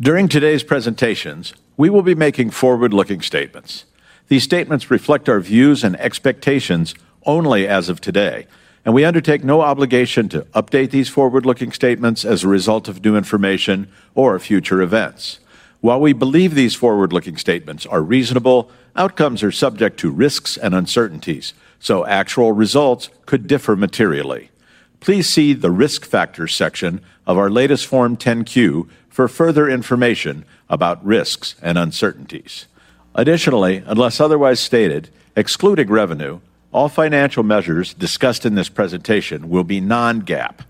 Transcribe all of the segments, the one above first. During today's presentations, we will be making forward-looking statements. These statements reflect our views and expectations only as of today, and we undertake no obligation to update these forward-looking statements as a result of new information or future events. While we believe these forward-looking statements are reasonable, outcomes are subject to risks and uncertainties, so actual results could differ materially. Please see the Risk Factors section of our latest Form 10-Q for further information about risks and uncertainties. Additionally, unless otherwise stated, excluding revenue, all financial measures discussed in this presentation will be non-GAAP.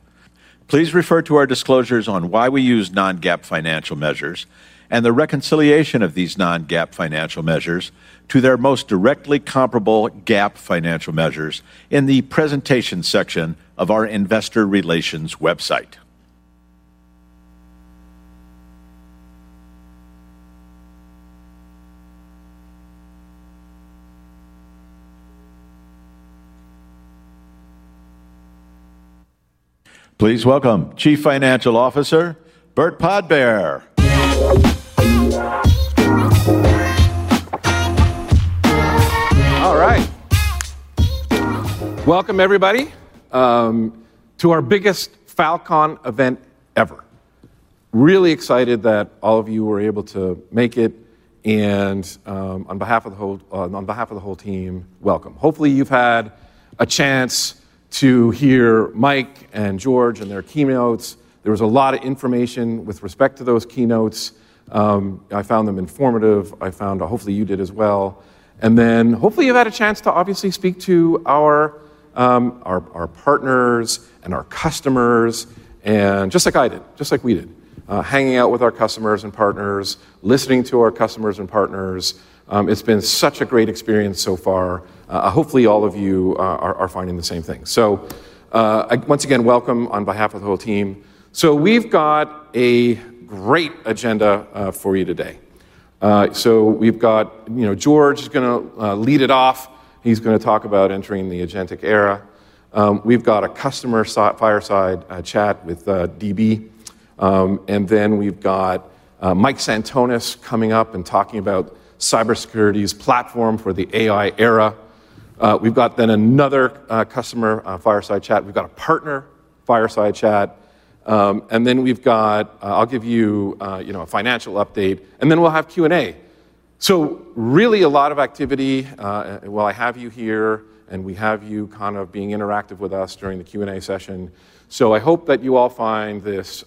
Please refer to our disclosures on why we use non-GAAP financial measures and the reconciliation of these non-GAAP financial measures to their most directly comparable GAAP financial measures in the Presentations section of our Investor Relations website. Please welcome Chief Financial Officer Burt Podbere. All right. Welcome, everybody, to our biggest Falcon event ever. Really excited that all of you were able to make it, and on behalf of the whole team, welcome. Hopefully, you've had a chance to hear Mike and George and their keynotes. There was a lot of information with respect to those keynotes. I found them informative. Hopefully you did as well. Hopefully you've had a chance to speak to our partners and our customers, just like I did, just like we did, hanging out with our customers and partners, listening to our customers and partners. It's been such a great experience so far. Hopefully, all of you are finding the same thing. Once again, welcome on behalf of the whole team. We've got a great agenda for you today. We've got, you know, George is going to lead it off. He's going to talk about entering the agentic era. We've got a customer fireside chat with DB. We've got Mike Sentonas coming up and talking about cybersecurity's platform for the AI era. We've got another customer fireside chat. We've got a partner fireside chat. I'll give you a financial update. We'll have Q&A. Really a lot of activity while I have you here and we have you kind of being interactive with us during the Q&A session. I hope that you all find this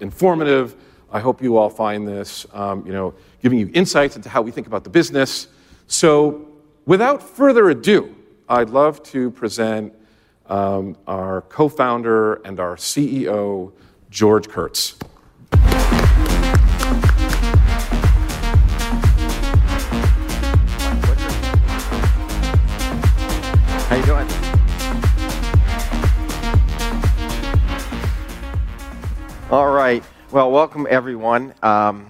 informative. I hope you all find this giving you insights into how we think about the business. Without further ado, I'd love to present our Co-Founder and our CEO, George Kurtz. How are you doing? All right. Welcome, everyone. I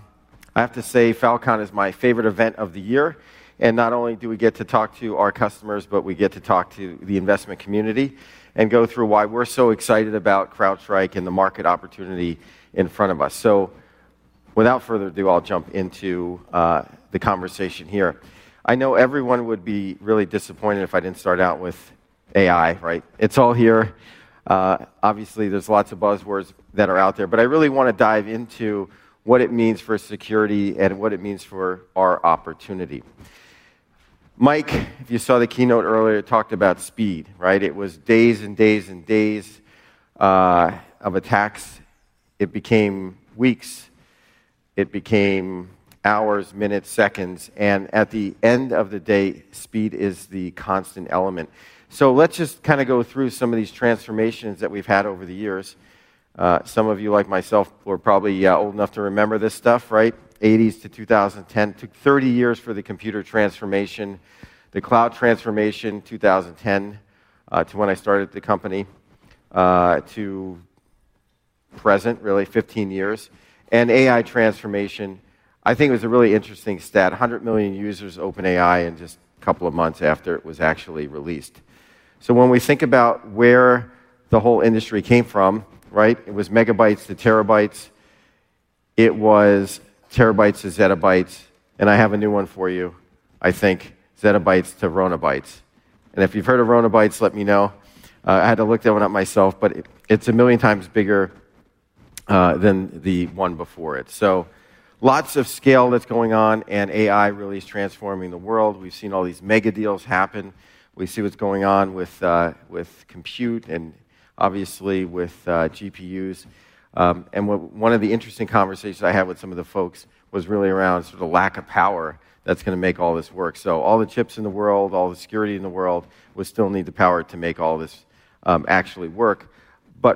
have to say Falcon is my favorite event of the year. Not only do we get to talk to our customers, but we get to talk to the investment community and go through why we're so excited about CrowdStrike and the market opportunity in front of us. Without further ado, I'll jump into the conversation here. I know everyone would be really disappointed if I didn't start out with AI, right? It's all here. Obviously, there's lots of buzzwords that are out there, but I really want to dive into what it means for security and what it means for our opportunity. Mike, if you saw the keynote earlier, talked about speed, right? It was days and days and days of attacks. It became weeks. It became hours, minutes, seconds. At the end of the day, speed is the constant element. Let's just kind of go through some of these transformations that we've had over the years. Some of you, like myself, who are probably old enough to remember this stuff, right? 1980s to 2010. It took 30 years for the computer transformation, the cloud transformation in 2010 to when I started the company to present, really 15 years. AI transformation, I think it was a really interesting stat. 100 million users OpenAI in just a couple of months after it was actually released. When we think about where the whole industry came from, right? It was megabytes to terabytes. It was terabytes to zettabytes. I have a new one for you. I think zettabytes to ronabytes. If you've heard of ronabytes, let me know. I had to look that one up myself, but it's a million times bigger than the one before it. Lots of scale that's going on and AI really is transforming the world. We've seen all these mega deals happen. We see what's going on with compute and obviously with GPUs. One of the interesting conversations I had with some of the folks was really around sort of the lack of power that's going to make all this work. All the chips in the world, all the security in the world, we still need the power to make all this actually work.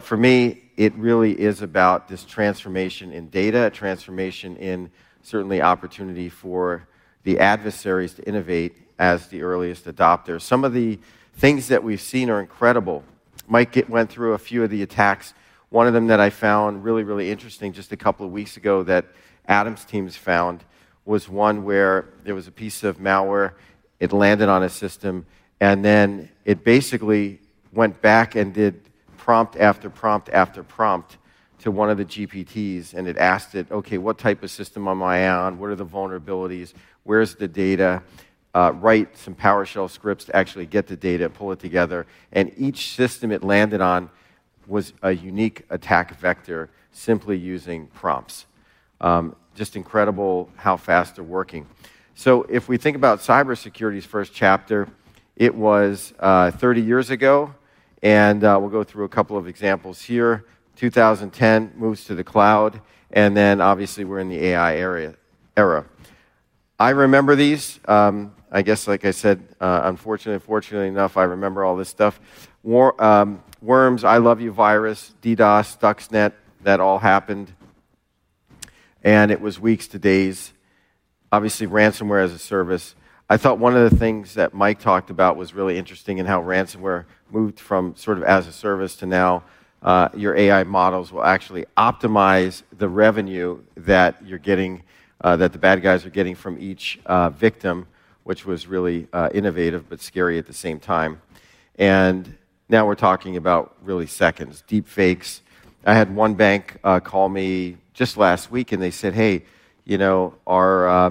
For me, it really is about this transformation in data, a transformation in certainly opportunity for the adversaries to innovate as the earliest adopters. Some of the things that we've seen are incredible. Mike went through a few of the attacks. One of them that I found really, really interesting just a couple of weeks ago that Adam's teams found was one where there was a piece of malware. It landed on a system, and then it basically went back and did prompt after prompt after prompt to one of the GPTs, and it asked it, "Okay, what type of system am I on? What are the vulnerabilities? Where's the data?" Write some PowerShell scripts to actually get the data and pull it together. Each system it landed on was a unique attack vector simply using prompts. It is just incredible how fast they're working. If we think about cybersecurity's first chapter, it was 30 years ago, and we'll go through a couple of examples here. 2010 moves to the cloud, and obviously we're in the AI era. I remember these, I guess, like I said, unfortunately, fortunately enough, I remember all this stuff. Worms, I Love You virus, DDoS, Stuxnet, that all happened. It was weeks to days. Ransomware as a service. I thought one of the things that Mike talked about was really interesting in how ransomware moved from sort of as a service to now your AI models will actually optimize the revenue that you're getting, that the bad guys are getting from each victim, which was really innovative but scary at the same time. Now we're talking about really seconds, deep fakes. I had one bank call me just last week, and they said, "Hey, you know, our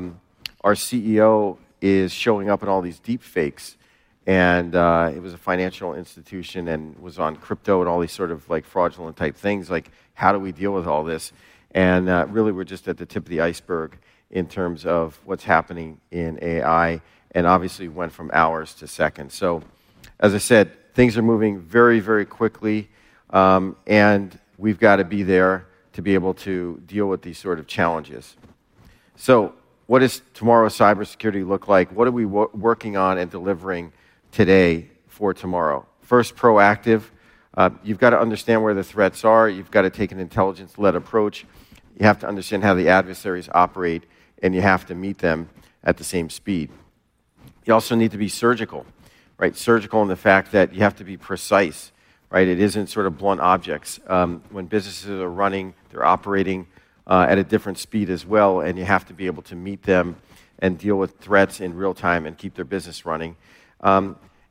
CEO is showing up in all these deep fakes." It was a financial institution and was on crypto and all these sort of like fraudulent type things. How do we deal with all this? We're just at the tip of the iceberg in terms of what's happening in AI. Obviously, it went from hours to seconds. As I said, things are moving very, very quickly. We've got to be there to be able to deal with these sort of challenges. What does tomorrow's cybersecurity look like? What are we working on and delivering today for tomorrow? First, proactive. You've got to understand where the threats are. You've got to take an intelligence-led approach. You have to understand how the adversaries operate, and you have to meet them at the same speed. You also need to be surgical, right? Surgical in the fact that you have to be precise, right? It isn't sort of blunt objects. When businesses are running, they're operating at a different speed as well, and you have to be able to meet them and deal with threats in real time and keep their business running.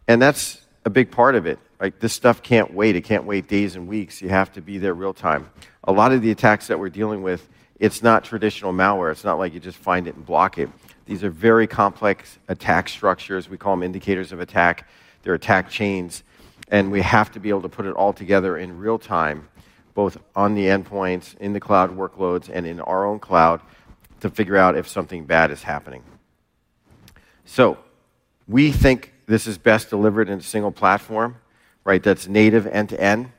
That's a big part of it. This stuff can't wait. It can't wait days and weeks. You have to be there real time. A lot of the attacks that we're dealing with, it's not traditional malware. It's not like you just find it and block it. These are very complex attack structures. We call them indicators of attack. They're attack chains. We have to be able to put it all together in real time, both on the endpoints, in the cloud workloads, and in our own cloud to figure out if something bad is happening. We think this is best delivered in a single platform, right? That's native end-to-end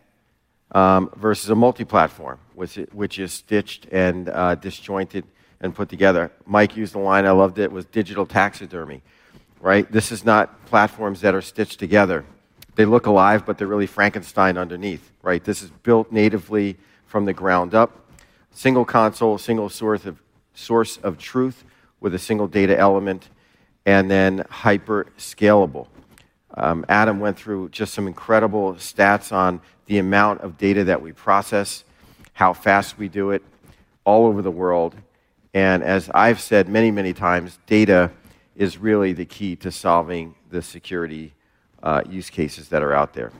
versus a multi-platform, which is stitched and disjointed and put together. Mike used the line, I loved it, was digital taxidermy, right? These are not platforms that are stitched together. They look alive, but they're really Frankenstein underneath, right? This is built natively from the ground up. Single console, single source of truth with a single data element, and then hyper-scalable. Adam went through just some incredible stats on the amount of data that we process, how fast we do it all over the world. As I've said many, many times, data is really the key to solving the security use cases that are out there.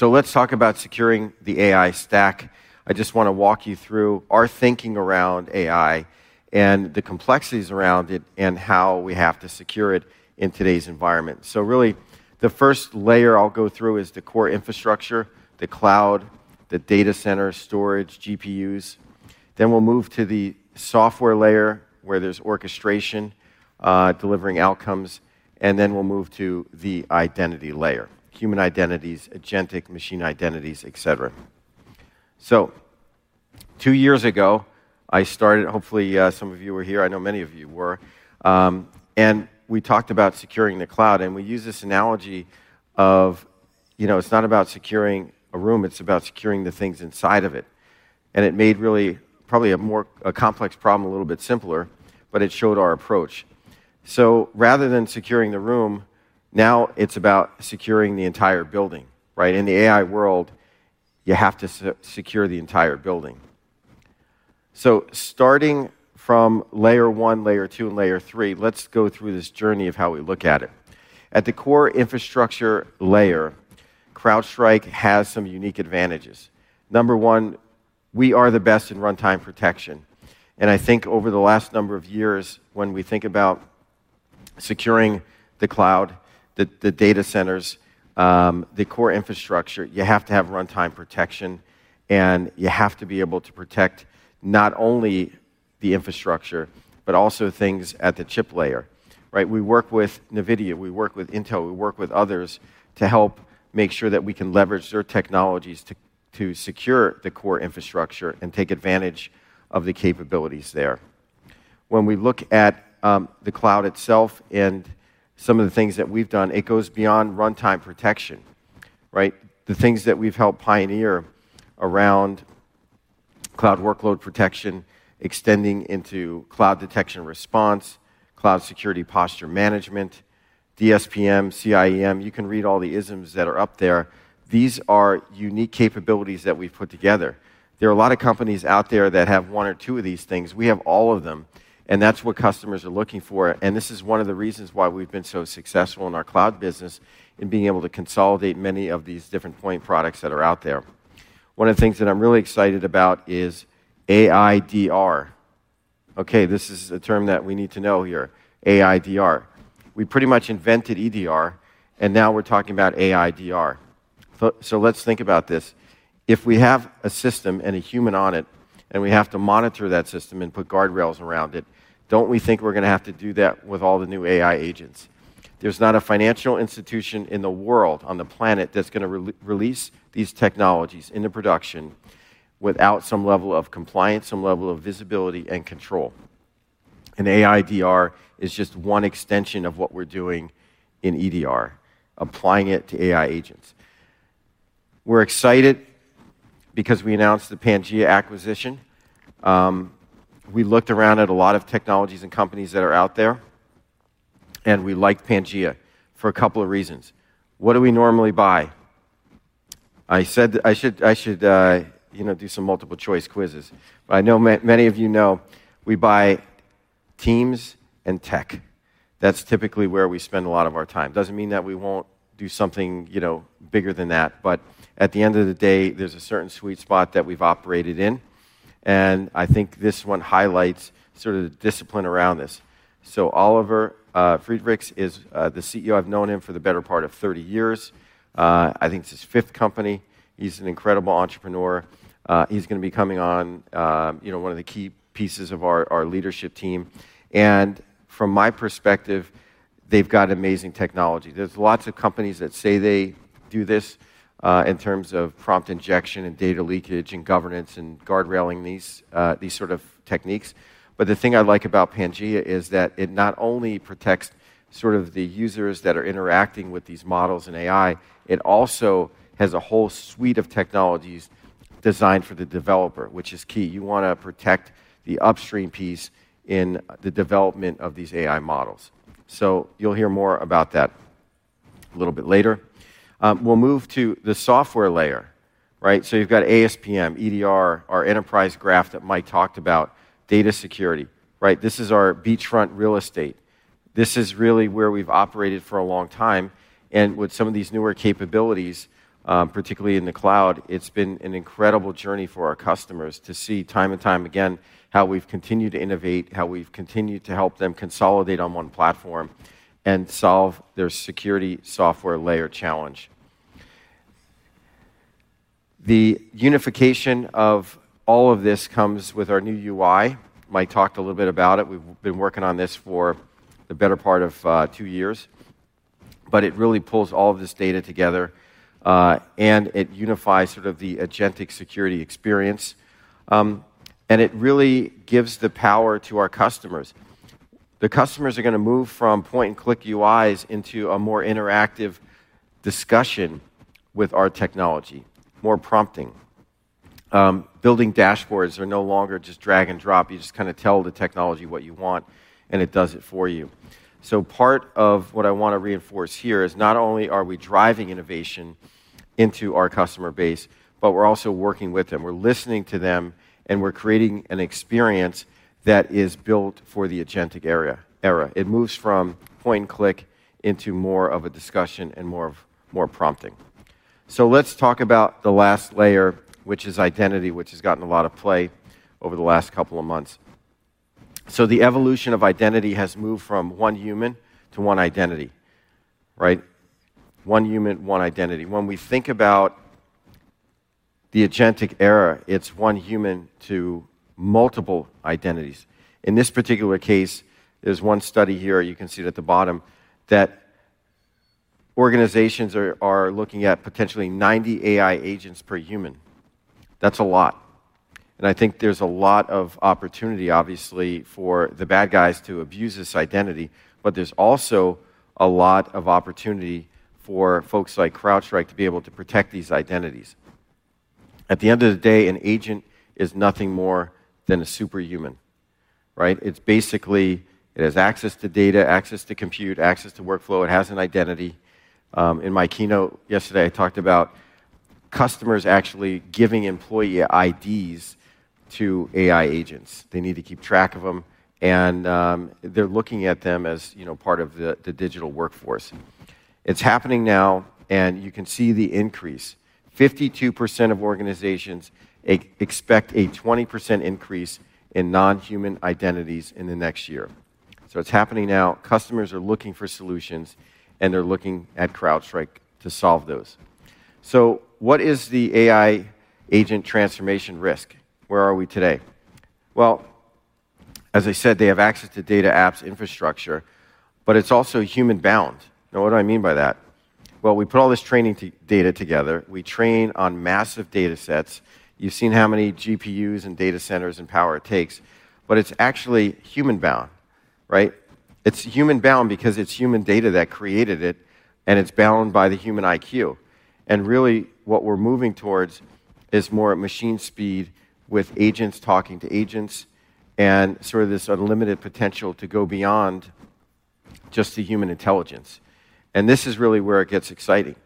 Let's talk about securing the AI stack. I just want to walk you through our thinking around AI and the complexities around it and how we have to secure it in today's environment. The first layer I'll go through is the core infrastructure, the cloud, the data center storage, GPUs. Then we'll move to the software layer where there's orchestration, delivering outcomes. Then we'll move to the identity layer, human identities, agentic machine identities, etc. Two years ago, I started, hopefully, some of you were here. I know many of you were. We talked about securing the cloud. We use this analogy of, you know, it's not about securing a room. It's about securing the things inside of it. It made really probably a more complex problem a little bit simpler, but it showed our approach. Rather than securing the room, now it's about securing the entire building, right? In the AI world, you have to secure the entire building. Starting from layer one, layer two, and layer three, let's go through this journey of how we look at it. At the core infrastructure layer, CrowdStrike has some unique advantages. Number one, we are the best in runtime protection. I think over the last number of years, when we think about securing the cloud, the data centers, the core infrastructure, you have to have runtime protection. You have to be able to protect not only the infrastructure, but also things at the chip layer, right? We work with NVIDIA. We work with Intel. We work with others to help make sure that we can leverage their technologies to secure the core infrastructure and take advantage of the capabilities there. When we look at the cloud itself and some of the things that we've done, it goes beyond runtime protection, right? The things that we've helped pioneer around cloud workload protection, extending into cloud detection response, cloud security posture management, DSPM, CIEM. You can read all the isms that are up there. These are unique capabilities that we've put together. There are a lot of companies out there that have one or two of these things. We have all of them. That's what customers are looking for. This is one of the reasons why we've been so successful in our cloud business in being able to consolidate many of these different point products that are out there. One of the things that I'm really excited about is AIDR. Okay, this is a term that we need to know here, AIDR. We pretty much invented EDR, and now we're talking about AIDR. Let's think about this. If we have a system and a human on it, and we have to monitor that system and put guardrails around it, don't we think we're going to have to do that with all the new AI agents? There's not a financial institution in the world, on the planet, that's going to release these technologies into production without some level of compliance, some level of visibility and control. AIDR is just one extension of what we're doing in EDR, applying it to AI agents. We're excited because we announced the Pangea acquisition. We looked around at a lot of technologies and companies that are out there. We liked Pangea for a couple of reasons. What do we normally buy? I should, you know, do some multiple choice quizzes. I know many of you know we buy teams and tech. That's typically where we spend a lot of our time. Doesn't mean that we won't do something, you know, bigger than that. At the end of the day, there's a certain sweet spot that we've operated in. I think this one highlights sort of the discipline around this. Oliver Friedrichs is the CEO. I've known him for the better part of 30 years. I think it's his fifth company. He's an incredible entrepreneur. He's going to be coming on, you know, one of the key pieces of our leadership team. From my perspective, they've got amazing technology. There are lots of companies that say they do this in terms of prompt injection and data leakage and governance and guardrailing these sort of techniques. The thing I like about Pangea is that it not only protects the users that are interacting with these models and AI, it also has a whole suite of technologies designed for the developer, which is key. You want to protect the upstream piece in the development of these AI models. You will hear more about that a little bit later. We will move to the software layer, right? You have got ASPM, EDR, our enterprise graph that Mike talked about, data security, right? This is our beachfront real estate. This is really where we've operated for a long time. With some of these newer capabilities, particularly in the cloud, it has been an incredible journey for our customers to see time and time again how we've continued to innovate, how we've continued to help them consolidate on one platform and solve their security software layer challenge. The unification of all of this comes with our new UI. Mike talked a little bit about it. We've been working on this for the better part of two years. It really pulls all of this data together, and it unifies the agentic security experience. It really gives the power to our customers. The customers are going to move from point-and-click UIs into a more interactive discussion with our technology, more prompting. Building dashboards are no longer just drag and drop. You just kind of tell the technology what you want, and it does it for you. Part of what I want to reinforce here is not only are we driving innovation into our customer base, but we're also working with them. We're listening to them, and we're creating an experience that is built for the agentic era. It moves from point-and-click into more of a discussion and more prompting. Let's talk about the last layer, which is identity, which has gotten a lot of play over the last couple of months. The evolution of identity has moved from one human to one identity, right? One human, one identity. When we think about the agentic era, it's one human to multiple identities. In this particular case, there is one study here. You can see it at the bottom that organizations are looking at potentially 90 AI agents per human. That's a lot. I think there is a lot of opportunity, obviously, for the bad guys to abuse this identity. There is also a lot of opportunity for folks like CrowdStrike to be able to protect these identities. At the end of the day, an agent is nothing more than a superhuman, right? It basically has access to data, access to compute, access to workflow. It has an identity. In my keynote yesterday, I talked about customers actually giving employee IDs to AI agents. They need to keep track of them. They are looking at them as part of the digital workforce. It's happening now, and you can see the increase. 52% of organizations expect a 20% increase in non-human identities in the next year. It's happening now. Customers are looking for solutions, and they are looking at CrowdStrike to solve those. What is the AI agent transformation risk? Where are we today? As I said, they have access to data, apps, infrastructure, but it's also human-bound. What do I mean by that? We put all this training data together. We train on massive data sets. You've seen how many GPUs and data centers and power it takes. It's actually human-bound, right? It's human-bound because it's human data that created it, and it's bound by the human IQ. What we're moving towards is more machine speed with agents talking to agents and this unlimited potential to go beyond just the human intelligence. This is really where it gets exciting.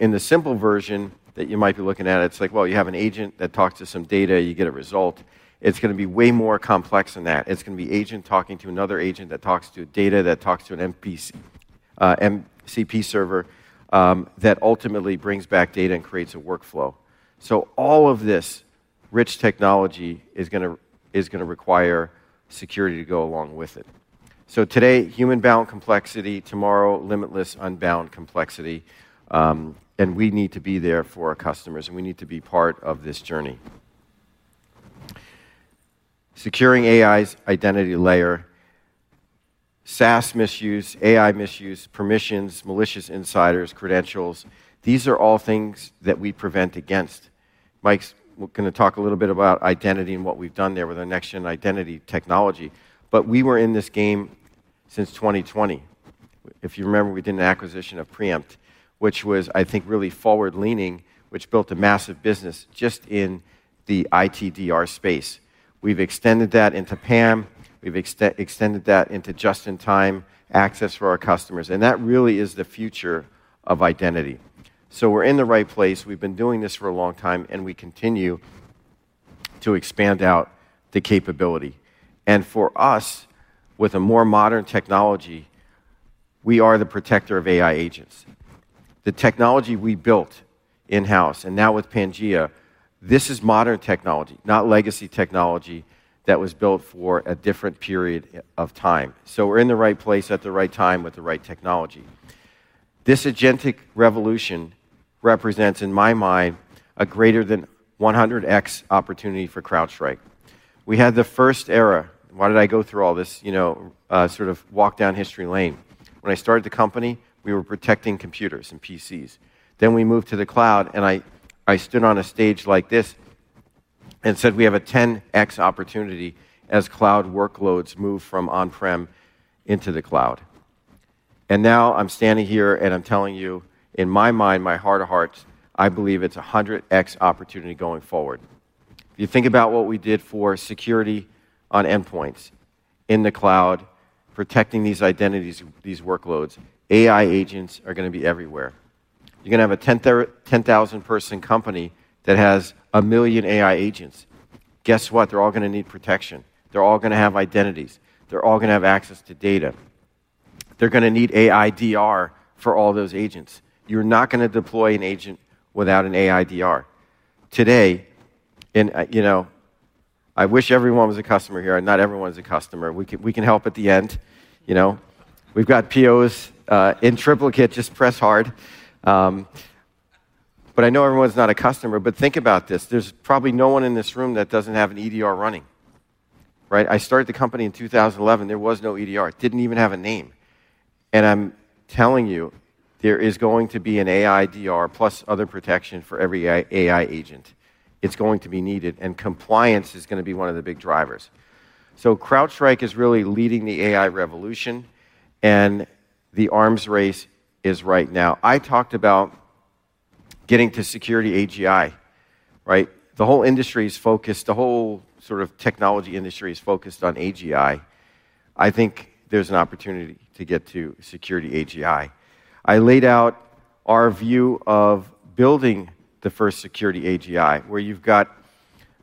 In the simple version that you might be looking at, it's like you have an agent that talks to some data. You get a result. It's going to be way more complex than that. It's going to be an agent talking to another agent that talks to data that talks to an MCP server that ultimately brings back data and creates a workflow. All of this rich technology is going to require security to go along with it. Today, human-bound complexity. Tomorrow, limitless unbound complexity. We need to be there for our customers, and we need to be part of this journey. Securing AI's identity layer, SaaS misuse, AI misuse, permissions, malicious insiders, credentials, these are all things that we prevent against. Mike's going to talk a little bit about identity and what we've done there with our next-gen identity technology. We were in this game since 2020. If you remember, we did an acquisition of Preempt, which was, I think, really forward-leaning, which built a massive business just in the ITDR space. We've extended that into PAM. We've extended that into just-in-time access for our customers. That really is the future of identity. We are in the right place. We have been doing this for a long time, and we continue to expand out the capability. For us, with a more modern technology, we are the protector of AI agents. The technology we built in-house, and now with Pangea, this is modern technology, not legacy technology that was built for a different period of time. We are in the right place at the right time with the right technology. This agentic revolution represents, in my mind, a greater than 100x opportunity for CrowdStrike. We had the first era. Why did I go through all this, you know, sort of walk down history lane? When I started the company, we were protecting computers and PCs. Then we moved to the cloud, and I stood on a stage like this and said we have a 10x opportunity as cloud workloads move from on-prem into the cloud. Now I am standing here, and I am telling you, in my mind, my heart of hearts, I believe it is a 100x opportunity going forward. You think about what we did for security on endpoints in the cloud, protecting these identities, these workloads. AI agents are going to be everywhere. You are going to have a 10,000-person company that has a million AI agents. Guess what? They are all going to need protection. They are all going to have identities. They are all going to have access to data. They are going to need AIDR for all those agents. You are not going to deploy an agent without an AIDR. Today, I wish everyone was a customer here, and not everyone is a customer. We can help at the end. We have got POs in triplicate. Just press hard. I know everyone is not a customer, but think about this. There is probably no one in this room that does not have an EDR running, right? I started the company in 2011. There was no EDR. It did not even have a name. I am telling you, there is going to be an AIDR plus other protection for every AI agent. It is going to be needed, and compliance is going to be one of the big drivers. CrowdStrike is really leading the AI revolution, and the arms race is right now. I talked about getting to security AGI, right? The whole industry is focused, the whole sort of technology industry is focused on AGI. I think there is an opportunity to get to security AGI. I laid out our view of building the first security AGI, where you have got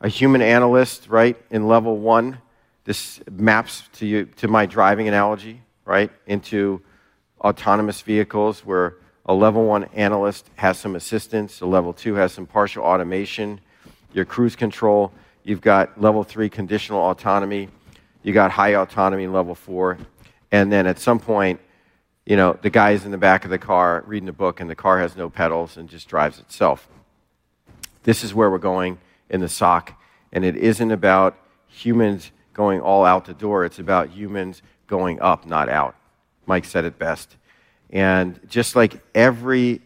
a human analyst, right, in level one. This maps to my driving analogy, right, into autonomous vehicles, where a level one analyst has some assistance. A level two has some partial automation, your cruise control. You've got level three conditional autonomy. You've got high autonomy level four. At some point, you know, the guy is in the back of the car reading a book, and the car has no pedals and just drives itself. This is where we're going in the SOC, and it isn't about humans going all out the door. It's about humans going up, not out. Mike said it best. Just like every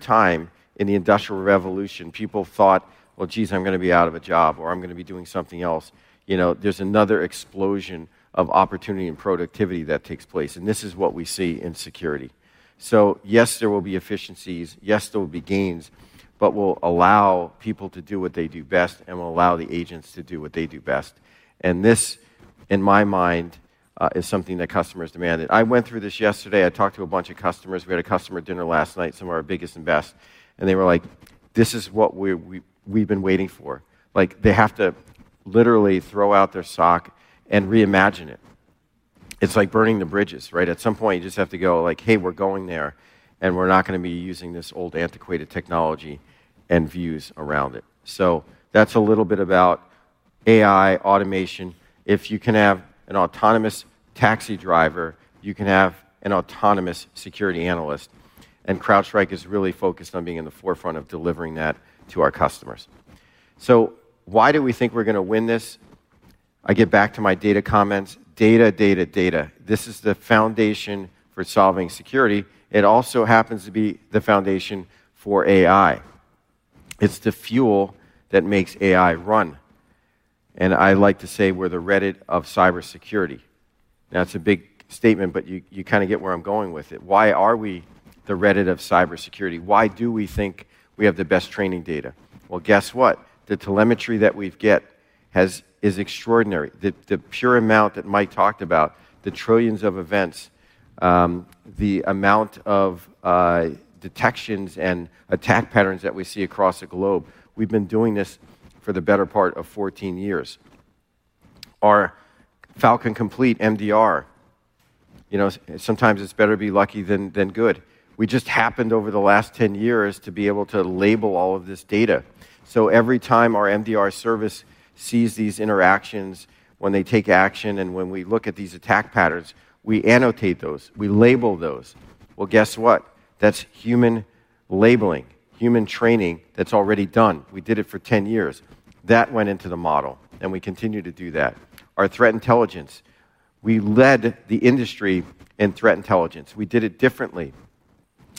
time in the Industrial Revolution, people thought, geez, I'm going to be out of a job, or I'm going to be doing something else. There's another explosion of opportunity and productivity that takes place, and this is what we see in security. Yes, there will be efficiencies. Yes, there will be gains, but we'll allow people to do what they do best, and we'll allow the agents to do what they do best. This, in my mind, is something that customers demanded. I went through this yesterday. I talked to a bunch of customers. We had a customer dinner last night, some of our biggest and best. They were like, this is what we've been waiting for. They have to literally throw out their SOC and reimagine it. It's like burning the bridges, right? At some point, you just have to go like, hey, we're going there, and we're not going to be using this old antiquated technology and views around it. That's a little bit about AI automation. If you can have an autonomous taxi driver, you can have an autonomous security analyst. CrowdStrike is really focused on being in the forefront of delivering that to our customers. Why do we think we're going to win this? I get back to my data comments. Data, data, data. This is the foundation for solving security. It also happens to be the foundation for AI. It's the fuel that makes AI run. I like to say we're the Reddit of cybersecurity. Now, it's a big statement, but you kind of get where I'm going with it. Why are we the Reddit of cybersecurity? Why do we think we have the best training data? Guess what? The telemetry that we get is extraordinary. The pure amount that Mike talked about, the trillions of events, the amount of detections and attack patterns that we see across the globe, we've been doing this for the better part of 14 years. Our Falcon Complete MDR, you know, sometimes it's better to be lucky than good. We just happened over the last 10 years to be able to label all of this data. Every time our MDR service sees these interactions, when they take action, and when we look at these attack patterns, we annotate those. We label those. Guess what? That's human labeling, human training that's already done. We did it for 10 years. That went into the model, and we continue to do that. Our threat intelligence, we led the industry in threat intelligence. We did it differently.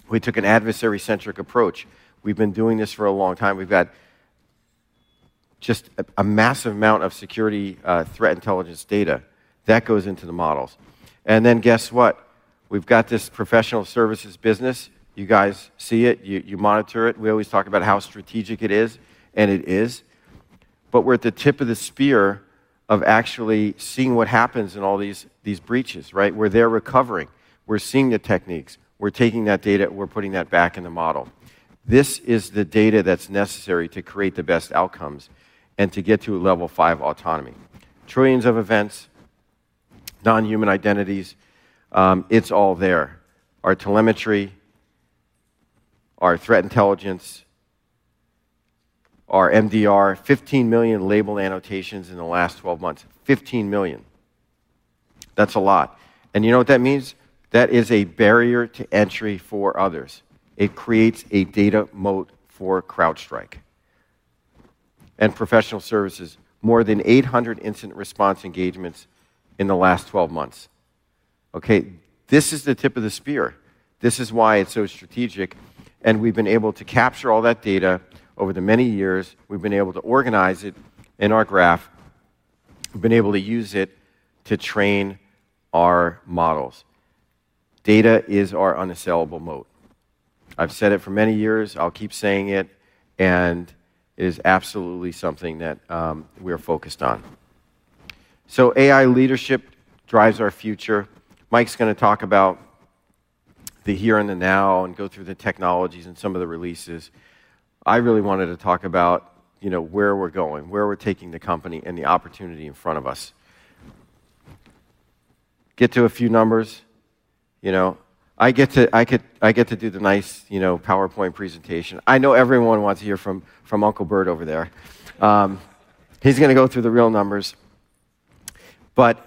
We took an adversary-centric approach. We've been doing this for a long time. We've got just a massive amount of security threat intelligence data that goes into the models. Guess what? We've got this professional services business. You guys see it. You monitor it. We always talk about how strategic it is, and it is. We're at the tip of the spear of actually seeing what happens in all these breaches, right? We're there recovering. We're seeing the techniques. We're taking that data, and we're putting that back in the model. This is the data that's necessary to create the best outcomes and to get to a level five autonomy. Trillions of events, non-human identities, it's all there. Our telemetry, our threat intelligence, our MDR, 15 million label annotations in the last 12 months. 15 million. That's a lot. You know what that means? That is a barrier to entry for others. It creates a data moat for CrowdStrike and professional services. More than 800 incident response engagements in the last 12 months. Okay, this is the tip of the spear. This is why it's so strategic. We've been able to capture all that data over the many years. We've been able to organize it in our graph. We've been able to use it to train our models. Data is our unassailable moat. I've said it for many years. I'll keep saying it. It is absolutely something that we're focused on. AI leadership drives our future. Mike's going to talk about the here and the now and go through the technologies and some of the releases. I really wanted to talk about where we're going, where we're taking the company and the opportunity in front of us. Get to a few numbers. I get to do the nice PowerPoint presentation. I know everyone wants to hear from Uncle Burt over there. He's going to go through the real numbers. What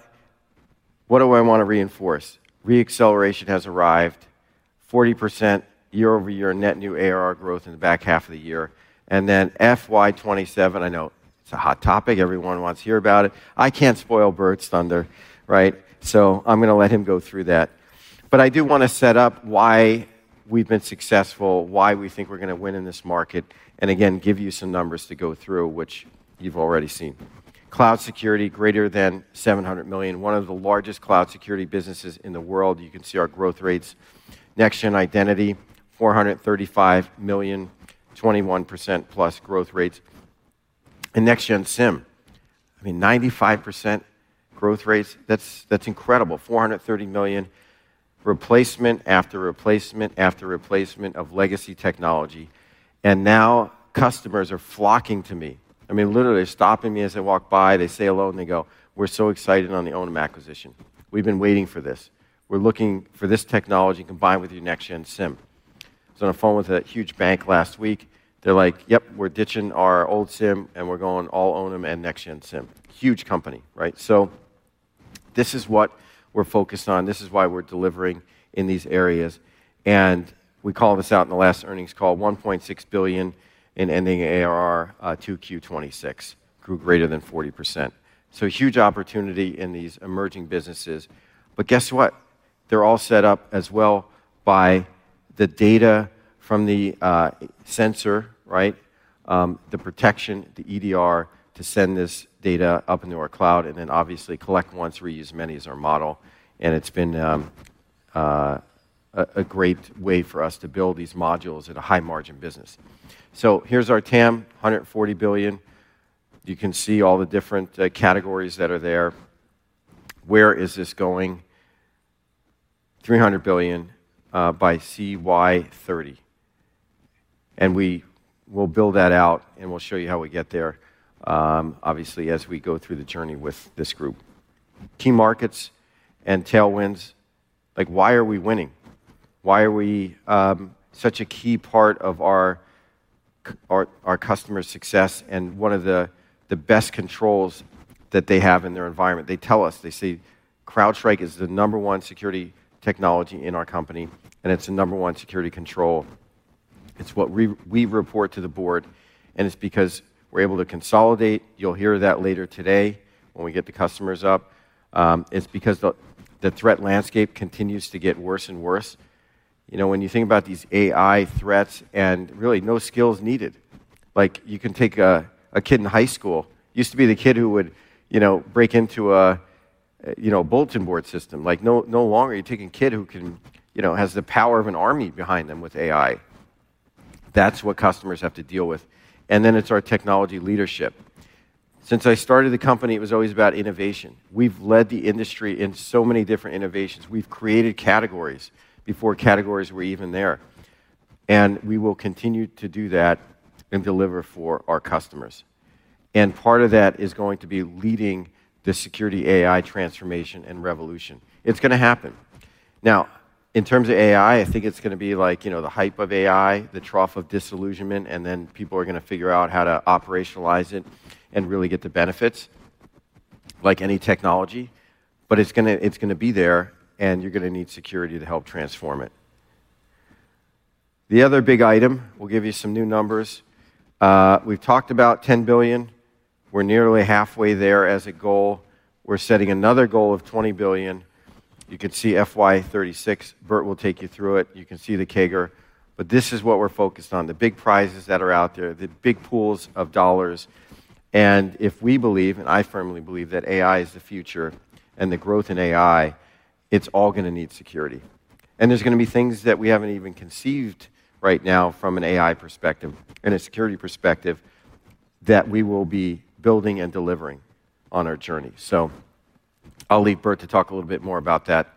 do I want to reinforce? Reacceleration has arrived. 40% year-over-year net new ARR growth in the back half of the year. FY 2027, I know it's a hot topic. Everyone wants to hear about it. I can't spoil Burt's thunder, right? I'm going to let him go through that. I do want to set up why we've been successful, why we think we're going to win in this market, and again, give you some numbers to go through, which you've already seen. Cloud security, greater than $700 million. One of the largest cloud security businesses in the world. You can see our growth rates. Next-Gen identity, $435 million, 21%+ growth rates. Next-Gen SIEM, I mean, 95% growth rates. That's incredible. $430 million. Replacement after replacement after replacement of legacy technology. Now customers are flocking to me. Literally, they're stopping me as I walk by. They say hello, and they go, we're so excited on the Onum acquisition. We've been waiting for this. We're looking for this technology combined with your Next-Gen SIEM. I was on the phone with that huge bank last week. They're like, yep, we're ditching our old SIEM, and we're going all Onum and Next-Gen SIEM. Huge company, right? This is what we're focused on. This is why we're delivering in these areas. We called this out in the last earnings call, $1.6 billion in ending ARR to Q2 2026, grew greater than 40%. Huge opportunity in these emerging businesses. Guess what? They're all set up as well by the data from the sensor, right? The protection, the EDR, to send this data up into our cloud and then obviously collect once, reuse many as our model. It's been a great way for us to build these modules at a high margin business. Here's our TAM, $140 billion. You can see all the different categories that are there. Where is this going? $300 billion by CY30. We will build that out, and we'll show you how we get there, obviously, as we go through the journey with this group. Key markets and tailwinds. Why are we winning? Why are we such a key part of our customer success and one of the best controls that they have in their environment? They tell us, they say, CrowdStrike is the number one security technology in our company, and it's the number one security control. It's what we report to the board. It's because we're able to consolidate. You'll hear that later today when we get the customers up. It's because the threat landscape continues to get worse and worse. When you think about these AI threats and really no skills needed, like you can take a kid in high school. Used to be the kid who would, you know, break into a, you know, bulletin board system. No longer, you're taking a kid who can, you know, has the power of an army behind them with AI. That's what customers have to deal with. It's our technology leadership. Since I started the company, it was always about innovation. We've led the industry in so many different innovations. We've created categories before categories were even there. We will continue to do that and deliver for our customers. Part of that is going to be leading the security AI transformation and revolution. It's going to happen. In terms of AI, I think it's going to be like, you know, the hype of AI, the trough of disillusionment, and then people are going to figure out how to operationalize it and really get the benefits, like any technology. It's going to be there, and you're going to need security to help transform it. The other big item, we'll give you some new numbers. We've talked about $10 billion. We're nearly halfway there as a goal. We're setting another goal of $20 billion. You can see FY 2036. Burt will take you through it. You can see the CAGR. This is what we're focused on, the big prizes that are out there, the big pools of dollars. If we believe, and I firmly believe, that AI is the future and the growth in AI, it's all going to need security. There are going to be things that we haven't even conceived right now from an AI perspective and a security perspective that we will be building and delivering on our journey. I'll leave Burt to talk a little bit more about that.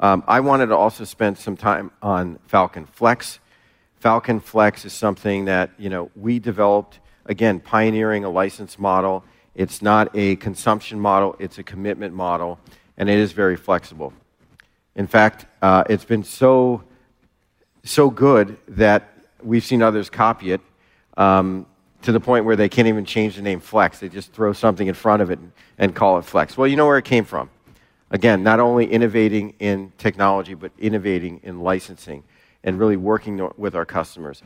I wanted to also spend some time on Falcon Flex. Falcon Flex is something that, you know, we developed, again, pioneering a licensed model. It's not a consumption model. It's a commitment model. It is very flexible. In fact, it's been so good that we've seen others copy it to the point where they can't even change the name Flex. They just throw something in front of it and call it Flex. You know where it came from. Not only innovating in technology, but innovating in licensing and really working with our customers.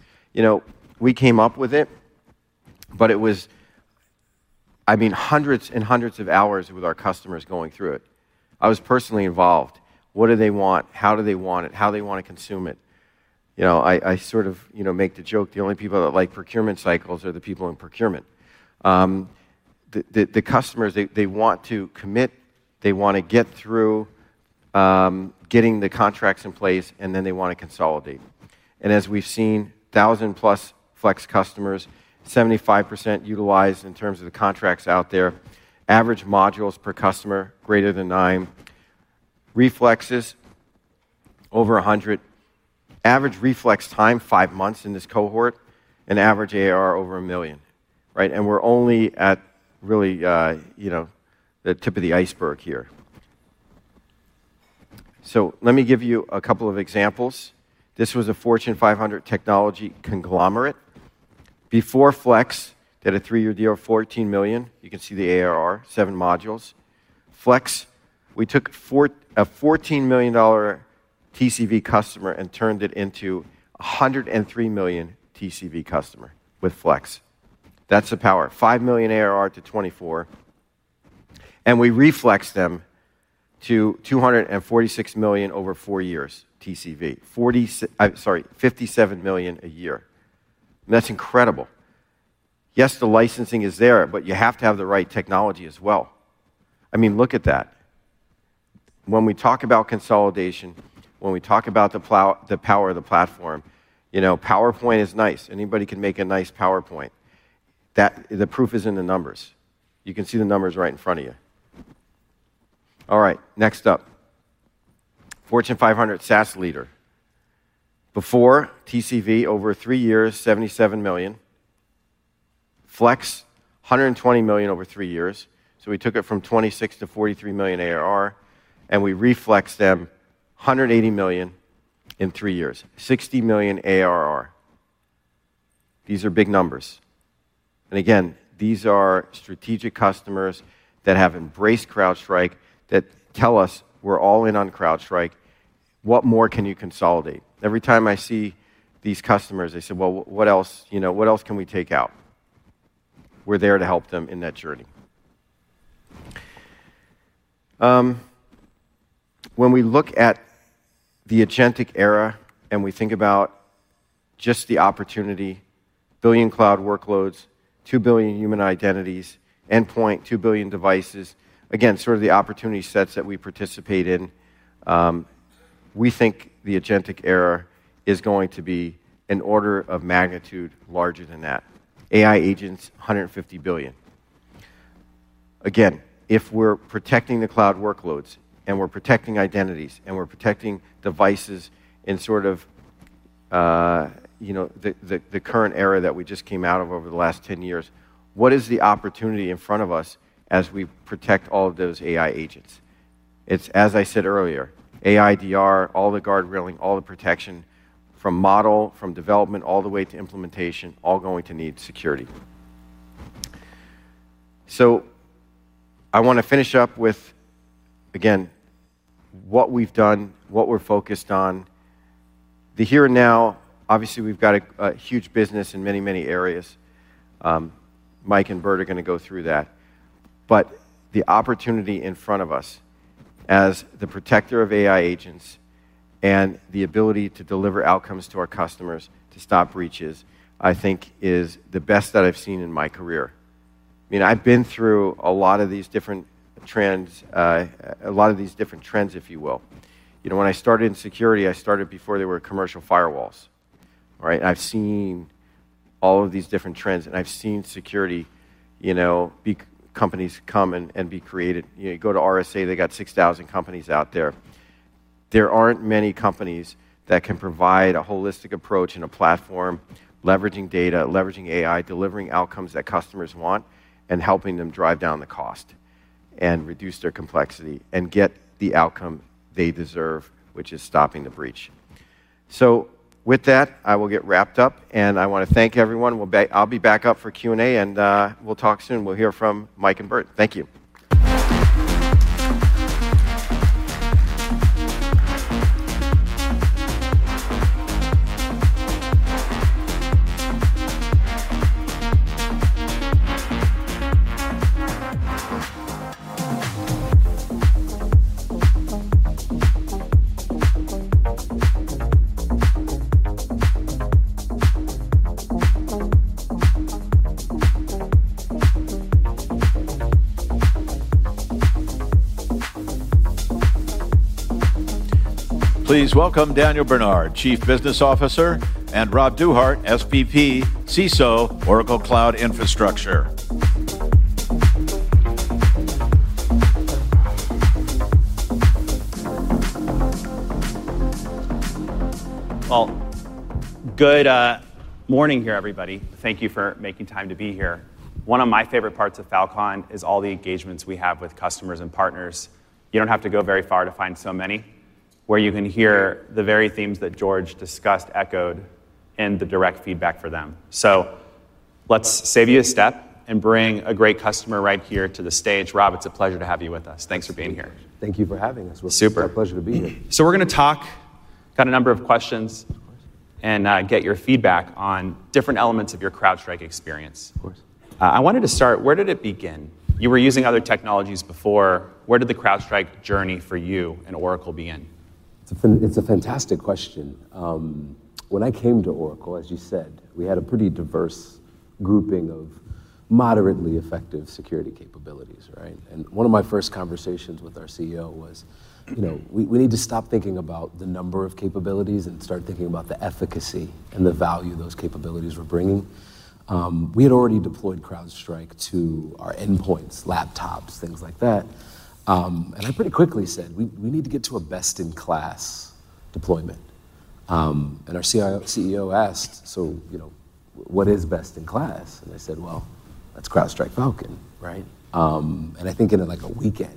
We came up with it, but it was, I mean, hundreds and hundreds of hours with our customers going through it. I was personally involved. What do they want? How do they want it? How do they want to consume it? I sort of make the joke the only people that like procurement cycles are the people in procurement. The customers, they want to commit. They want to get through getting the contracts in place, and then they want to consolidate. As we've seen, 1,000+ Flex customers, 75% utilized in terms of the contracts out there. Average modules per customer, greater than nine. Reflexes, over 100. Average reflex time, five months in this cohort. Average ARR, over $1 million, right? We're only at really, you know, the tip of the iceberg here. Let me give you a couple of examples. This was a Fortune 500 technology conglomerate. Before Flex, they had a three-year deal of $14 million. You can see the ARR, seven modules. Flex, we took a $14 million TCV customer and turned it into a $103 million TCV customer with Flex. That's the power. $5 million ARR to $24 million. We reflexed them to $246 million over four years, TCV. $57 million a year. That's incredible. Yes, the licensing is there, but you have to have the right technology as well. I mean, look at that. When we talk about consolidation, when we talk about the power of the platform, you know, PowerPoint is nice. Anybody can make a nice PowerPoint. The proof is in the numbers. You can see the numbers right in front of you. All right, next up. Fortune 500 SaaS leader. Before, TCV, over three years, $77 million. Flex, $120 million over three years. We took it from $26 million to $43 million ARR. We reflexed them, $180 million in three years, $60 million ARR. These are big numbers. Again, these are strategic customers that have embraced CrowdStrike, that tell us we're all in on CrowdStrike. What more can you consolidate? Every time I see these customers, they say, what else, you know, what else can we take out? We're there to help them in that journey. When we look at the agentic era, and we think about just the opportunity, billion cloud workloads, 2 billion human identities, endpoint, 2 billion devices, again, sort of the opportunity sets that we participate in, we think the agentic era is going to be an order of magnitude larger than that. AI agents, $150 billion. If we're protecting the cloud workloads, and we're protecting identities, and we're protecting devices in sort of, you know, the current era that we just came out of over the last 10 years, what is the opportunity in front of us as we protect all of those AI agents? It's, as I said earlier, AIDR, all the guardrailing, all the protection from model, from development, all the way to implementation, all going to need security. I want to finish up with, again, what we've done, what we're focused on. The here and now, obviously, we've got a huge business in many, many areas. Mike and Burt are going to go through that. The opportunity in front of us as the protector of AI agents and the ability to deliver outcomes to our customers, to stop breaches, I think is the best that I've seen in my career. I mean, I've been through a lot of these different trends, a lot of these different trends, if you will. You know, when I started in security, I started before there were commercial firewalls, all right? I've seen all of these different trends, and I've seen security, you know, big companies come and be created. You go to RSA, they got 6,000 companies out there. There aren't many companies that can provide a holistic approach and a platform, leveraging data, leveraging AI, delivering outcomes that customers want, and helping them drive down the cost and reduce their complexity and get the outcome they deserve, which is stopping the breach. I will get wrapped up, and I want to thank everyone. I'll be back up for Q&A, and we'll talk soon. We'll hear from Mike and Burt. Thank you. Please welcome Daniel Bernard, Chief Business Officer, and Rob Duhart, SVP, CSO, Oracle Cloud Infrastructure. Good morning here, everybody. Thank you for making time to be here. One of my favorite parts of Falcon is all the engagements we have with customers and partners. You don't have to go very far to find so many where you can hear the very themes that George discussed echoed in the direct feedback for them. Let's save you a step and bring a great customer right here to the stage. Rob, it's a pleasure to have you with us. Thanks for being here. Thank you for having us. It's a pleasure to be here. We're going to talk, got a number of questions, and get your feedback on different elements of your CrowdStrike experience. I wanted to start, where did it begin? You were using other technologies before. Where did the CrowdStrike journey for you and Oracle begin? It's a fantastic question. When I came to Oracle, as you said, we had a pretty diverse grouping of moderately effective security capabilities, right? One of my first conversations with our CEO was, you know, we need to stop thinking about the number of capabilities and start thinking about the efficacy and the value those capabilities were bringing. We had already deployed CrowdStrike to our endpoints, laptops, things like that. I pretty quickly said, we need to get to a best-in-class deployment. Our CEO asked, you know, what is best-in-class? I said, that's CrowdStrike Falcon, right? I think in like a weekend,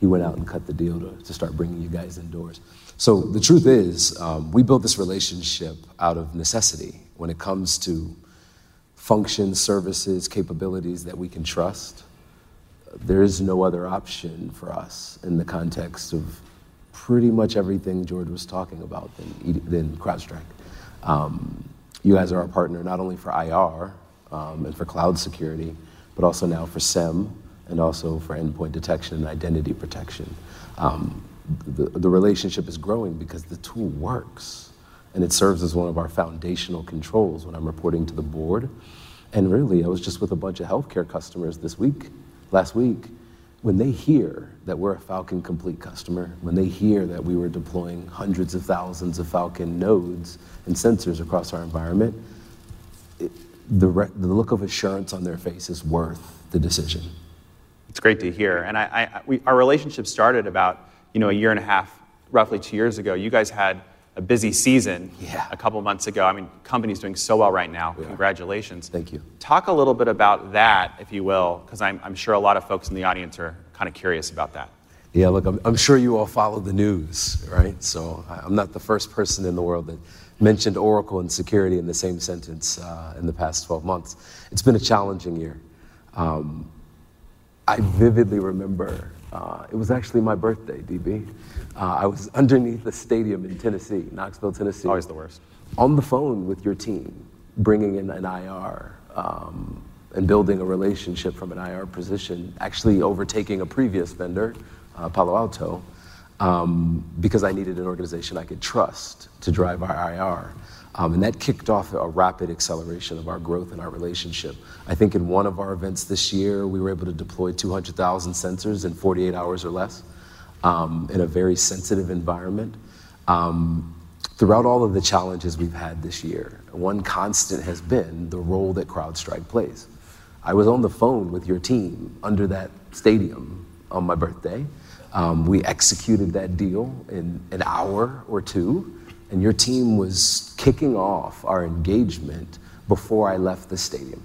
he went out and cut the deal to start bringing you guys indoors. The truth is, we built this relationship out of necessity. When it comes to functions, services, capabilities that we can trust, there is no other option for us in the context of pretty much everything George was talking about than CrowdStrike. You guys are our partner not only for IR and for cloud security, but also now for SIEM and also for endpoint detection and identity protection. The relationship is growing because the tool works, and it serves as one of our foundational controls when I'm reporting to the board. I was just with a bunch of health care customers this week, last week. When they hear that we're a Falcon Complete customer, when they hear that we were deploying hundreds of thousands of Falcon nodes and sensors across our environment, the look of assurance on their face is worth the decision. It's great to hear. Our relationship started about, you know, a year and a half, roughly two years ago. You guys had a busy season a couple of months ago. The company's doing so well right now. Congratulations. Thank you. Talk a little bit about that, if you will, because I'm sure a lot of folks in the audience are kind of curious about that. Yeah, look, I'm sure you all followed the news, right? I'm not the first person in the world that mentioned Oracle and security in the same sentence in the past 12 months. It's been a challenging year. I vividly remember, it was actually my birthday, DB. I was underneath a stadium in Tennessee, Knoxville, Tennessee. Always the worst. On the phone with your team, bringing in an IR and building a relationship from an IR position, actually overtaking a previous vendor, Palo Alto, because I needed an organization I could trust to drive our IR. That kicked off a rapid acceleration of our growth and our relationship. I think in one of our events this year, we were able to deploy 200,000 sensors in 48 hours or less in a very sensitive environment. Throughout all of the challenges we've had this year, one constant has been the role that CrowdStrike plays. I was on the phone with your team under that stadium on my birthday. We executed that deal in an hour or two. Your team was kicking off our engagement before I left the stadium,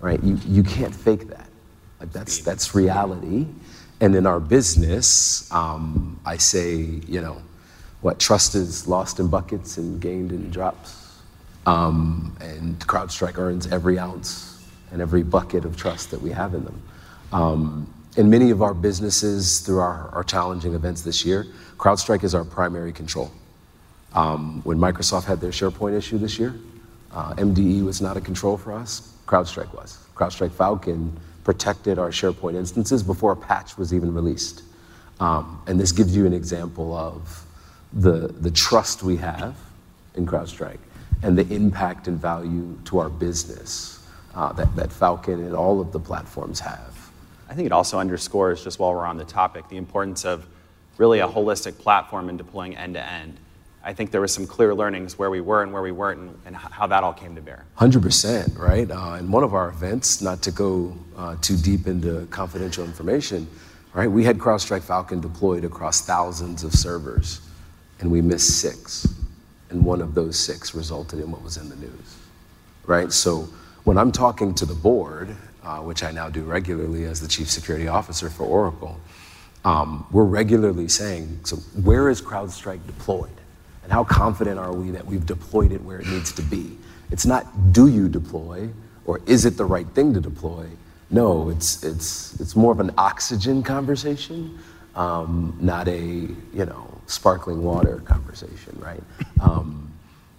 right? You can't fake that. That's reality. In our business, I say, you know, trust is lost in buckets and gained in drops. CrowdStrike earns every ounce and every bucket of trust that we have in them. In many of our businesses, through our challenging events this year, CrowdStrike is our primary control. When Microsoft had their SharePoint issue this year, MDE was not a control for us. CrowdStrike was. CrowdStrike Falcon protected our SharePoint instances before a patch was even released. This gives you an example of the trust we have in CrowdStrike and the impact and value to our business that Falcon and all of the platforms have. I think it also underscores, just while we're on the topic, the importance of really a holistic platform in deploying end to end. I think there were some clear learnings where we were and where we weren't and how that all came to bear. 100%, right? In one of our events, not to go too deep into confidential information, we had CrowdStrike Falcon deployed across thousands of servers, and we missed six. One of those six resulted in what was in the news, right? When I'm talking to the board, which I now do regularly as the Chief Security Officer for Oracle, we're regularly saying, where is CrowdStrike deployed? How confident are we that we've deployed it where it needs to be? It's not, do you deploy, or is it the right thing to deploy? It's more of an oxygen conversation, not a, you know, sparkling water conversation, right?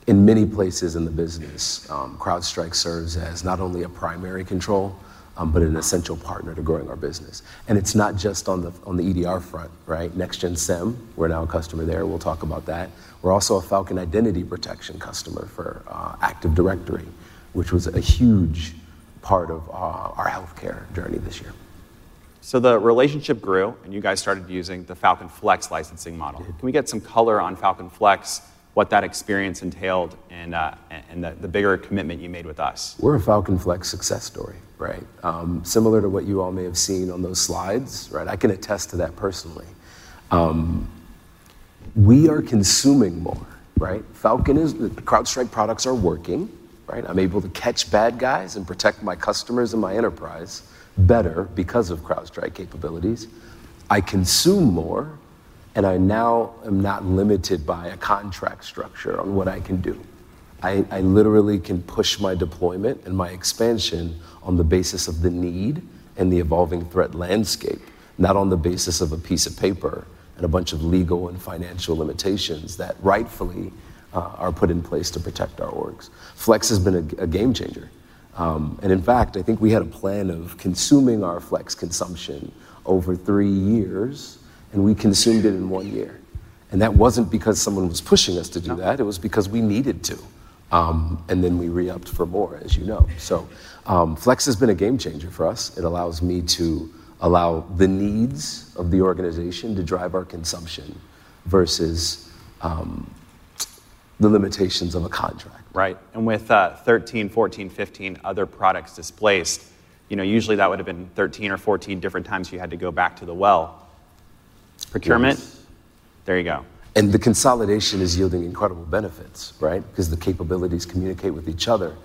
In many places in the business, CrowdStrike serves as not only a primary control, but an essential partner to growing our business. It's not just on the EDR front, right? Next-Gen SIEM, we're now a customer there. We'll talk about that. We're also a Falcon Identity Protection customer for Active Directory, which was a huge part of our health care journey this year. The relationship grew, and you guys started using the Falcon Flex licensing model. Can we get some color on Falcon Flex, what that experience entailed, and the bigger commitment you made with us? We're a Falcon Flex success story, right? Similar to what you all may have seen on those slides, right? I can attest to that personally. We are consuming more, right? Falcon is, the CrowdStrike products are working, right? I'm able to catch bad guys and protect my customers and my enterprise better because of CrowdStrike capabilities. I consume more, and I now am not limited by a contract structure on what I can do. I literally can push my deployment and my expansion on the basis of the need and the evolving threat landscape, not on the basis of a piece of paper and a bunch of legal and financial limitations that rightfully are put in place to protect our orgs. Flex has been a game changer. In fact, I think we had a plan of consuming our Flex consumption over three years, and we consumed it in one year. That wasn't because someone was pushing us to do that. It was because we needed to. We re-upped for more, as you know. Flex has been a game changer for us. It allows me to allow the needs of the organization to drive our consumption versus the limitations of a contract. Right. With 13, 14, 15 other products displaced, usually that would have been 13 or 14 different times you had to go back to the well. Procurement, there you go. The consolidation is yielding incredible benefits, right? The capabilities communicate with each other.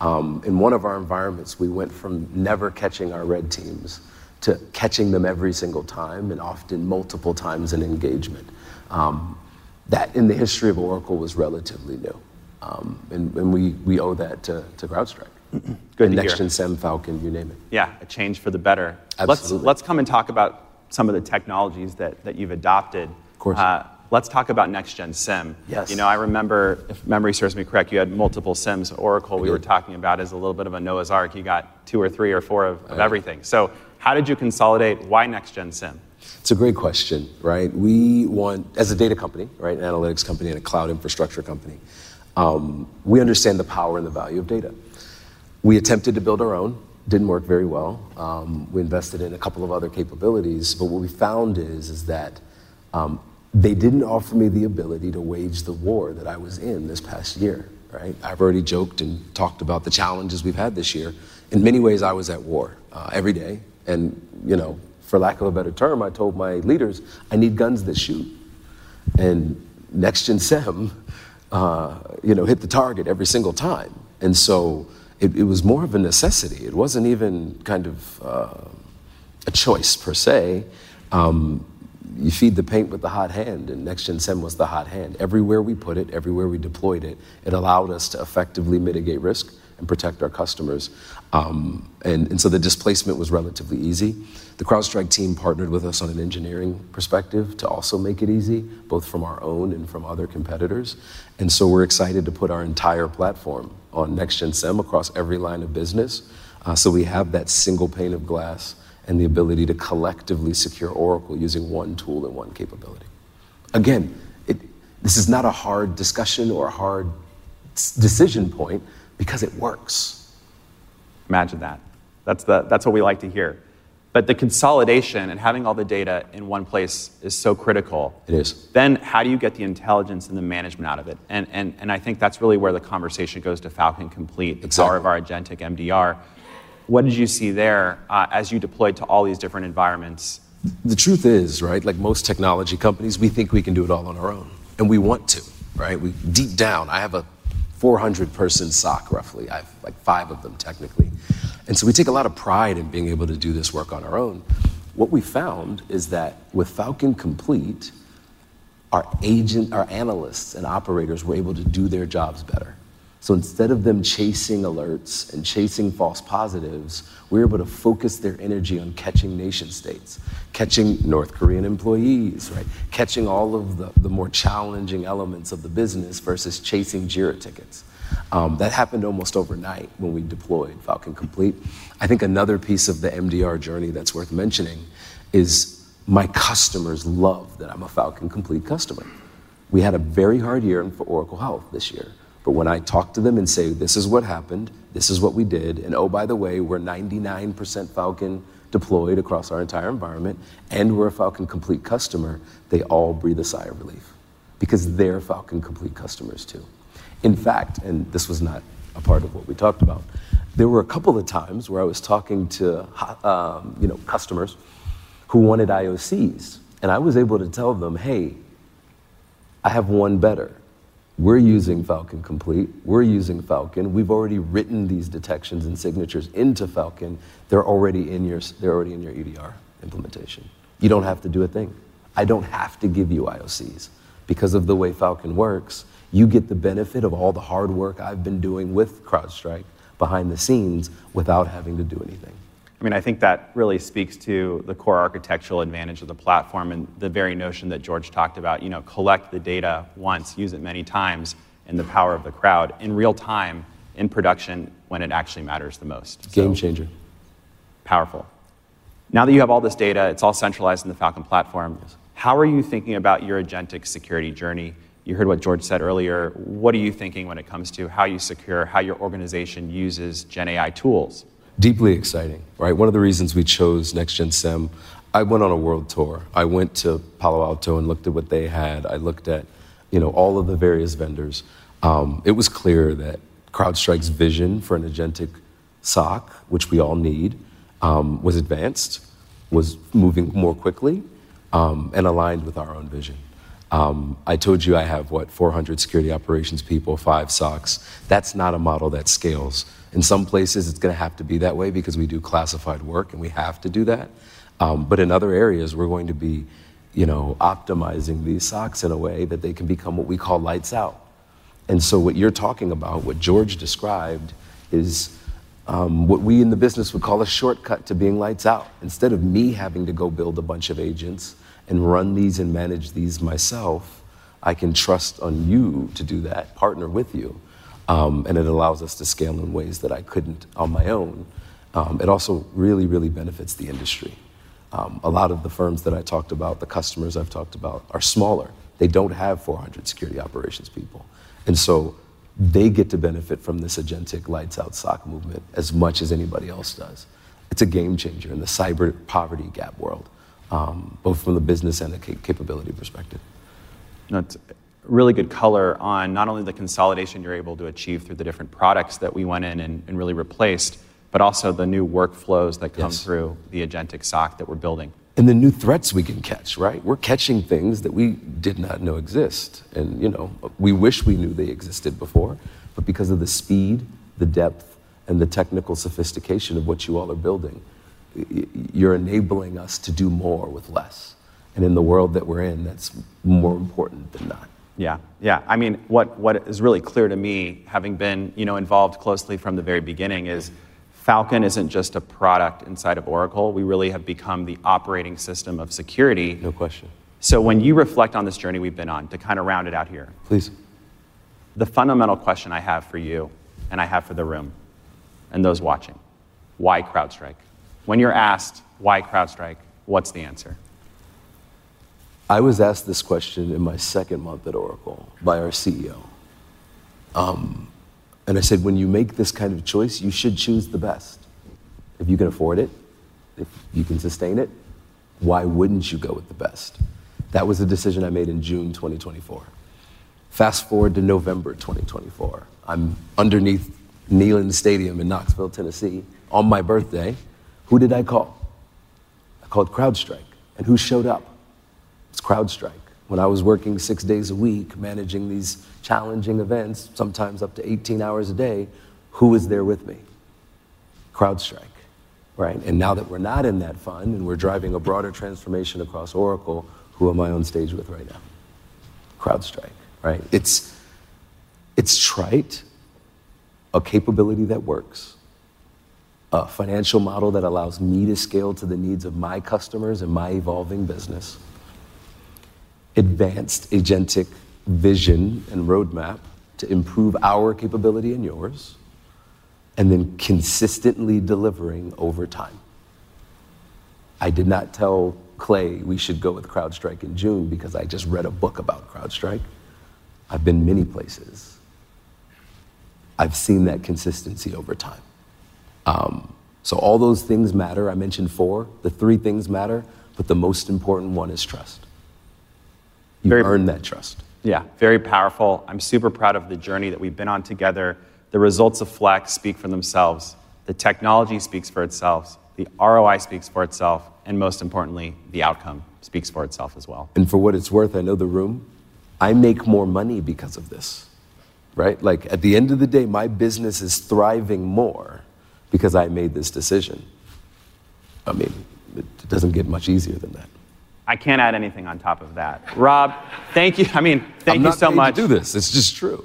In one of our environments, we went from never catching our red teams to catching them every single time and often multiple times in engagement. That in the history of Oracle was relatively new. We owe that to CrowdStrike. Good. Next-Gen SIEM, Falcon, you name it. Yeah, a change for the better. Absolutely. Let's come and talk about some of the technologies that you've adopted. Of course. Let's talk about Next-Gen SIEM. Yeah. You know, I remember, if memory serves me correct, you had multiple SIEMs. Oracle, we were talking about, is a little bit of a Noah's Ark. You got two or three or four of everything. How did you consolidate? Why Next-Gen SIEM? It's a great question, right? We want, as a data company, an analytics company, and a cloud infrastructure company, we understand the power and the value of data. We attempted to build our own. Didn't work very well. We invested in a couple of other capabilities. What we found is that they didn't offer me the ability to wage the war that I was in this past year, right? I've already joked and talked about the challenges we've had this year. In many ways, I was at war every day. For lack of a better term, I told my leaders, I need guns that shoot. Next-Gen SIEM, you know, hit the target every single time. It was more of a necessity. It wasn't even kind of a choice per se. You feed the paint with the hot hand, and Next-Gen SIEM was the hot hand. Everywhere we put it, everywhere we deployed it, it allowed us to effectively mitigate risk and protect our customers. The displacement was relatively easy. The CrowdStrike team partnered with us on an engineering perspective to also make it easy, both from our own and from other competitors. We're excited to put our entire platform on Next-Gen SIEM across every line of business so we have that single pane of glass and the ability to collectively secure Oracle using one tool and one capability. Again, this is not a hard discussion or a hard decision point because it works. Imagine that. That's what we like to hear. The consolidation and having all the data in one place is so critical. It is. How do you get the intelligence and the management out of it? I think that's really where the conversation goes to Falcon Complete, the czar of our agentic MDR. What did you see there as you deployed to all these different environments? The truth is, right, like most technology companies, we think we can do it all on our own. We want to, right? Deep down, I have a 400-person SOC, roughly. I have like five of them, technically. We take a lot of pride in being able to do this work on our own. What we found is that with Falcon Complete, our agent, our analysts, and operators were able to do their jobs better. Instead of them chasing alerts and chasing false positives, we were able to focus their energy on catching nation states, catching North Korean employees, right? Catching all of the more challenging elements of the business versus chasing JIRA tickets. That happened almost overnight when we deployed Falcon Complete. I think another piece of the MDR journey that's worth mentioning is my customers love that I'm a Falcon Complete customer. We had a very hard year for Oracle Health this year. When I talk to them and say, this is what happened, this is what we did, and oh, by the way, we're 99% Falcon deployed across our entire environment, and we're a Falcon Complete customer, they all breathe a sigh of relief because they're Falcon Complete customers too. In fact, and this was not a part of what we talked about, there were a couple of times where I was talking to, you know, customers who wanted IOCs. I was able to tell them, hey, I have one better. We're using Falcon Complete. We're using Falcon. We've already written these detections and signatures into Falcon. They're already in your EDR implementation. You don't have to do a thing. I don't have to give you IOCs. Because of the way Falcon works, you get the benefit of all the hard work I've been doing with CrowdStrike behind the scenes without having to do anything. I think that really speaks to the core architectural advantage of the platform and the very notion that George talked about, you know, collect the data once, use it many times, and the power of the crowd in real time in production when it actually matters the most. Game changer. Powerful. Now that you have all this data, it's all centralized in the Falcon platform. How are you thinking about your agentic security journey? You heard what George said earlier. What are you thinking when it comes to how you secure, how your organization uses GenAI tools? Deeply exciting, right? One of the reasons we chose Next-Gen SIEM, I went on a world tour. I went to Palo Alto and looked at what they had. I looked at, you know, all of the various vendors. It was clear that CrowdStrike's vision for an agentic SOC, which we all need, was advanced, was moving more quickly, and aligned with our own vision. I told you I have, what, 400 security operations people, five SOCs. That's not a model that scales. In some places, it's going to have to be that way because we do classified work, and we have to do that. In other areas, we're going to be, you know, optimizing these SOCs in a way that they can become what we call lights out. What you're talking about, what George described, is what we in the business would call a shortcut to being lights out. Instead of me having to go build a bunch of agents and run these and manage these myself, I can trust on you to do that, partner with you. It allows us to scale in ways that I couldn't on my own. It also really, really benefits the industry. A lot of the firms that I talked about, the customers I've talked about, are smaller. They don't have 400 security operations people. They get to benefit from this agentic lights-out SOC movement as much as anybody else does. It's a game changer in the cyber poverty gap world, both from the business and the capability perspective. Really good color on not only the consolidation you're able to achieve through the different products that we went in and really replaced, but also the new workflows that come through the agentic SOC that we're building. The new threats we can catch, right? We're catching things that we did not know exist. We wish we knew they existed before. Because of the speed, the depth, and the technical sophistication of what you all are building, you're enabling us to do more with less. In the world that we're in, that's more important than not. Yeah, yeah. I mean, what is really clear to me, having been involved closely from the very beginning, is Falcon isn't just a product inside of Oracle Cloud Infrastructure. We really have become the operating system of security. No question. When you reflect on this journey we've been on, to kind of round it out here. Please. The fundamental question I have for you and I have for the room and those watching, why CrowdStrike? When you're asked why CrowdStrike, what's the answer? I was asked this question in my second month at Oracle by our CEO. I said, when you make this kind of choice, you should choose the best. If you can afford it, if you can sustain it, why wouldn't you go with the best? That was a decision I made in June 2024. Fast forward to November 2024. I'm underneath Neyland Stadium in Knoxville, Tennessee, on my birthday. Who did I call? I called CrowdStrike. Who showed up? It was CrowdStrike. When I was working six days a week, managing these challenging events, sometimes up to 18 hours a day, who was there with me? CrowdStrike, right? Now that we're not in that fund and we're driving a broader transformation across Oracle, who am I on stage with right now? CrowdStrike, right? It's CrowdStrike, a capability that works, a financial model that allows me to scale to the needs of my customers and my evolving business, advanced agentic vision and roadmap to improve our capability and yours, and then consistently delivering over time. I did not tell Clay we should go with CrowdStrike in June because I just read a book about CrowdStrike. I've been many places. I've seen that consistency over time. All those things matter. I mentioned four. The three things matter, but the most important one is trust. You earn that trust. Yeah, very powerful. I'm super proud of the journey that we've been on together. The results of Flex speak for themselves. The technology speaks for itself. The ROI speaks for itself. Most importantly, the outcome speaks for itself as well. For what it's worth, I know the room, I make more money because of this, right? At the end of the day, my business is thriving more because I made this decision. I mean, it doesn't get much easier than that. I can't add anything on top of that. Rob, thank you. I mean, thank you so much. I'm not trying to do this. It's just true.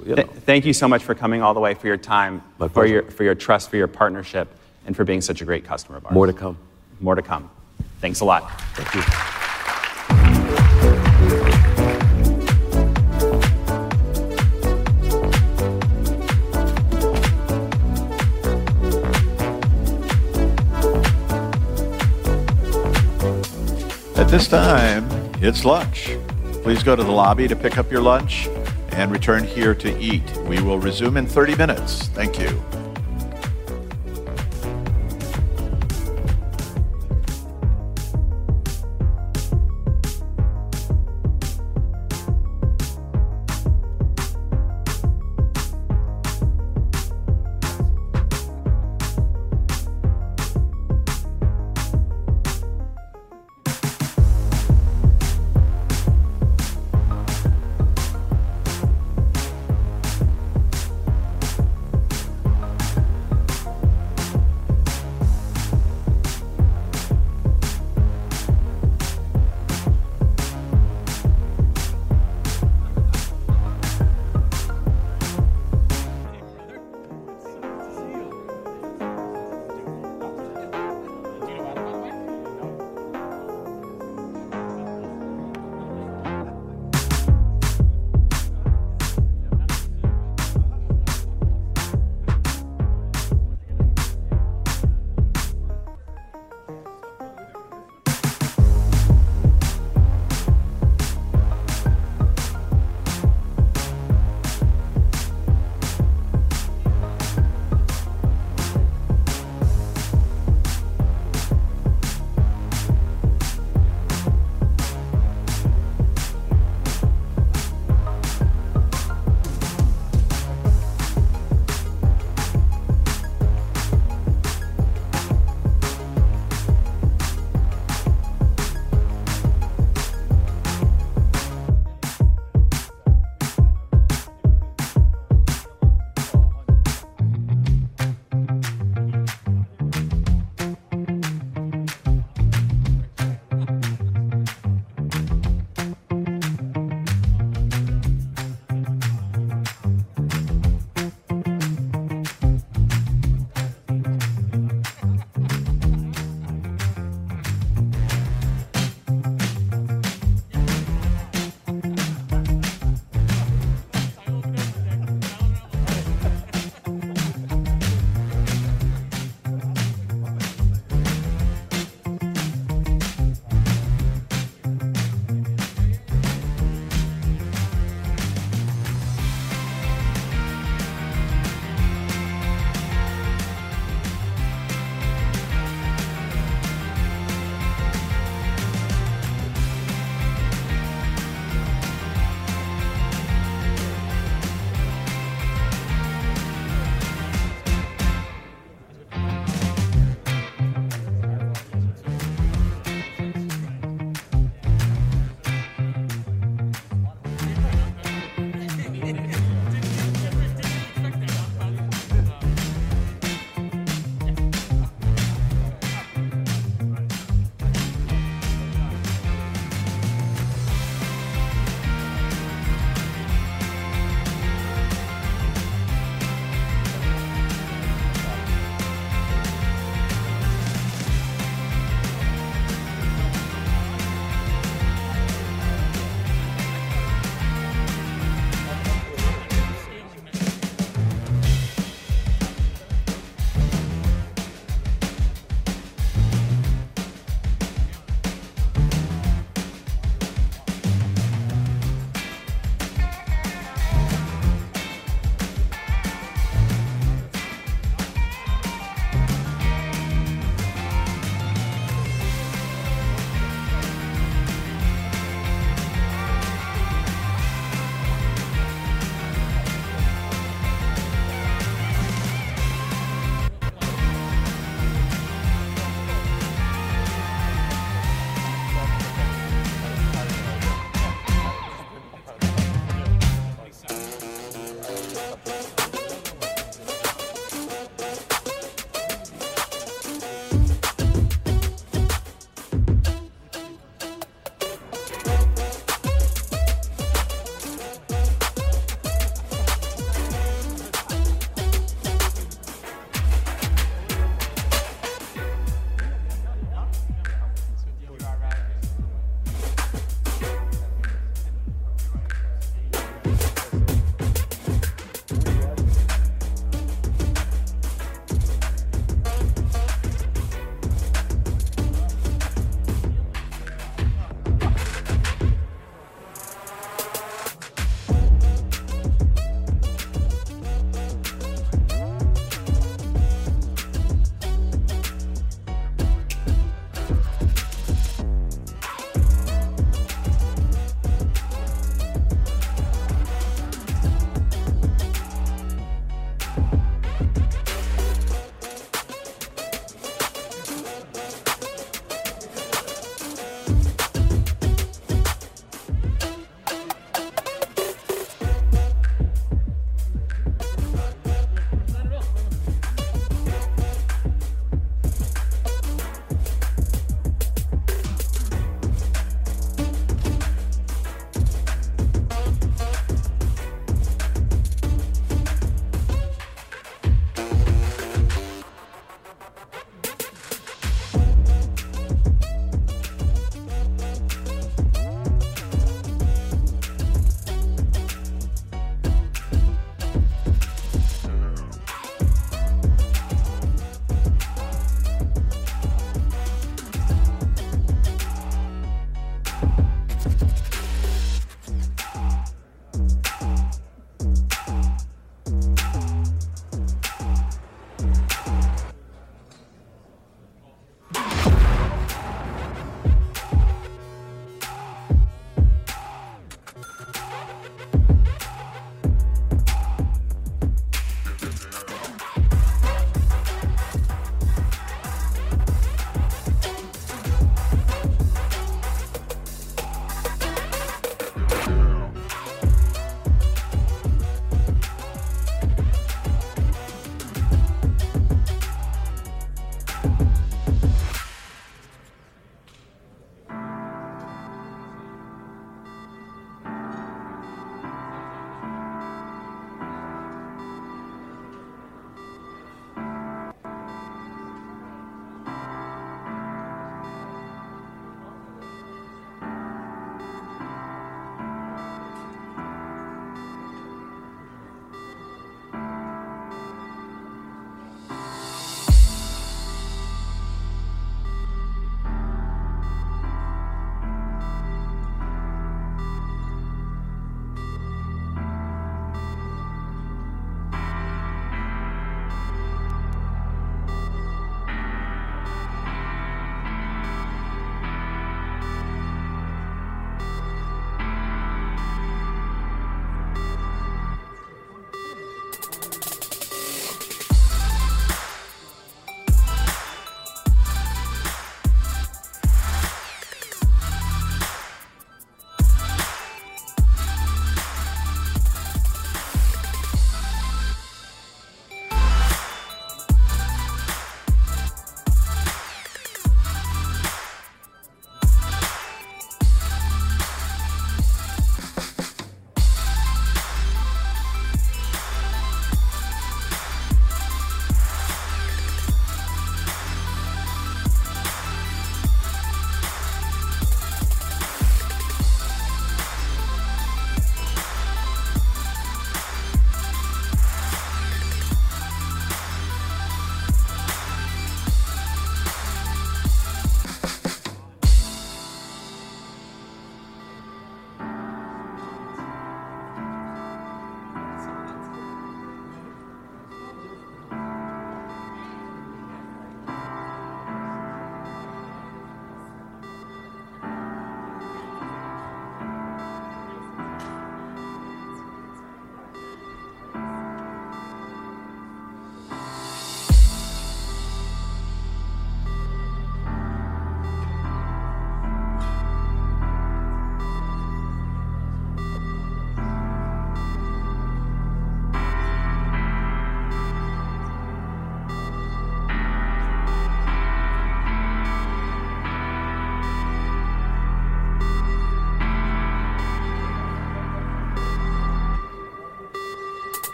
Thank you so much for coming all the way, for your time, for your trust, for your partnership, and for being such a great customer of ours. More to come. More to come. Thanks a lot. Thank you. At this time, it's lunch. Please go to the lobby to pick up your lunch and return here to eat. We will resume in 30 minutes. Thank you.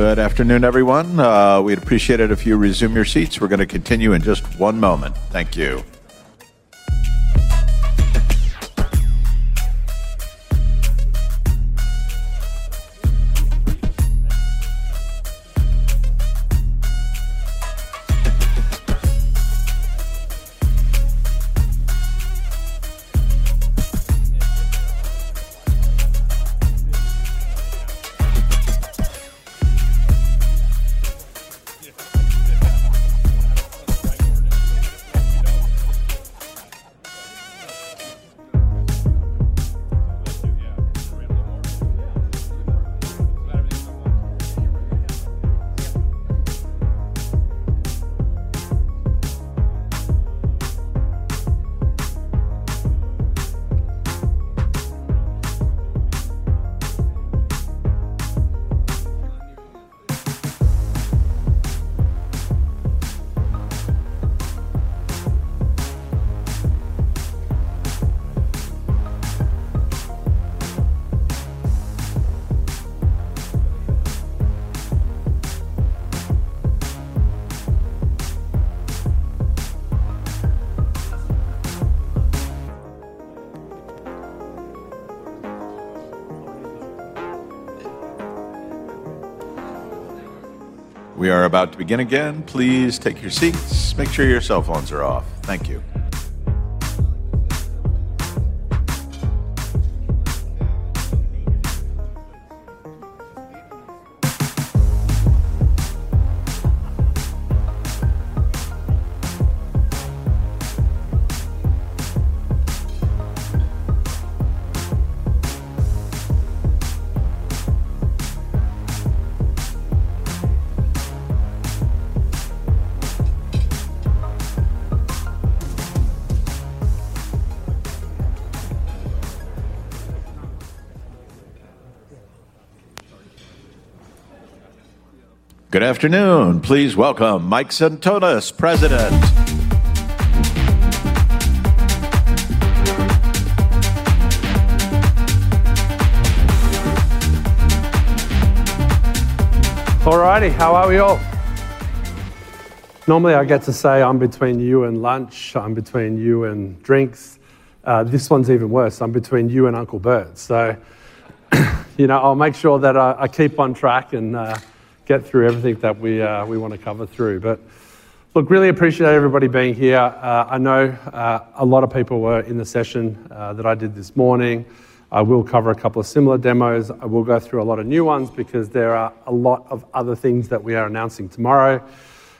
Good afernoon, everyone. We'd appreciate it if you resume your seats. We're going to continue in just one moment. Thank you. We are about to begin again. Please take your seats. Make sure your cell phones are off. Thank you. Good afternoon. Please welcome Mike Sentonas, President. Alrighty, how are you all? Normally, I get to say I'm between you and lunch, I'm between you and drinks. This one's even worse, I'm between you and Uncle Bert. I'll make sure that I keep on track and get through everything that we want to cover. Really appreciate everybody being here. I know a lot of people were in the session that I did this morning. I will cover a couple of similar demos. I will go through a lot of new ones because there are a lot of other things that we are announcing tomorrow.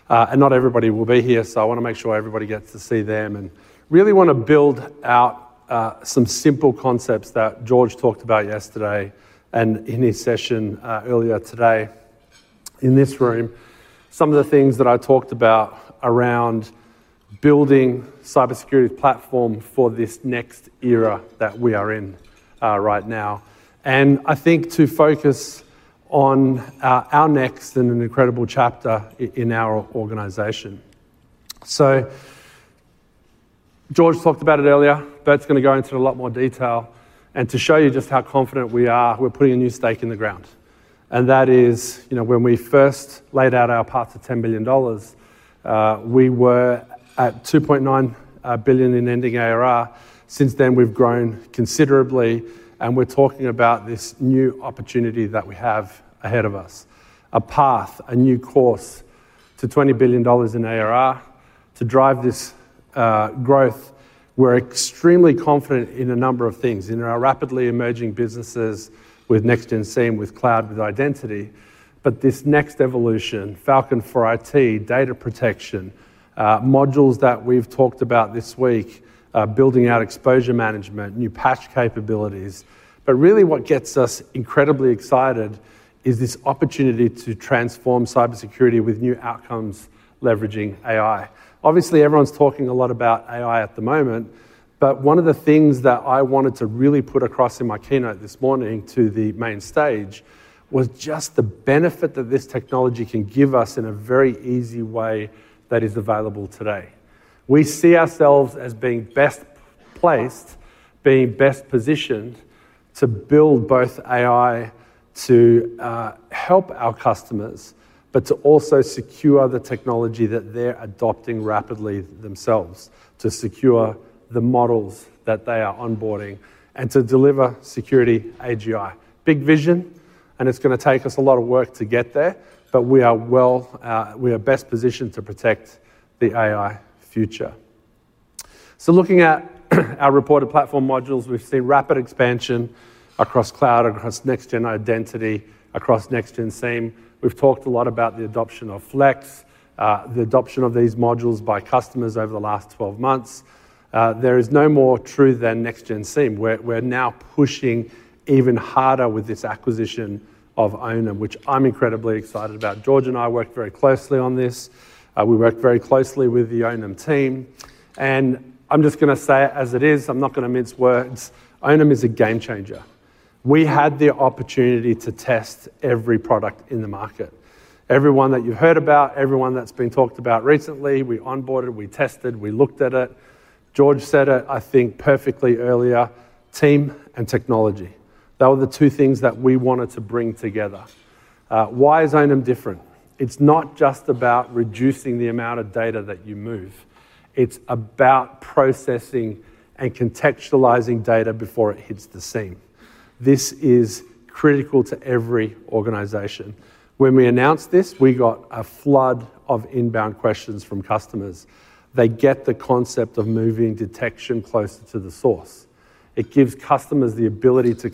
Not everybody will be here, so I want to make sure everybody gets to see them. I really want to build out some simple concepts that George talked about yesterday and in his session earlier today in this room. Some of the things that I talked about around building a cybersecurity platform for this next era that we are in right now. I think to focus on our next and an incredible chapter in our organization. George talked about it earlier, Bert's going to go into it in a lot more detail. To show you just how confident we are, we're putting a new stake in the ground. That is, when we first laid out our path to $10 billion, we were at $2.9 billion in ending ARR. Since then, we've grown considerably. We're talking about this new opportunity that we have ahead of us. A path, a new course to $20 billion in ARR to drive this growth. We're extremely confident in a number of things, in our rapidly emerging businesses with Next-Gen SIEM, with cloud, with identity. This next evolution, Falcon for IT, data protection, modules that we've talked about this week, building out exposure management, new patch capabilities. What gets us incredibly excited is this opportunity to transform cybersecurity with new outcomes, leveraging AI. Obviously, everyone's talking a lot about AI at the moment. One of the things that I wanted to really put across in my keynote this morning to the main stage was just the benefit that this technology can give us in a very easy way that is available today. We see ourselves as being best placed, being best positioned to build both AI to help our customers, but to also secure the technology that they're adopting rapidly themselves, to secure the models that they are onboarding and to deliver security AGI. Big vision, and it's going to take us a lot of work to get there, but we are well, we are best positioned to protect the AI future. Looking at our reported platform modules, we've seen rapid expansion across cloud, across Next-Gen identity, across Next-Gen SIEM. We've talked a lot about the adoption of Flex, the adoption of these modules by customers over the last 12 months. There is no more true than Next-Gen SIEM. We're now pushing even harder with this acquisition of Onum, which I'm incredibly excited about. George and I worked very closely on this. We worked very closely with the Onum team. I'm just going to say it as it is, I'm not going to mince words. Onum is a game changer. We had the opportunity to test every product in the market. Everyone that you heard about, everyone that's been talked about recently, we onboarded, we tested, we looked at it. George said it, I think, perfectly earlier, team and technology. That were the two things that we wanted to bring together. Why is Onum different? It's not just about reducing the amount of data that you move. It's about processing and contextualizing data before it hits the scene. This is critical to every organization. When we announced this, we got a flood of inbound questions from customers. They get the concept of moving detection closer to the source. It gives customers the ability to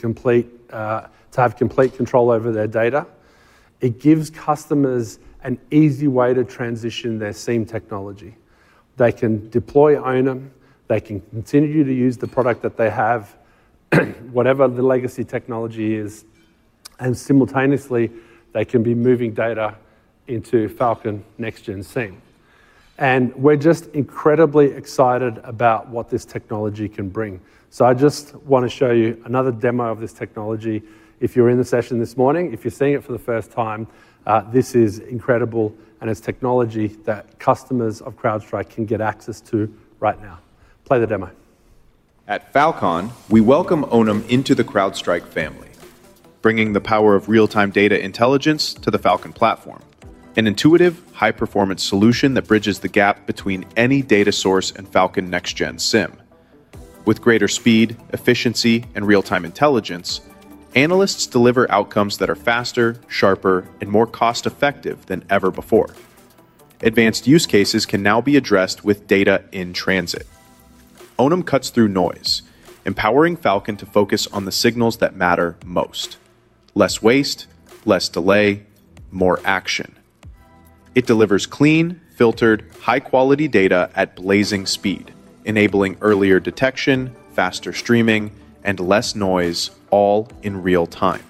have complete control over their data. It gives customers an easy way to transition their SIEM technology. They can deploy Onum, they can continue to use the product that they have, whatever the legacy technology is, and simultaneously, they can be moving data into Falcon Next-Gen SIEM. We're just incredibly excited about what this technology can bring. I just want to show you another demo of this technology. If you're in the session this morning, if you're seeing it for the first time, this is incredible. It's technology that customers of CrowdStrike can get access to right now. Play the demo. At Falcon, we welcome Onum into the CrowdStrike family, bringing the power of real-time data intelligence to the Falcon platform. An intuitive, high-performance solution that bridges the gap between any data source and Falcon Next-Gen SIEM. With greater speed, efficiency, and real-time intelligence, analysts deliver outcomes that are faster, sharper, and more cost-effective than ever before. Advanced use cases can now be addressed with data in transit. Onum cuts through noise, empowering Falcon to focus on the signals that matter most. Less waste, less delay, more action. It delivers clean, filtered, high-quality data at blazing speed, enabling earlier detection, faster streaming, and less noise, all in real time.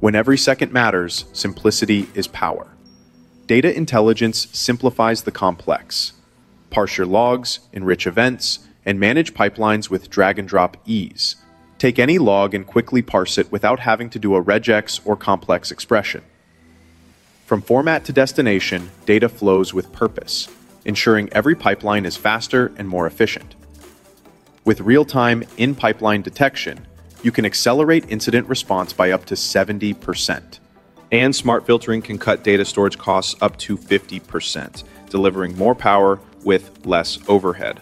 When every second matters, simplicity is power. Data intelligence simplifies the complex. Parse your logs, enrich events, and manage pipelines with drag-and-drop ease. Take any log and quickly parse it without having to do a regex or complex expression. From format to destination, data flows with purpose, ensuring every pipeline is faster and more efficient. With real-time in-pipeline detection, you can accelerate incident response by up to 70%. Smart filtering can cut data storage costs up to 50%, delivering more power with less overhead.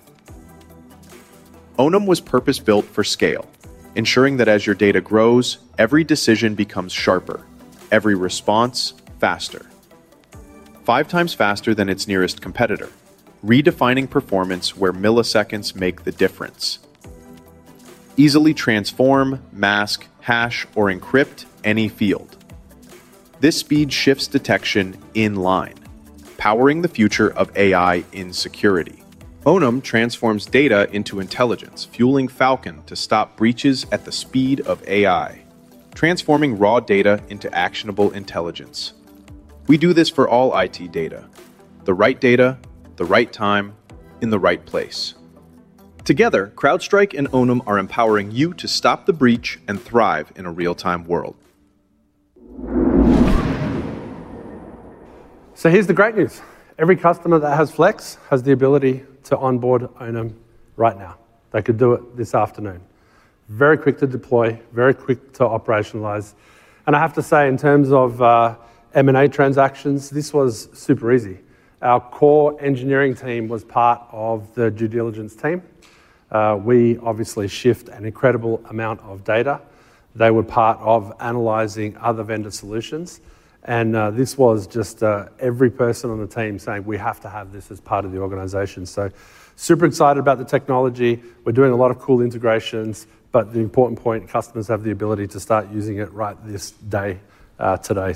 Onum was purpose-built for scale, ensuring that as your data grows, every decision becomes sharper, every response faster. Five times faster than its nearest competitor, redefining performance where milliseconds make the difference. Easily transform, mask, hash, or encrypt any field. This speed shifts detection in line, powering the future of AI in security. Onum transforms data into intelligence, fueling Falcon to stop breaches at the speed of AI, transforming raw data into actionable intelligence. We do this for all IT data. The right data, the right time, in the right place. Together, CrowdStrike and Onum are empowering you to stop the breach and thrive in a real-time world. Here's the great news. Every customer that has Falcon Flex licensing has the ability to onboard Onum right now. They could do it this afternoon. Very quick to deploy, very quick to operationalize. I have to say, in terms of M&A transactions, this was super easy. Our core engineering team was part of the due diligence team. We obviously shift an incredible amount of data. They were part of analyzing other vendor solutions. This was just every person on the team saying, we have to have this as part of the organization. Super excited about the technology. We're doing a lot of cool integrations, but the important point is customers have the ability to start using it right this day, today.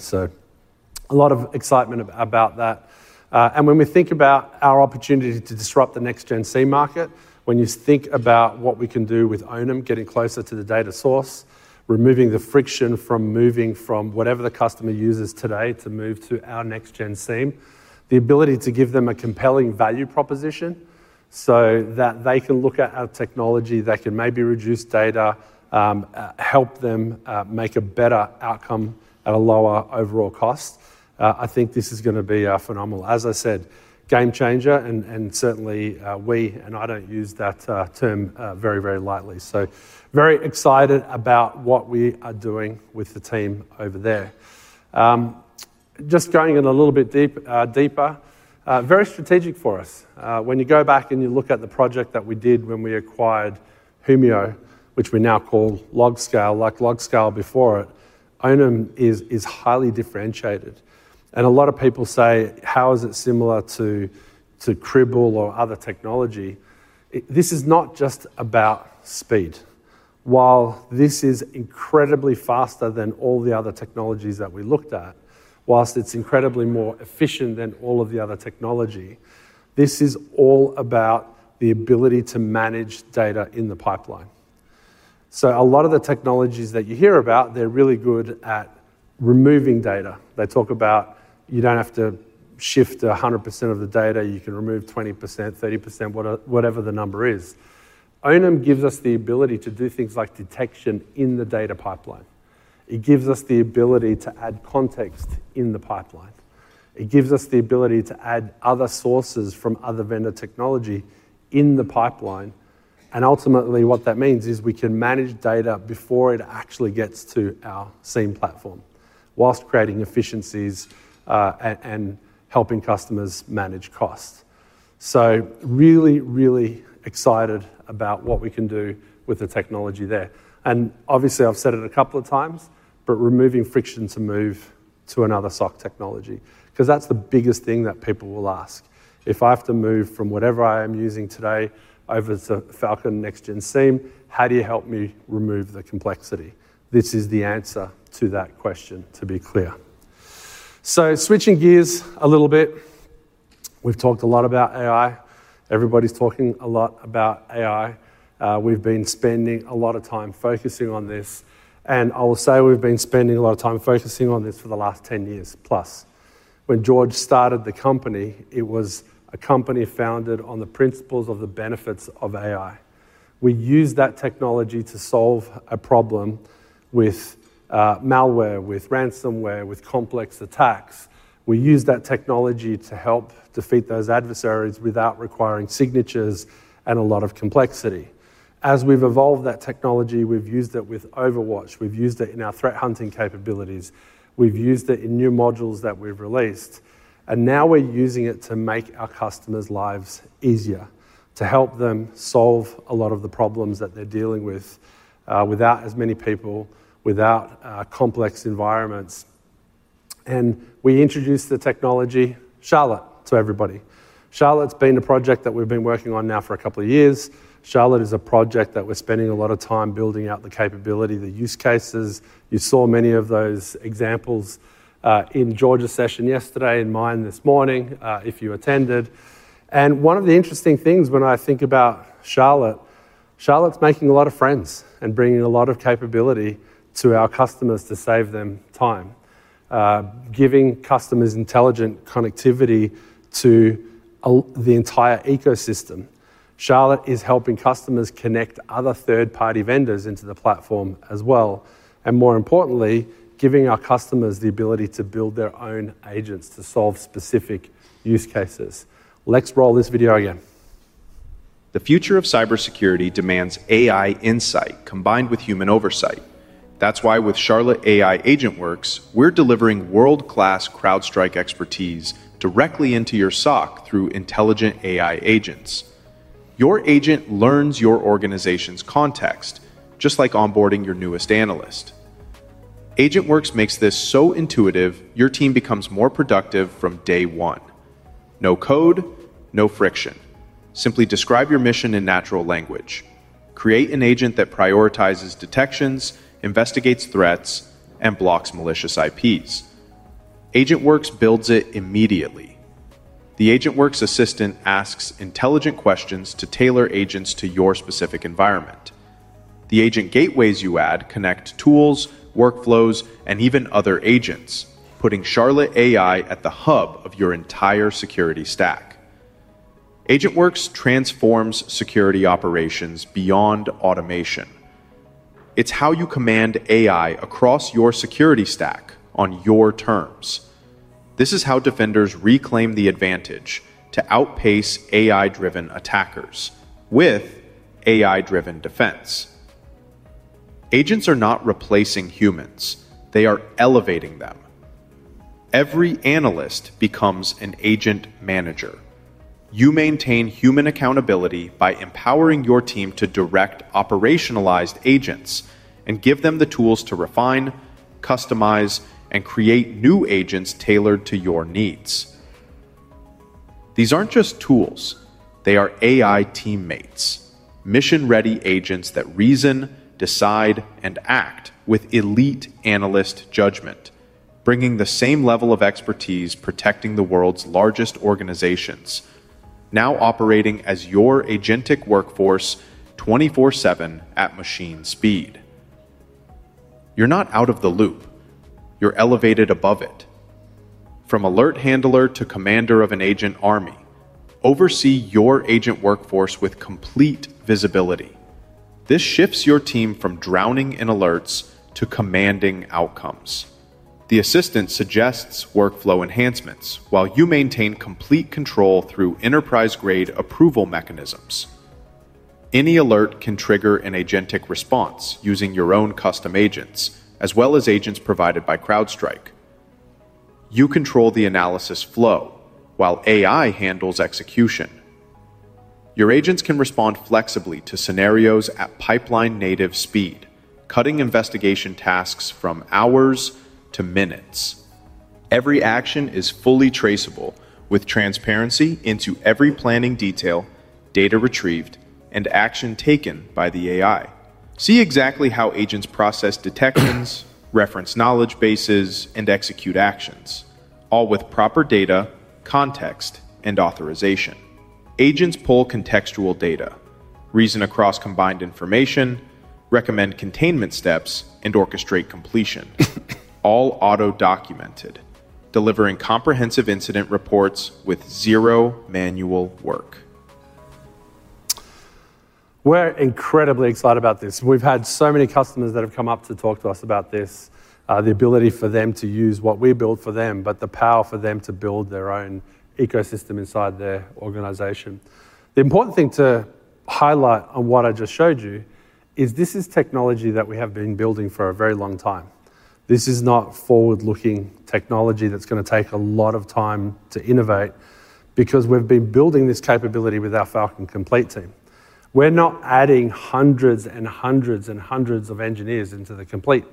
A lot of excitement about that. When we think about our opportunity to disrupt the Next-Gen SIEM market, when you think about what we can do with Onum, getting closer to the data source, removing the friction from moving from whatever the customer uses today to move to our Next-Gen SIEM, the ability to give them a compelling value proposition so that they can look at our technology that can maybe reduce data, help them make a better outcome at a lower overall cost. I think this is going to be phenomenal. As I said, game changer, and certainly we, and I don't use that term very, very lightly. Very excited about what we are doing with the team over there. Going in a little bit deeper, very strategic for us. When you go back and you look at the project that we did when we acquired Humio, which we now call LogScale, like LogScale before it, Onum is highly differentiated. A lot of people say, how is it similar to Cribl or other technology? This is not just about speed. While this is incredibly faster than all the other technologies that we looked at, whilst it's incredibly more efficient than all of the other technology, this is all about the ability to manage data in the pipeline. A lot of the technologies that you hear about, they're really good at removing data. They talk about you don't have to shift 100% of the data, you can remove 20%, 30%, whatever the number is. Onum gives us the ability to do things like detection in the data pipeline. It gives us the ability to add context in the pipeline. It gives us the ability to add other sources from other vendor technology in the pipeline. Ultimately, what that means is we can manage data before it actually gets to our SIEM platform, whilst creating efficiencies and helping customers manage costs. Really, really excited about what we can do with the technology there. Obviously, I've said it a couple of times, but removing friction to move to another SOC technology, because that's the biggest thing that people will ask. If I have to move from whatever I am using today over to Falcon Next-Gen SIEM, how do you help me remove the complexity? This is the answer to that question, to be clear. Switching gears a little bit, we've talked a lot about AI. Everybody's talking a lot about AI. We've been spending a lot of time focusing on this. I will say we've been spending a lot of time focusing on this for the last 10 years plus. When George started the company, it was a company founded on the principles of the benefits of AI. We use that technology to solve a problem with malware, with ransomware, with complex attacks. We use that technology to help defeat those adversaries without requiring signatures and a lot of complexity. As we've evolved that technology, we've used it with OverWatch. We've used it in our threat hunting capabilities. We've used it in new modules that we've released. Now we're using it to make our customers' lives easier, to help them solve a lot of the problems that they're dealing with without as many people, without complex environments. We introduced the technology, Charlotte, to everybody. Charlotte's been a project that we've been working on now for a couple of years. Charlotte is a project that we're spending a lot of time building out the capability, the use cases. You saw many of those examples in George's session yesterday and mine this morning, if you attended. One of the interesting things when I think about Charlotte, Charlotte's making a lot of friends and bringing a lot of capability to our customers to save them time, giving customers intelligent connectivity to the entire ecosystem. Charlotte is helping customers connect other third-party vendors into the platform as well. More importantly, giving our customers the ability to build their own agents to solve specific use cases. Let's roll this video again. The future of cybersecurity demands AI insight combined with human oversight. That's why with Charlotte AI AgentWorks, we're delivering world-class CrowdStrike expertise directly into your SOC through intelligent AI agents. Your agent learns your organization's context, just like onboarding your newest analyst. AgentWors makes this so intuitive, your team becomes more productive from day one. No code, no friction. Simply describe your mission in natural language. Create an agent that prioritizes detections, investigates threats, and blocks malicious IPs. AgentWorks builds it immediately. The AgentWorks assistant asks intelligent questions to tailor agents to your specific environment. The agent gateways you add connect tools, workflows, and even other agents, putting Charlotte AI at the hub of your entire security stack. AgentWork transforms security operations beyond automation. It's how you command AI across your security stack on your terms. This is how defenders reclaim the advantage to outpace AI-driven attackers with AI-driven defense. Agents are not replacing humans. They are elevating them. Every analyst becomes an agent manager. You maintain human accountability by empowering your team to direct operationalized agents and give them the tools to refine, customize, and create new agents tailored to your needs. These aren't just tools. They are AI teammates, mission-ready agents that reason, decide, and act with elite analyst judgment, bringing the same level of expertise protecting the world's largest organizations, now operating as your agentic workforce 24/7 at machine speed. You're not out of the loop. You're elevated above it. From alert handler to commander of an agent army, oversee your agent workforce with complete visibility. This shifts your team from drowning in alerts to commanding outcomes. The assistant suggests workflow enhancements while you maintain complete control through enterprise-grade approval mechanisms. Any alert can trigger an agentic response using your own custom agents, as well as agents provided by CrowdStrike. You control the analysis flow while AI handles execution. Your agents can respond flexibly to scenarios at pipeline-native speed, cutting investigation tasks from hours to minutes. Every action is fully traceable with transparency into every planning detail, data retrieved, and action taken by the AI. See exactly how agents process detections, reference knowledge bases, and execute actions, all with proper data, context, and authorization. Agents pull contextual data, reason across combined information, recommend containment steps, and orchestrate completion. All auto-documented, delivering comprehensive incident reports with zero manual work. We're incredibly excited about this. We've had so many customers that have come up to talk to us about this, the ability for them to use what we build for them, but the power for them to build their own ecosystem inside their organization. The important thing to highlight on what I just showed you is this is technology that we have been building for a very long time. This is not forward-looking technology that's going to take a lot of time to innovate because we've been building this capability with our Falcon Complete team. We're not adding hundreds and hundreds and hundreds of engineers into the Complete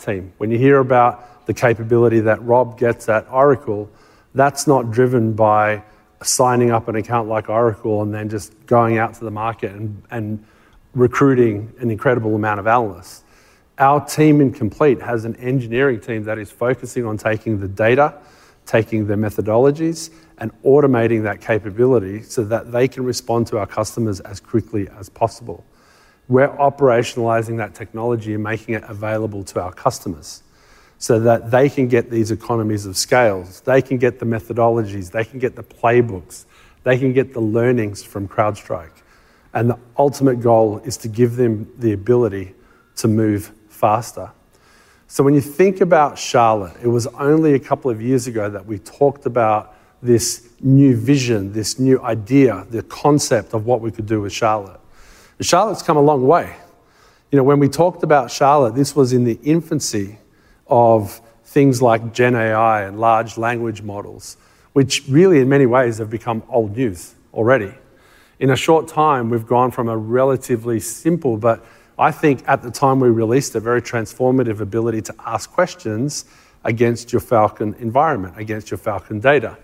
team. When you hear about the capability that Rob gets at Oracle Cloud Infrastructure, that's not driven by signing up an account like Oracle Cloud Infrastructure and then just going out to the market and recruiting an incredible amount of analysts. Our team in Complete has an engineering team that is focusing on taking the data, taking the methodologies, and automating that capability so that they can respond to our customers as quickly as possible. We're operationalizing that technology and making it available to our customers so that they can get these economies of scale, they can get the methodologies, they can get the playbooks, they can get the learnings from CrowdStrike. The ultimate goal is to give them the ability to move faster. When you think about Charlotte, it was only a couple of years ago that we talked about this new vision, this new idea, the concept of what we could do with Charlotte. Charlotte's come a long way. You know, when we talked about Charlotte, this was in the infancy of things like GenAI and large language models, which really, in many ways, have become old news already. In a short time, we've gone from a relatively simple, but I think at the time we released a very transformative ability to ask questions against your Falcon environment, against your Falcon data.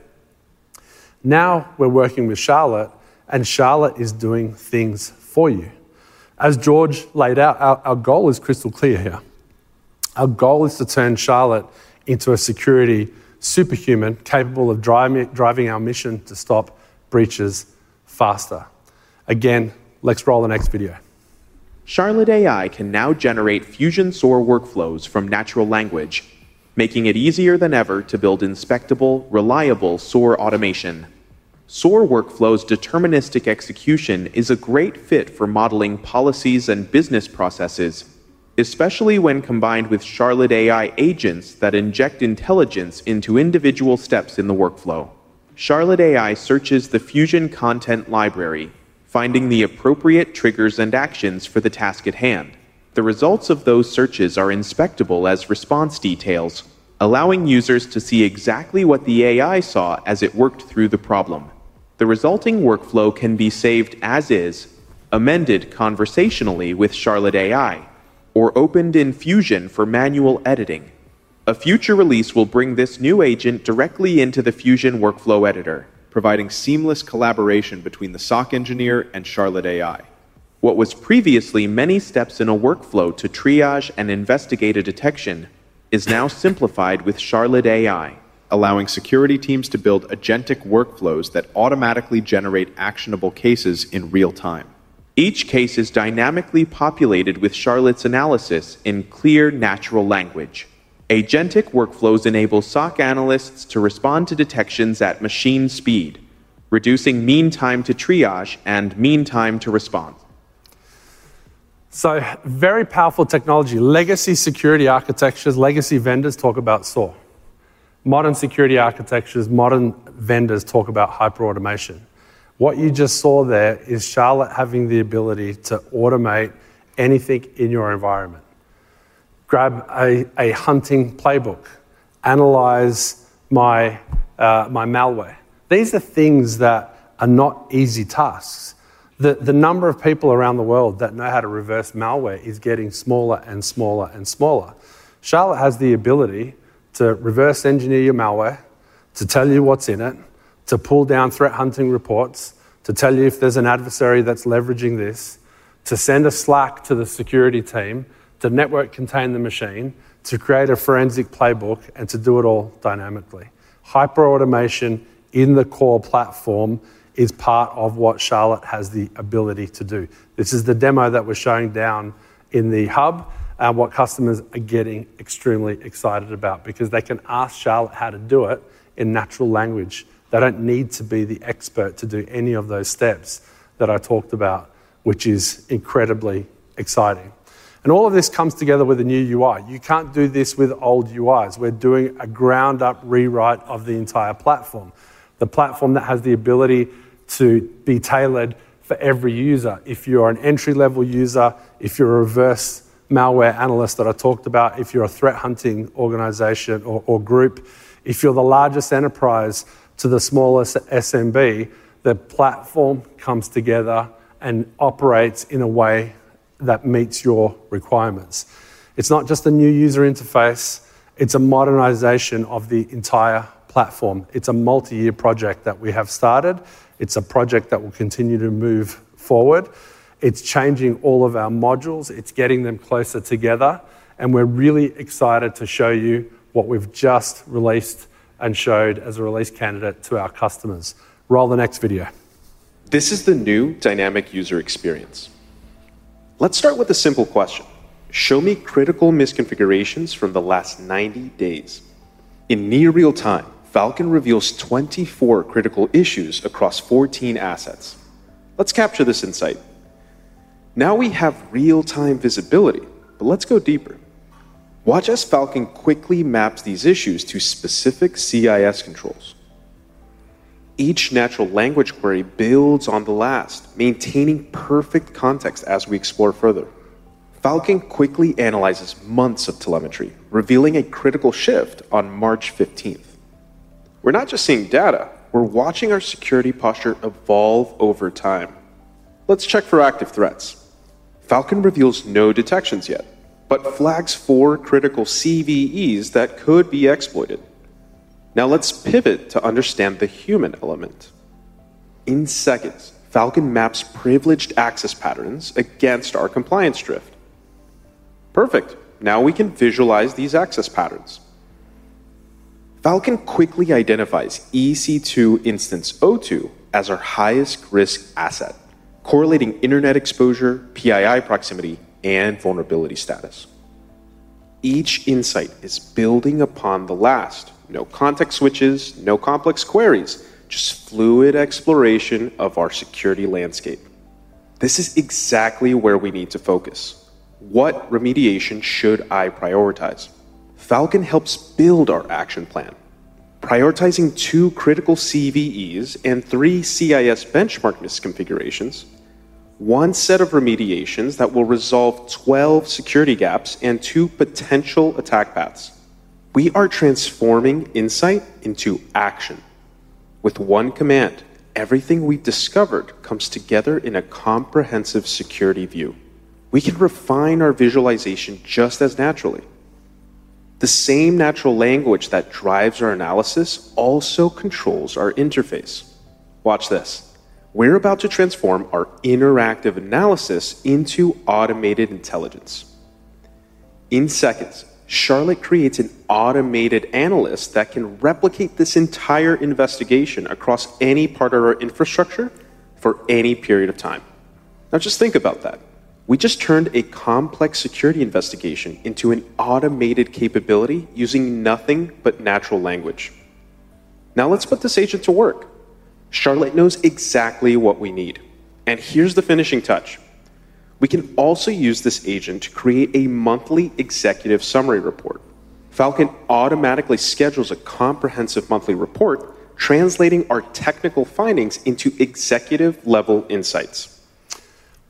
Now we're working with Charlotte, and Charlotte is doing things for you. As George laid out, our goal is crystal clear here. Our goal is to turn Charlotte into a security superhuman capable of driving our mission to stop breaches faster. Again, let's roll the next video. Charlotte AI can now generate fusion SOAR workflows from natural language, making it easier than ever to build inspectable, reliable SOAR automation. SOAR workflows' deterministic execution is a great fit for modeling policies and business processes, especially when combined with Charlotte AI agents that inject intelligence into individual steps in the workflow. Charlotte AI searches the fusion content library, finding the appropriate triggers and actions for the task at hand. The results of those searches are inspectable as response details, allowing users to see exactly what the AI saw as it worked through the problem. The resulting workflow can be saved as is, amended conversationally with Charlotte AI, or opened in Fusion for manual editing. A future release will bring this new agent directly into the Fusion workflow editor, providing seamless collaboration between the SOC engineer and Charlotte AI. What was previously many steps in a workflow to triage and investigate a detection is now simplified with Charlotte AI, allowing security teams to build agentic workflows that automatically generate actionable cases in real time. Each case is dynamically populated with Charlotte's analysis in clear, natural language. Agentic workflows enable SOC analysts to respond to detections at machine speed, reducing mean time to triage and mean time to response. Very powerful technology. Legacy security architectures, legacy vendors talk about SOAR. Modern security architectures, modern vendors talk about hyperautomation. What you just saw there is Charlotte having the ability to automate anything in your environment. Grab a hunting playbook, analyze my malware. These are things that are not easy tasks. The number of people around the world that know how to reverse malware is getting smaller and smaller and smaller. Charlotte has the ability to reverse engineer your malware, to tell you what's in it, to pull down threat hunting reports, to tell you if there's an adversary that's leveraging this, to send a Slack to the security team, to network contain the machine, to create a forensic playbook, and to do it all dynamically. Hyperautomation in the core platform is part of what Charlotte has the ability to do. This is the demo that we're showing down in the hub, and what customers are getting extremely excited about because they can ask Charlotte how to do it in natural language. They don't need to be the expert to do any of those steps that I talked about, which is incredibly exciting. All of this comes together with a new UI. You can't do this with old UIs. We're doing a ground-up rewrite of the entire platform. The platform that has the ability to be tailored for every user. If you're an entry-level user, if you're a reverse malware analyst that I talked about, if you're a threat hunting organization or group, if you're the largest enterprise to the smallest SMB, the platform comes together and operates in a way that meets your requirements. It's not just a new user interface. It's a modernization of the entire platform. It's a multi-year project that we have started. It's a project that will continue to move forward. It's changing all of our modules. It's getting them closer together. We're really excited to show you what we've just released and showed as a release candidate to our customers. Roll the next video. This is the new dynamic user experience. Let's start with a simple question. Show me critical misconfigurations from the last 90 days. In near real time, Falcon reveals 24 critical issues across 14 assets. Let's capture this insight. Now we have real-time visibility, but let's go deeper. Watch as Falcon quickly maps these issues to specific CIS controls. Each natural language query builds on the last, maintaining perfect context as we explore further. Falcon quickly analyzes months of telemetry, revealing a critical shift on March 15th. We're not just seeing data. We're watching our security posture evolve over time. Let's check for active threats. Falcon reveals no detections yet, but flags four critical CVEs that could be exploited. Now let's pivot to understand the human element. In seconds, Falcon maps privileged access patterns against our compliance drift. Perfect. Now we can visualize these access patterns. Falcon quickly identifies EC2 instance O2 as our highest risk asset, correlating internet exposure, PII proximity, and vulnerability status. Each insight is building upon the last. No context switches, no complex queries, just fluid exploration of our security landscape. This is exactly where we need to focus. What remediation should I prioritize? Falcon helps build our action plan, prioritizing two critical CVEs and three CIS benchmark misconfigurations, one set of remediations that will resolve 12 security gaps and two potential attack paths. We are transforming insight into action. With one command, everything we discovered comes together in a comprehensive security view. We can refine our visualization just as naturally. The same natural language that drives our analysis also controls our interface. Watch this. We're about to transform our interactive analysis into automated intelligence. In seconds, Charlotte creates an automated analyst that can replicate this entire investigation across any part of our infrastructure for any period of time. Now just think about that. We just turned a complex security investigation into an automated capability using nothing but natural language. Now let's put this agent to work. Charlotte knows exactly what we need. Here's the finishing touch. We can also use this agent to create a monthly executive summary report. Falcon automatically schedules a comprehensive monthly report, translating our technical findings into executive-level insights.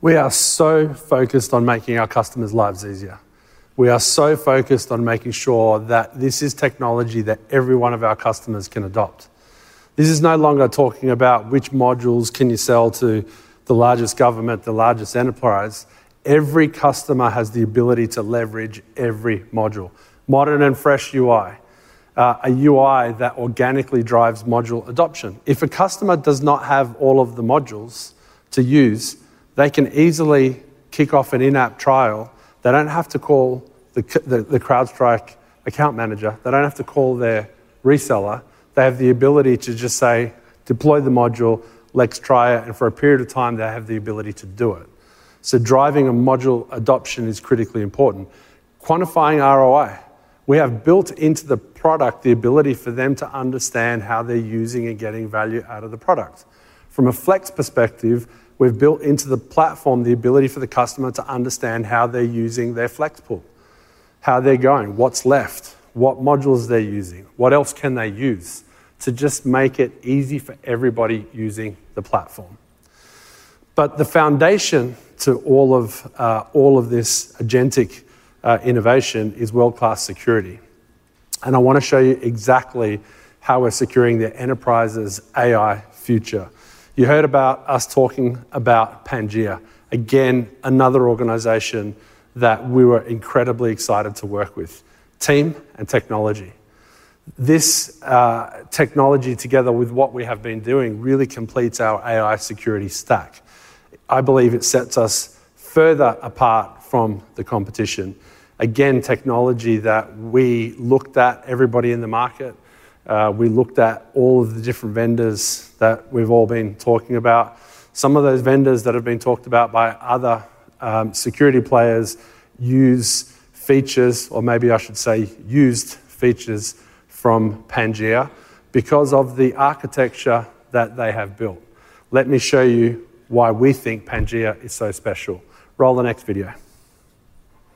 We are so focused on making our customers' lives easier. We are so focused on making sure that this is technology that every one of our customers can adopt. This is no longer talking about which modules can you sell to the largest government, the largest enterprise. Every customer has the ability to leverage every module. Modern and fresh UI, a UI that organically drives module adoption. If a customer does not have all of the modules to use, they can easily kick off an in-app trial. They don't have to call the CrowdStrike account manager. They don't have to call their reseller. They have the ability to just say, deploy the module, let's try it. For a period of time, they have the ability to do it. Driving module adoption is critically important. Quantifying ROI. We have built into the product the ability for them to understand how they're using and getting value out of the product. From a Flex perspective, we've built into the platform the ability for the customer to understand how they're using their Flex pool, how they're going, what's left, what modules they're using, what else can they use to just make it easy for everybody using the platform. The foundation to all of this agentic innovation is world-class security. I want to show you exactly how we're securing the enterprise's AI future. You heard about us talking about Pangea. Again, another organization that we were incredibly excited to work with. Team and technology. This technology, together with what we have been doing, really completes our AI security stack. I believe it sets us further apart from the competition. Technology that we looked at everybody in the market. We looked at all of the different vendors that we've all been talking about. Some of those vendors that have been talked about by other security players use features, or maybe I should say used features from Pangea because of the architecture that they have built. Let me show you why we think Pangea is so special. Roll the next video.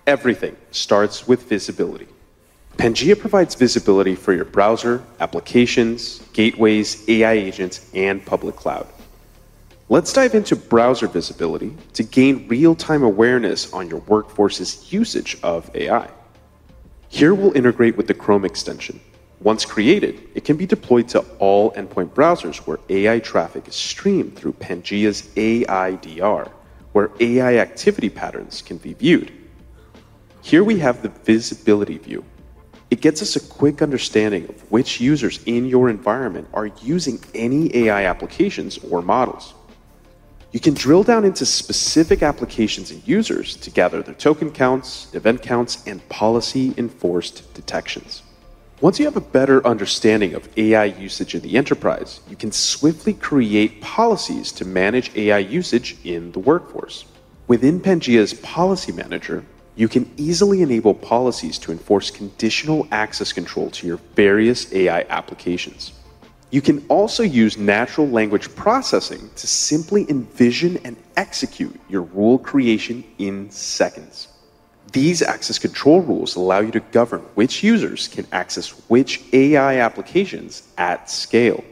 Everything starts with visibility. Pangea provides visibility for your browser, applications, gateways, AI agents, and public cloud. Let's dive into browser visibility to gain real-time awareness on your workforce's usage of AI. Here we'll integrate with the Chrome extension. Once created, it can be deployed to all endpoint browsers where AI traffic is streamed through Pangea's AIDR, where AI activity patterns can be viewed. Here we have the visibility view. It gets us a quick understanding of which users in your environment are using any AI applications or models. You can drill down into specific applications and users to gather their token counts, event counts, and policy-enforced detections. Once you have a better understanding of AI usage in the enterprise, you can swiftly create policies to manage AI usage in the workforce. Within Pangea's policy manager, you can easily enable policies to enforce conditional access control to your various AI applications. You can also use natural language processing to simply envision and execute your rule creation in seconds. These access control rules allow you to govern which users can access which AI applications at scale.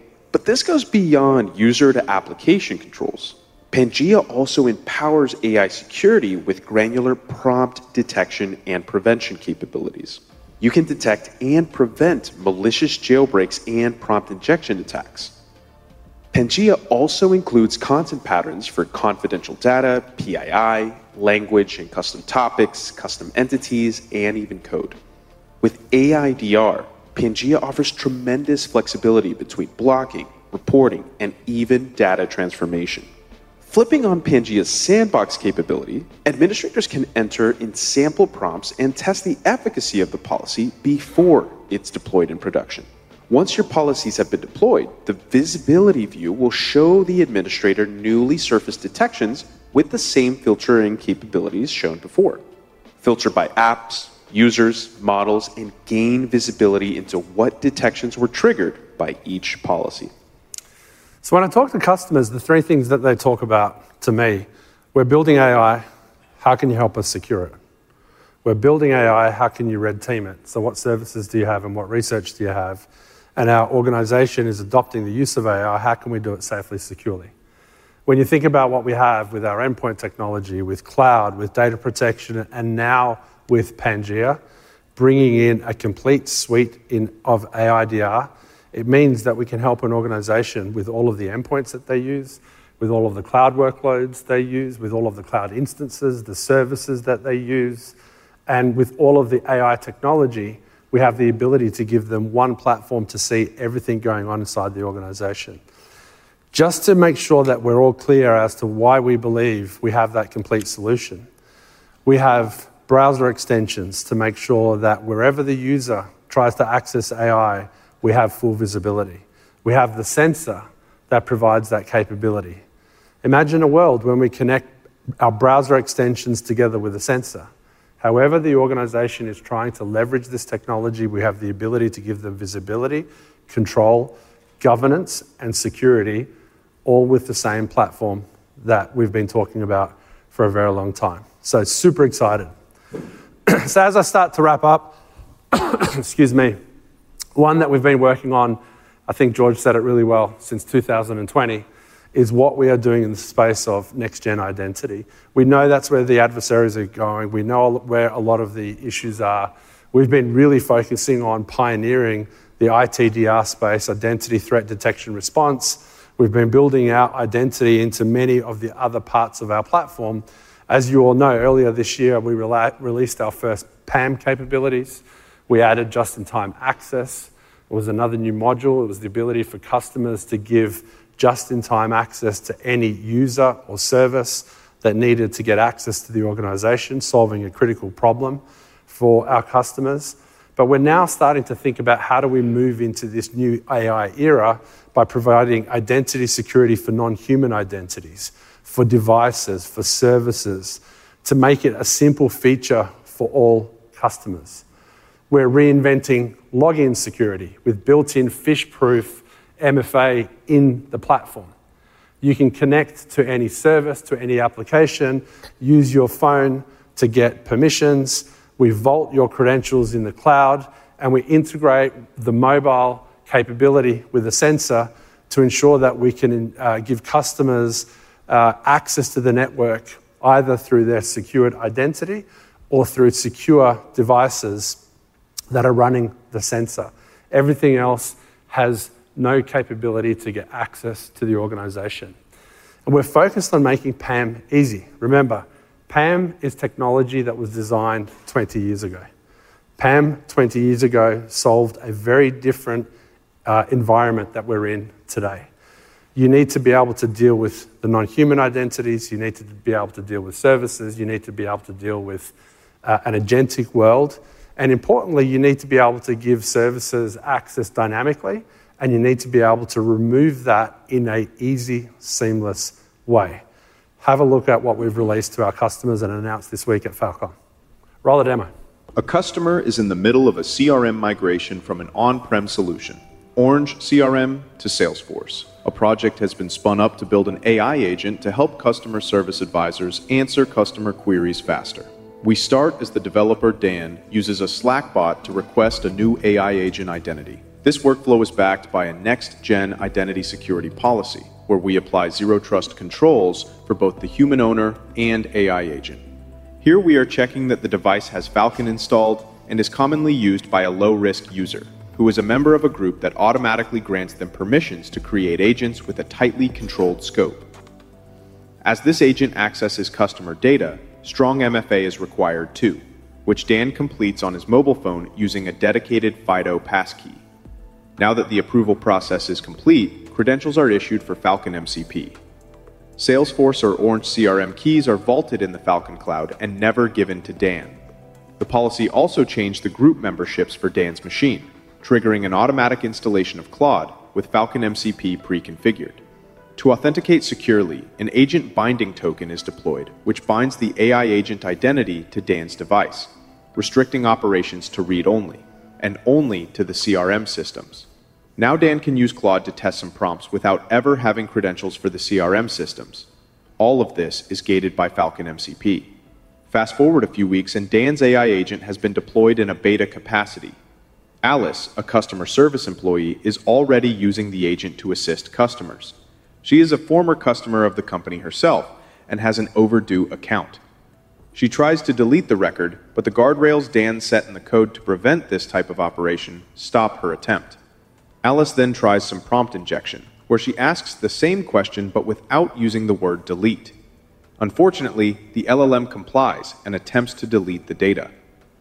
This goes beyond user-to-application controls. Pangea also empowers AI security with granular prompt detection and prevention capabilities. You can detect and prevent malicious jailbreaks and prompt injection attacks. Pangea also includes content patterns for confidential data, PII, language, and custom topics, custom entities, and even code. With AIDR, Pangea offers tremendous flexibility between blocking, reporting, and even data transformation. Flipping on Pangea's sandbox capability, administrators can enter in sample prompts and test the efficacy of the policy before it's deployed in production. Once your policies have been deployed, the visibility view will show the administrator newly surfaced detections with the same filtering capabilities shown before. Filter by apps, users, models, and gain visibility into what detections were triggered by each policy. When I talk to customers, the three things that they talk about to me are, we're building AI. How can you help us secure it? We're building AI. How can you retain it? What services do you have and what research do you have? Our organization is adopting the use of AI. How can we do it safely, securely? When you think about what we have with our endpoint technology, with cloud, with data protection, and now with Pangea, bringing in a complete suite of AIDR, it means that we can help an organization with all of the endpoints that they use, with all of the cloud workloads they use, with all of the cloud instances, the services that they use, and with all of the AI technology. We have the ability to give them one platform to see everything going on inside the organization. Just to make sure that we're all clear as to why we believe we have that complete solution, we have browser extensions to make sure that wherever the user tries to access AI, we have full visibility. We have the sensor that provides that capability. Imagine a world when we connect our browser extensions together with a sensor. However the organization is trying to leverage this technology, we have the ability to give them visibility, control, governance, and security, all with the same platform that we've been talking about for a very long time. I am super excited. As I start to wrap up, one that we've been working on, I think George said it really well since 2020, is what we are doing in the space of Next-Gen identity. We know that's where the adversaries are going. We know where a lot of the issues are. We've been really focusing on pioneering the ITDR space, identity threat detection response. We've been building our identity into many of the other parts of our platform. As you all know, earlier this year, we released our first PAM capabilities. We added just-in-time access. It was another new module. It was the ability for customers to give just-in-time access to any user or service that needed to get access to the organization, solving a critical problem for our customers. We're now starting to think about how do we move into this new AI era by providing identity security for non-human identities, for devices, for services, to make it a simple feature for all customers. We're reinventing login security with built-in fishproof MFA in the platform. You can connect to any service, to any application, use your phone to get permissions. We vault your credentials in the cloud, and we integrate the mobile capability with a sensor to ensure that we can give customers access to the network either through their secured identity or through secure devices that are running the sensor. Everything else has no capability to get access to the organization. We're focused on making PAM easy. Remember, PAM is technology that was designed 20 years ago. PAM 20 years ago solved a very different environment that we're in today. You need to be able to deal with the non-human identities. You need to be able to deal with services. You need to be able to deal with an agentic world. Importantly, you need to be able to give services access dynamically, and you need to be able to remove that in an easy, seamless way. Have a look at what we've released to our customers and announced this week at Falcon. Roll the demo. A customer is in the middle of a CRM migration from an on-prem solution, Orange CRM, to Salesforce. A project has been spun up to build an AI agent to help customer service advisors answer customer queries faster. We start as the developer Dan uses a Slack bot to request a new AI agent identity. This workflow is backed by a next-gen identity security policy where we apply zero trust controls for both the human owner and AI agent. Here we are checking that the device has Falcon installed and is commonly used by a low-risk user who is a member of a group that automatically grants them permissions to create agents with a tightly controlled scope. As this agent accesses customer data, strong MFA is required too, which Dan completes on his mobile phone using a dedicated FIDO passkey. Now that the approval process is complete, credentials are issued for Falcon MCP. Salesforce or Orange CRM keys are vaulted in the Falcon cloud and never given to Dan. The policy also changed the group memberships for Dan's machine, triggering an automatic installation of Claude with Falcon MCP pre-configured. To authenticate securely, an agent binding token is deployed, which binds the AI agent identity to Dan's device, restricting operations to read-only and only to the CRM systems. Now Dan can use Claude to test some prompts without ever having credentials for the CRM systems. All of this is gated by Falcon MCP. Fast forward a few weeks, and Dan's AI agent has been deployed in a beta capacity. Alice, a customer service employee, is already using the agent to assist customers. She is a former customer of the company herself and has an overdue account. She tries to delete the record, but the guardrails Dan set in the code to prevent this type of operation stop her attempt. Alice then tries some prompt injection, where she asks the same question but without using the word "delete." Unfortunately, the LLM complies and attempts to delete the data.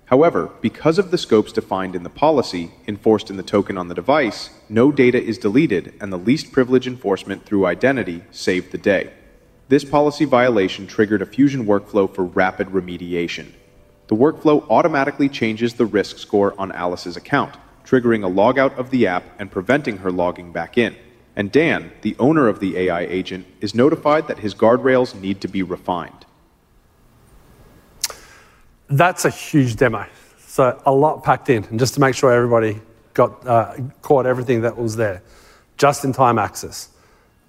However, because of the scopes defined in the policy enforced in the token on the device, no data is deleted, and the least privilege enforcement through identity saved the day. This policy violation triggered a Fusion workflow for rapid remediation. The workflow automatically changes the risk score on Alice's account, triggering a logout of the app and preventing her logging back in. Dan, the owner of the AI agent, is notified that his guardrails need to be refined. That's a huge demo. A lot packed in. Just to make sure everybody caught everything that was there: just-in-time access,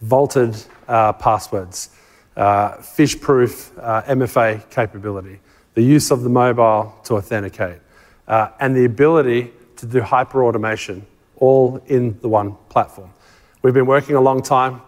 vaulted passwords, fishproof MFA capability, the use of the mobile to authenticate, and the ability to do hyperautomation all in the one platform. We've been working a long time.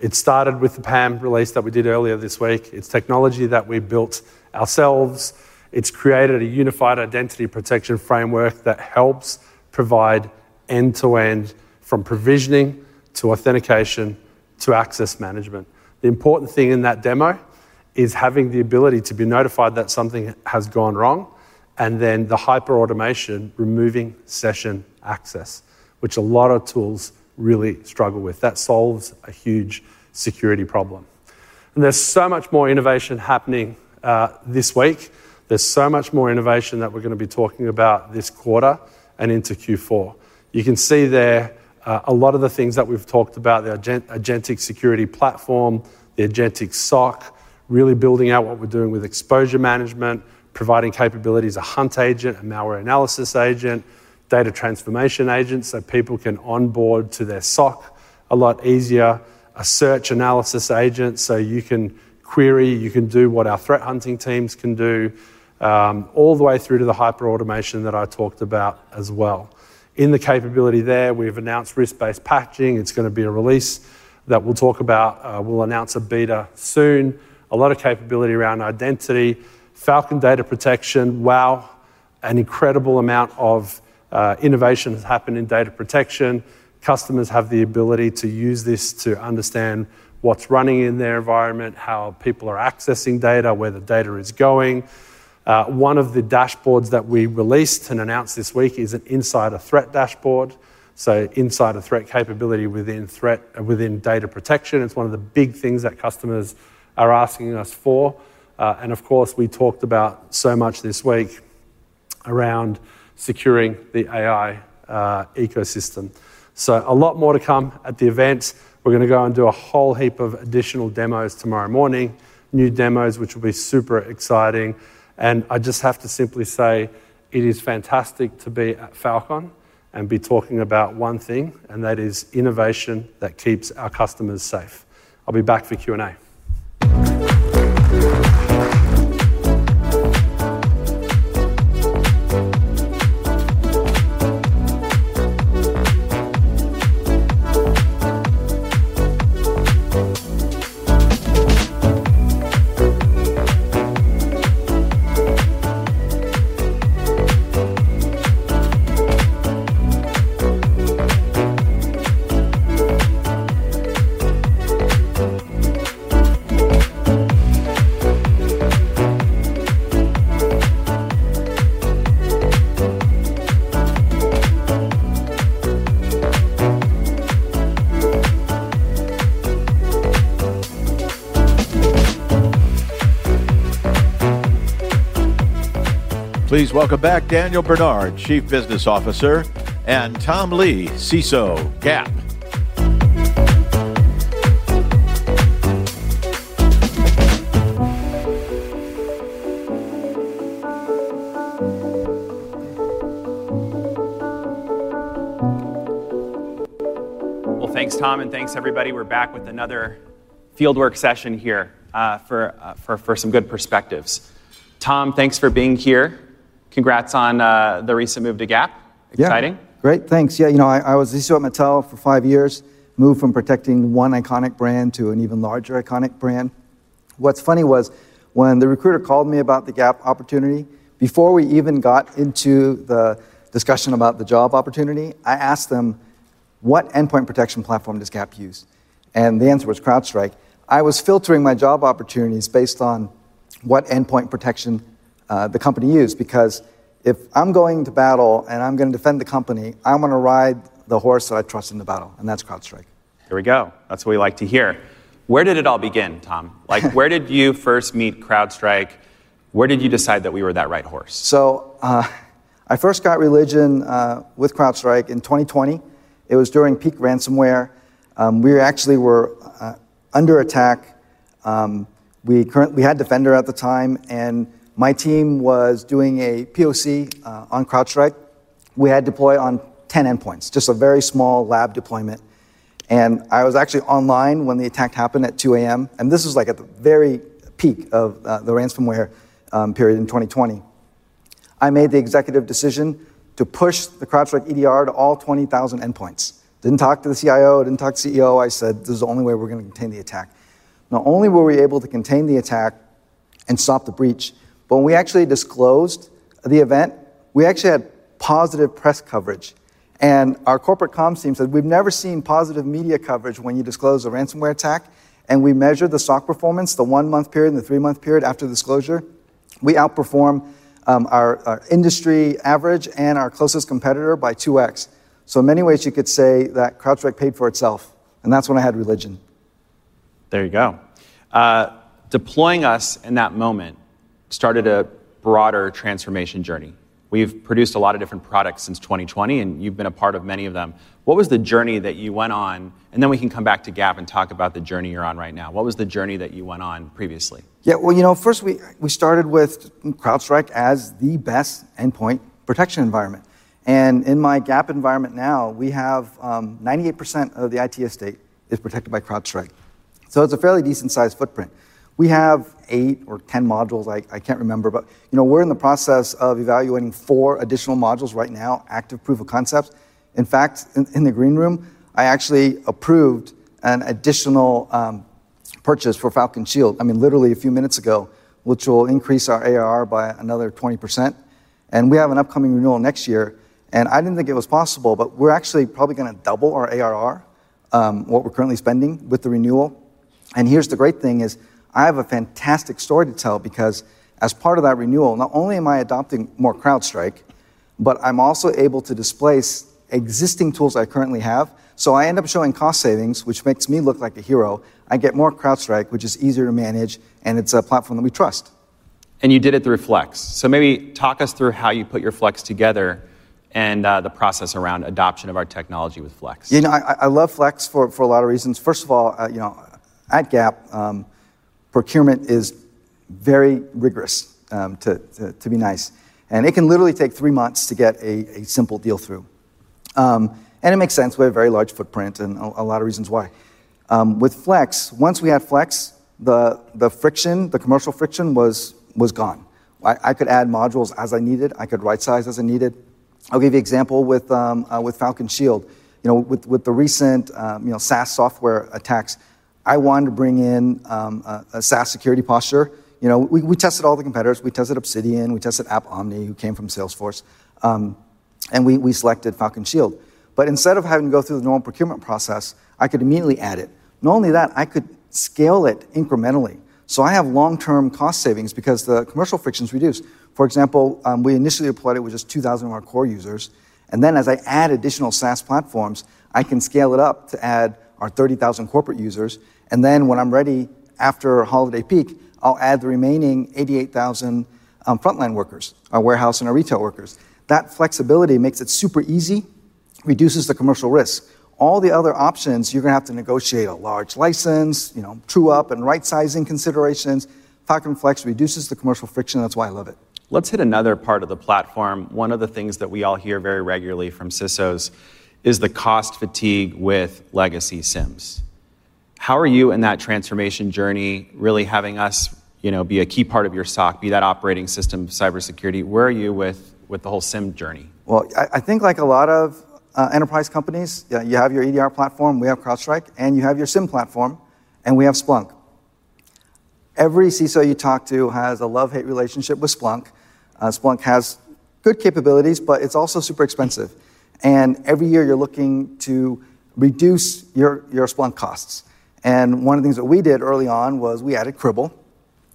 It started with the PAM release that we did earlier this week. It's technology that we built ourselves. It's created a unified identity protection framework that helps provide end-to-end from provisioning to authentication to access management. The important thing in that demo is having the ability to be notified that something has gone wrong, and then the hyperautomation removing session access, which a lot of tools really struggle with. That solves a huge security problem. There's so much more innovation happening this week. There's so much more innovation that we're going to be talking about this quarter and into Q4. You can see there a lot of the things that we've talked about: the agentic security platform, the agentic SOC, really building out what we're doing with exposure management, providing capabilities, a hunt agent, a malware analysis agent, data transformation agent so people can onboard to their SOC a lot easier, a search analysis agent so you can query, you can do what our threat hunting teams can do, all the way through to the hyperautomation that I talked about as well. In the capability there, we've announced risk-based patching. It's going to be a release that we'll talk about. We'll announce a beta soon. A lot of capability around identity, Falcon Data Protection. Wow, an incredible amount of innovation has happened in data protection. Customers have the ability to use this to understand what's running in their environment, how people are accessing data, where the data is going. One of the dashboards that we released and announced this week is an insider threat dashboard. Insider threat capability within threat and within data protection. It's one of the big things that customers are asking us for. Of course, we talked about so much this week around securing the AI ecosystem. A lot more to come at the event. We're going to go and do a whole heap of additional demos tomorrow morning, new demos, which will be super exciting. I just have to simply say it is fantastic to be at Falcon and be talking about one thing, and that is innovation that keeps our customers safe. I'll be back for Q&A. Welcome back Daniel Bernard, Chief Business Officer, and Tom Lee, CISO Gap. Thanks, Tom, and thanks, everybody. We're back with another fieldwork session here for some good perspectives. Tom, thanks for being here. Congrats on the recent move to Gap. Exciting. Yeah, great. Thanks. I was CISO at Mattel for five years, moved from protecting one iconic brand to an even larger iconic brand. What's funny was when the recruiter called me about the Gap opportunity, before we even got into the discussion about the job opportunity, I asked them, what endpoint protection platform does Gap use? The answer was CrowdStrike. I was filtering my job opportunities based on what endpoint protection the company used, because if I'm going to battle and I'm going to defend the company, I'm going to ride the horse that I trust in the battle, and that's CrowdStrike. Here we go. That's what we like to hear. Where did it all begin, Tom? Where did you first meet CrowdStrike? Where did you decide that we were that right horse? I first got religion with CrowdStrike in 2020. It was during peak ransomware. We actually were under attack. We had Defender at the time, and my team was doing a POC on CrowdStrike. We had deployed on 10 endpoints, just a very small lab deployment. I was actually online when the attack happened at 2:00 A.M., and this was at the very peak of the ransomware period in 2020. I made the executive decision to push the CrowdStrike EDR to all 20,000 endpoints. I didn't talk to the CIO, didn't talk to the CEO. I said this is the only way we're going to contain the attack. Not only were we able to contain the attack and stop the breach, but when we actually disclosed the event, we actually had positive press coverage. Our corporate comms team said we've never seen positive media coverage when you disclose a ransomware attack. We measured the stock performance, the one-month period and the three-month period after the disclosure. We outperformed our industry average and our closest competitor by 2x. In many ways, you could say that CrowdStrike paid for itself. That's when I had religion. There you go. Deploying us in that moment started a broader transformation journey. We've produced a lot of different products since 2020, and you've been a part of many of them. What was the journey that you went on? We can come back to Gap and talk about the journey you're on right now. What was the journey that you went on previously? Yeah, you know, first we started with CrowdStrike as the best endpoint protection environment. In my Gap environment now, we have 98% of the IT estate protected by CrowdStrike. It's a fairly decent-sized footprint. We have eight or ten modules, I can't remember. We're in the process of evaluating four additional modules right now, active proof of concepts. In fact, in the green room, I actually approved an additional purchase for Falcon Shield, I mean, literally a few minutes ago, which will increase our ARR by another 20%. We have an upcoming renewal next year. I didn't think it was possible, but we're actually probably going to double our ARR, what we're currently spending with the renewal. The great thing is I have a fantastic story to tell because as part of that renewal, not only am I adopting more CrowdStrike, but I'm also able to displace existing tools I currently have. I end up showing cost savings, which makes me look like a hero. I get more CrowdStrike, which is easier to manage, and it's a platform that we trust. You did it through Flex. Maybe talk us through how you put your Flex together and the process around adoption of our technology with Flex. You know, I love Flex for a lot of reasons. First of all, you know, at Gap, procurement is very rigorous, to be nice. It can literally take three months to get a simple deal through. It makes sense. We have a very large footprint and a lot of reasons why. With Flex, once we had Flex, the friction, the commercial friction was gone. I could add modules as I needed. I could right-size as I needed. I'll give you an example with Falcon Shield. You know, with the recent SaaS software attacks, I wanted to bring in a SaaS security posture. We tested all the competitors. We tested Obsidian, we tested AppOmni, who came from Salesforce, and we selected Falcon Shield. Instead of having to go through the normal procurement process, I could immediately add it. Not only that, I could scale it incrementally. I have long-term cost savings because the commercial friction is reduced. For example, we initially deployed it with just 2,000 of our core users. As I add additional SaaS platforms, I can scale it up to add our 30,000 corporate users. When I'm ready, after holiday peak, I'll add the remaining 88,000 frontline workers, our warehouse and our retail workers. That flexibility makes it super easy, reduces the commercial risk. All the other options, you're going to have to negotiate a large license, you know, tune-up and right-sizing considerations. Falcon Flex reduces the commercial friction. That's why I love it. Let's hit another part of the platform. One of the things that we all hear very regularly from CISOs is the cost fatigue with legacy SIEMs. How are you in that transformation journey, really having us be a key part of your SOC, be that operating system cybersecurity? Where are you with the whole SIEM journey? I think like a lot of enterprise companies, you have your EDR platform, we have CrowdStrike, and you have your SIEM platform, and we have Splunk. Every CISO you talk to has a love-hate relationship with Splunk. Splunk has good capabilities, but it's also super expensive. Every year you're looking to reduce your Splunk costs. One of the things that we did early on was we added Cribl.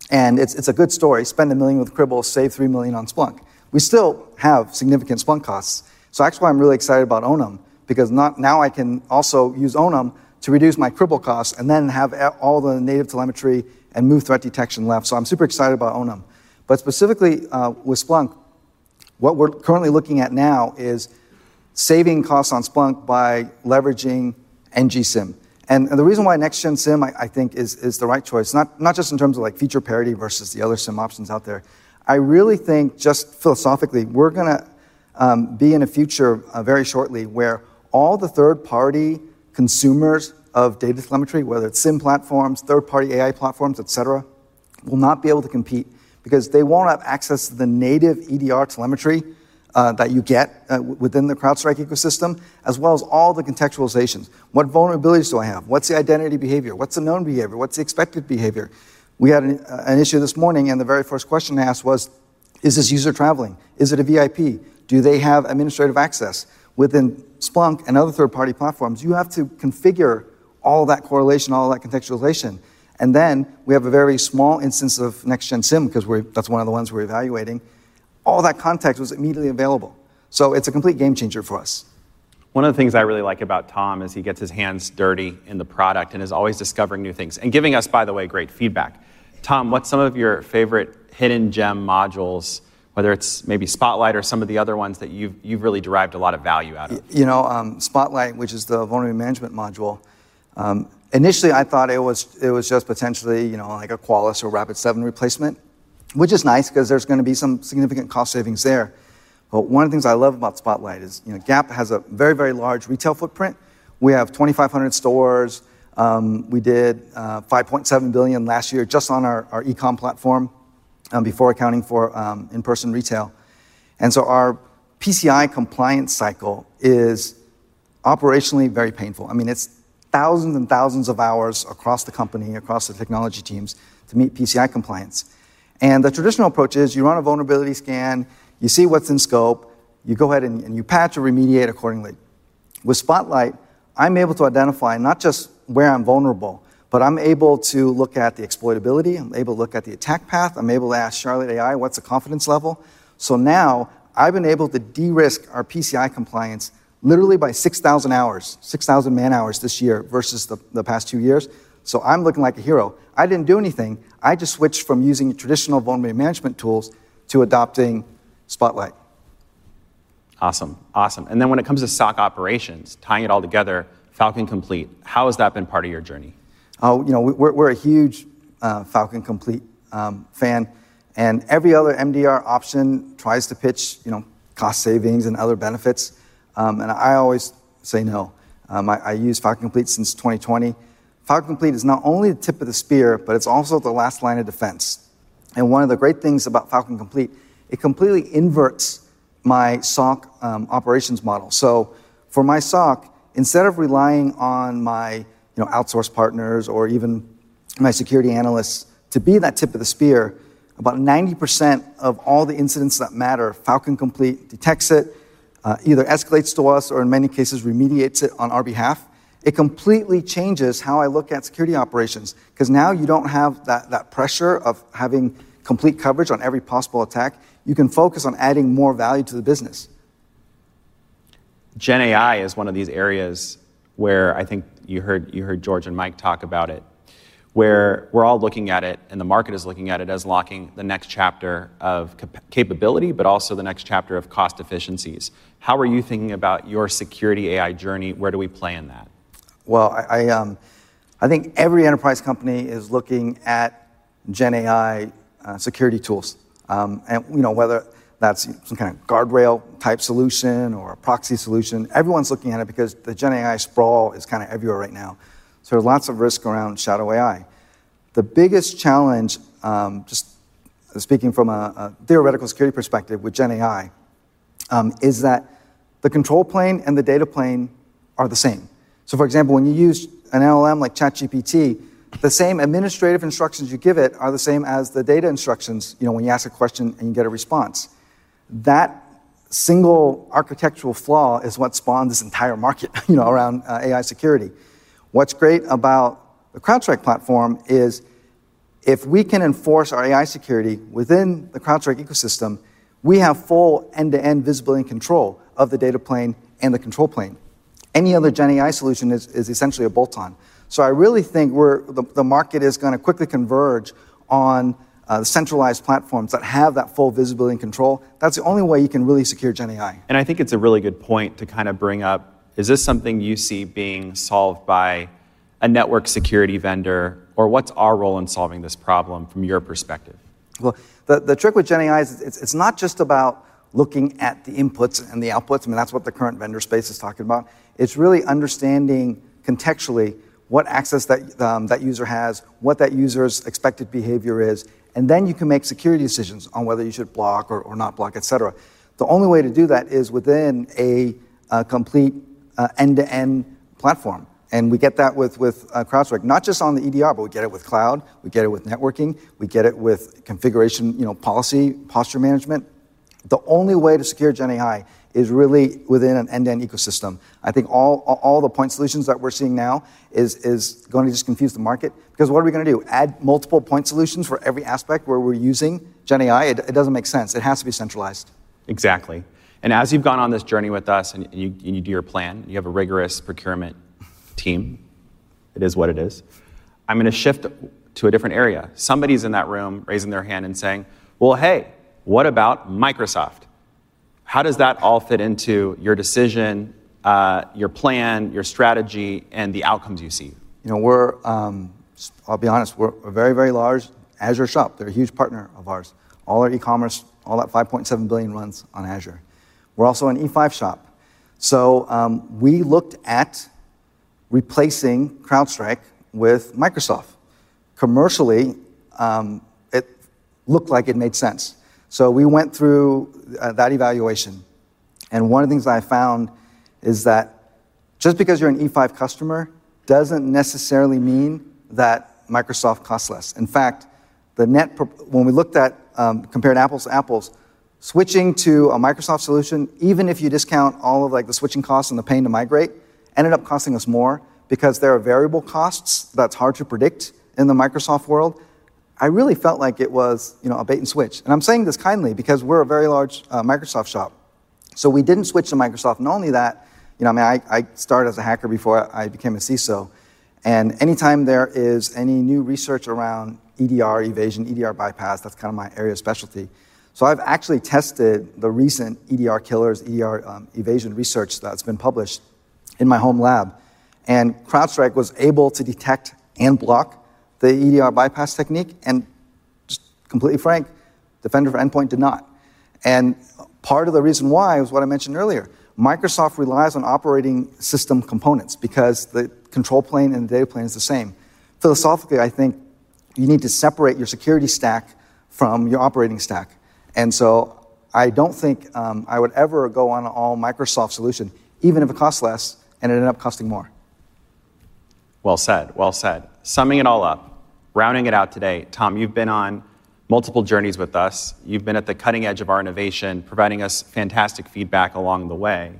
It's a good story. Spend $1 million with Cribl, save $3 million on Splunk. We still have significant Splunk costs. That is why I'm really excited about Onum, because now I can also use Onum to reduce my Cribl costs and then have all the native telemetry and new threat detection left. I'm super excited about Onum. Specifically with Splunk, what we're currently looking at now is saving costs on Splunk by leveraging Next-Gen SIEM. The reason why Next-Gen SIEM, I think, is the right choice, not just in terms of feature parity versus the other SIEM options out there, is I really think just philosophically, we're going to be in a future very shortly where all the third-party consumers of data telemetry, whether it's SIEM platforms, third-party AI platforms, etc., will not be able to compete because they won't have access to the native EDR telemetry that you get within the CrowdStrike ecosystem, as well as all the contextualizations. What vulnerabilities do I have? What's the identity behavior? What's the known behavior? What's the expected behavior? We had an issue this morning, and the very first question I asked was, is this user traveling? Is it a VIP? Do they have administrative access? Within Splunk and other third-party platforms, you have to configure all of that correlation, all of that contextualization. We have a very small instance of Next-Gen SIEM because that's one of the ones we're evaluating. All that context was immediately available. It's a complete game changer for us. One of the things I really like about Tom is he gets his hands dirty in the product and is always discovering new things and giving us, by the way, great feedback. Tom, what's some of your favorite hidden gem modules, whether it's maybe Spotlight or some of the other ones that you've really derived a lot of value out of? You know, Spotlight, which is the vulnerability management module, initially I thought it was just potentially, you know, like a Qualys or Rapid7 replacement, which is nice because there's going to be some significant cost savings there. One of the things I love about Spotlight is, you know, Gap has a very, very large retail footprint. We have 2,500 stores. We did $5.7 billion last year just on our e-comm platform before accounting for in-person retail. Our PCI compliance cycle is operationally very painful. I mean, it's thousands and thousands of hours across the company, across the technology teams to meet PCI compliance. The traditional approach is you run a vulnerability scan, you see what's in scope, you go ahead and you patch or remediate accordingly. With Spotlight, I'm able to identify not just where I'm vulnerable, but I'm able to look at the exploitability. I'm able to look at the attack path. I'm able to ask Charlotte AI, what's the confidence level? Now I've been able to de-risk our PCI compliance literally by 6,000 hours, 6,000 man-hours this year versus the past two years. I'm looking like a hero. I didn't do anything. I just switched from using traditional vulnerability management tools to adopting Spotlight. Awesome. Awesome. When it comes to SOC operations, tying it all together, Falcon Complete, how has that been part of your journey? Oh, you know, we're a huge Falcon Complete fan. Every other MDR option tries to pitch, you know, cost savings and other benefits. I always say no. I use Falcon Complete since 2020. Falcon Complete is not only the tip of the spear, but it's also the last line of defense. One of the great things about Falcon Complete, it completely inverts my SOC operations model. For my SOC, instead of relying on my, you know, outsourced partners or even my security analysts to be that tip of the spear, about 90% of all the incidents that matter, Falcon Complete detects it, either escalates to us, or in many cases remediates it on our behalf. It completely changes how I look at security operations because now you don't have that pressure of having complete coverage on every possible attack. You can focus on adding more value to the business. Gen AI is one of these areas where I think you heard George and Mike talk about it, where we're all looking at it and the market is looking at it as unlocking the next chapter of capability, but also the next chapter of cost efficiencies. How are you thinking about your security AI journey? Where do we play in that? I think every enterprise company is looking at GenAI security tools. You know, whether that's some kind of guardrail type solution or a proxy solution, everyone's looking at it because the GenAI sprawl is kind of everywhere right now. There's lots of risk around Shadow AI. The biggest challenge, just speaking from a theoretical security perspective with Gen AI, is that the control plane and the data plane are the same. For example, when you use an LLM like ChatGPT, the same administrative instructions you give it are the same as the data instructions, you know, when you ask a question and you get a response. That single architectural flaw is what spawned this entire market, you know, around AI security. What's great about the CrowdStrike platform is if we can enforce our AI security within the CrowdStrike ecosystem, we have full end-to-end visibility and control of the data plane and the control plane. Any other Gen AI solution is essentially a bolt-on. I really think the market is going to quickly converge on centralized platforms that have that full visibility and control. That's the only way you can really secure Gen AI. I think it's a really good point to kind of bring up. Is this something you see being solved by a network security vendor, or what's our role in solving this problem from your perspective? The trick with GenAI is it's not just about looking at the inputs and the outputs. I mean, that's what the current vendor space is talking about. It's really understanding contextually what access that user has, what that user's expected behavior is, and then you can make security decisions on whether you should block or not block, etc. The only way to do that is within a complete end-to-end platform. We get that with CrowdStrike, not just on the EDR, but we get it with cloud, we get it with networking, we get it with configuration, you know, policy, posture management. The only way to secure GenAI is really within an end-to-end ecosystem. I think all the point solutions that we're seeing now are going to just confuse the market because what are we going to do? Add multiple point solutions for every aspect where we're using GenAI? It doesn't make sense. It has to be centralized. Exactly. As you've gone on this journey with us and you do your plan, you have a rigorous procurement team. It is what it is. I'm going to shift to a different area. Somebody's in that room raising their hand and saying, hey, what about Microsoft? How does that all fit into your decision, your plan, your strategy, and the outcomes you see? You know, I'll be honest, we're a very, very large Azure shop. They're a huge partner of ours. All our e-commerce, all that $5.7 billion runs on Azure. We're also an E5 shop. We looked at replacing CrowdStrike with Microsoft. Commercially, it looked like it made sense. We went through that evaluation. One of the things I found is that just because you're an E5 customer doesn't necessarily mean that Microsoft costs less. In fact, when we looked at it, compared apples to apples, switching to a Microsoft solution, even if you discount all of the switching costs and the pain to migrate, ended up costing us more because there are variable costs that are hard to predict in the Microsoft world. I really felt like it was a bait and switch. I'm saying this kindly because we're a very large Microsoft shop. We didn't switch to Microsoft. Not only that, I started as a hacker before I became a CISO. Anytime there is any new research around EDR evasion, EDR bypass, that's kind of my area of specialty. I've actually tested the recent EDR killers, EDR evasion research that's been published in my home lab. CrowdStrike was able to detect and block the EDR bypass technique. Just completely frank, Defender for Endpoint did not. Part of the reason why is what I mentioned earlier. Microsoft relies on operating system components because the control plane and the data plane is the same. Philosophically, I think you need to separate your security stack from your operating stack. I don't think I would ever go on an all-Microsoft solution, even if it costs less and it ended up costing more. Well said. Summing it all up, rounding it out today, Tom, you've been on multiple journeys with us. You've been at the cutting edge of our innovation, providing us fantastic feedback along the way.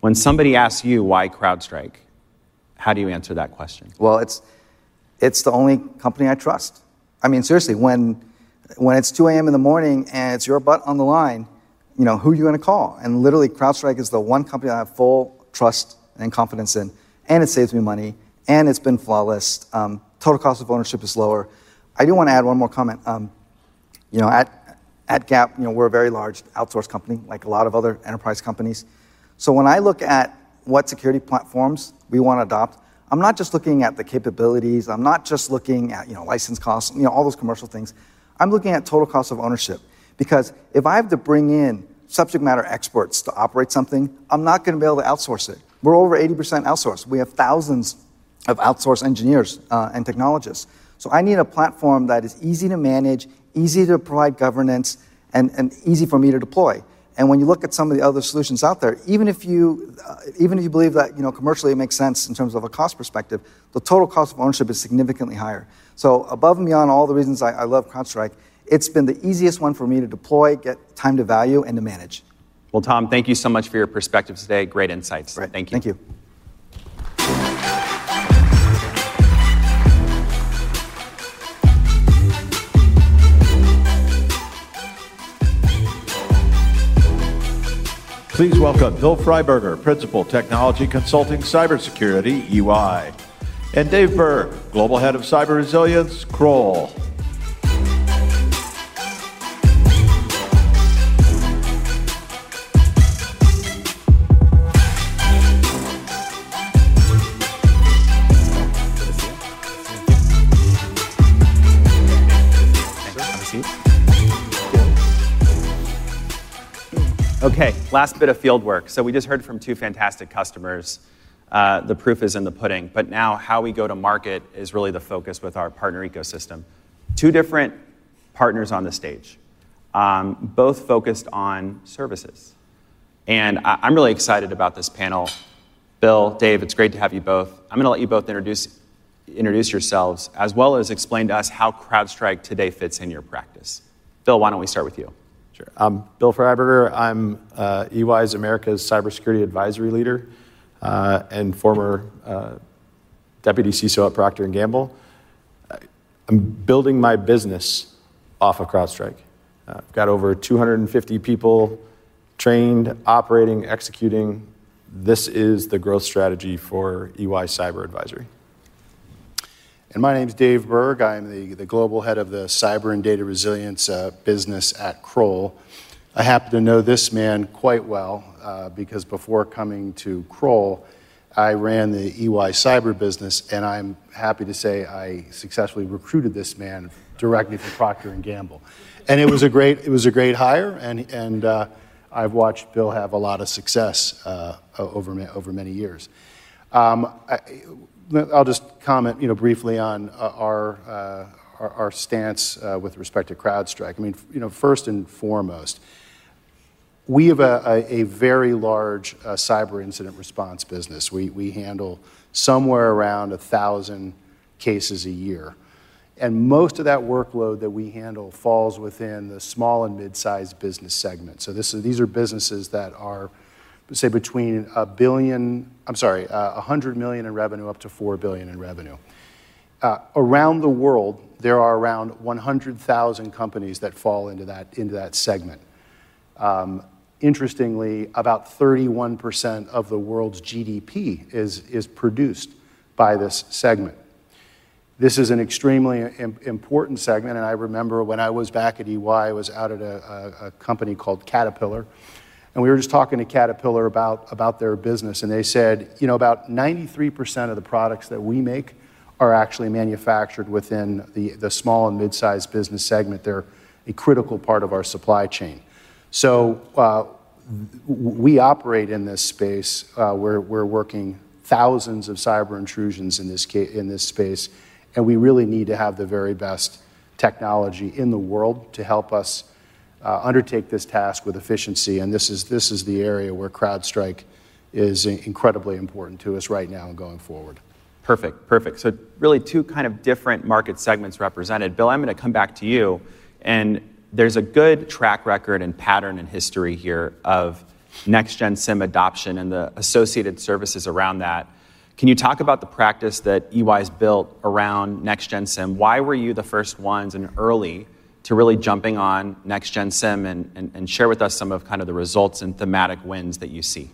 When somebody asks you why CrowdStrike, how do you answer that question? It's the only company I trust. I mean, seriously, when it's 2:00 A.M. in the morning and it's your butt on the line, you know, who are you going to call? Literally, CrowdStrike is the one company that I have full trust and confidence in. It saves me money, and it's been flawless. Total cost of ownership is lower. I do want to add one more comment. At Gap, we're a very large outsourced company, like a lot of other enterprise companies. When I look at what security platforms we want to adopt, I'm not just looking at the capabilities. I'm not just looking at license costs, all those commercial things. I'm looking at total cost of ownership because if I have to bring in subject matter experts to operate something, I'm not going to be able to outsource it. We're over 80% outsourced. We have thousands of outsourced engineers and technologists. I need a platform that is easy to manage, easy to provide governance, and easy for me to deploy. When you look at some of the other solutions out there, even if you believe that commercially it makes sense in terms of a cost perspective, the total cost of ownership is significantly higher. Above and beyond all the reasons I love CrowdStrike, it's been the easiest one for me to deploy, get time to value, and to manage. Tom, thank you so much for your perspective today. Great insights. Thank you. Thank you. Please welcome Bill Fryberger, Principal, Technology Consulting, Cybersecurity, EY, and Dave Burg, Global Head of Cyber Resilience, Kroll. Okay, last bit of fieldwork. We just heard from two fantastic customers. The proof is in the pudding. Now how we go to market is really the focus with our partner ecosystem. Two different partners on the stage, both focused on services. I'm really excited about this panel. Bill, Dave, it's great to have you both. I'm going to let you both introduce yourselves, as well as explain to us how CrowdStrike today fits in your practice. Bill, why don't we start with you? Sure. Bill Fryberger, I'm EY's Americas Cybersecurity Advisory Leader and former Deputy CISO at Procter & Gamble. I'm building my business off of CrowdStrike. I've got over 250 people trained, operating, executing. This is the growth strategy for EY's Cyber Advisory. My name's Dave Burg. I'm the Global Head of the Cyber and Data Resilience business at Kroll. I happen to know this man quite well because before coming to Kroll, I ran the EY Cyber business, and I'm happy to say I successfully recruited this man directly through Procter & Gamble. It was a great hire, and I've watched Bill have a lot of success over many years. I'll just comment briefly on our stance with respect to CrowdStrike. First and foremost, we have a very large cyber incident response business. We handle somewhere around 1,000 cases a year. Most of that workload that we handle falls within the small and mid-sized business segment. These are businesses that are, say, between $100 million in revenue up to $4 billion in revenue. Around the world, there are around 100,000 companies that fall into that segment. Interestingly, about 31% of the world's GDP is produced by this segment. This is an extremely important segment. I remember when I was back at EY, I was out at a company called Caterpillar. We were just talking to Caterpillar about their business. They said about 93% of the products that we make are actually manufactured within the small and mid-sized business segment. They're a critical part of our supply chain. We operate in this space. We're working thousands of cyber intrusions in this space. We really need to have the very best technology in the world to help us undertake this task with efficiency. This is the area where CrowdStrike is incredibly important to us right now and going forward. Perfect. Perfect. Really two kind of different market segments represented. Bill, I'm going to come back to you. There's a good track record and pattern in history here of Next-Gen SIEM adoption and the associated services around that. Can you talk about the practice that EY has built around Next-Gen SIEM? Why were you the first ones and early to really jumping on Next-Gen SIEM and share with us some of the results and thematic wins that you see?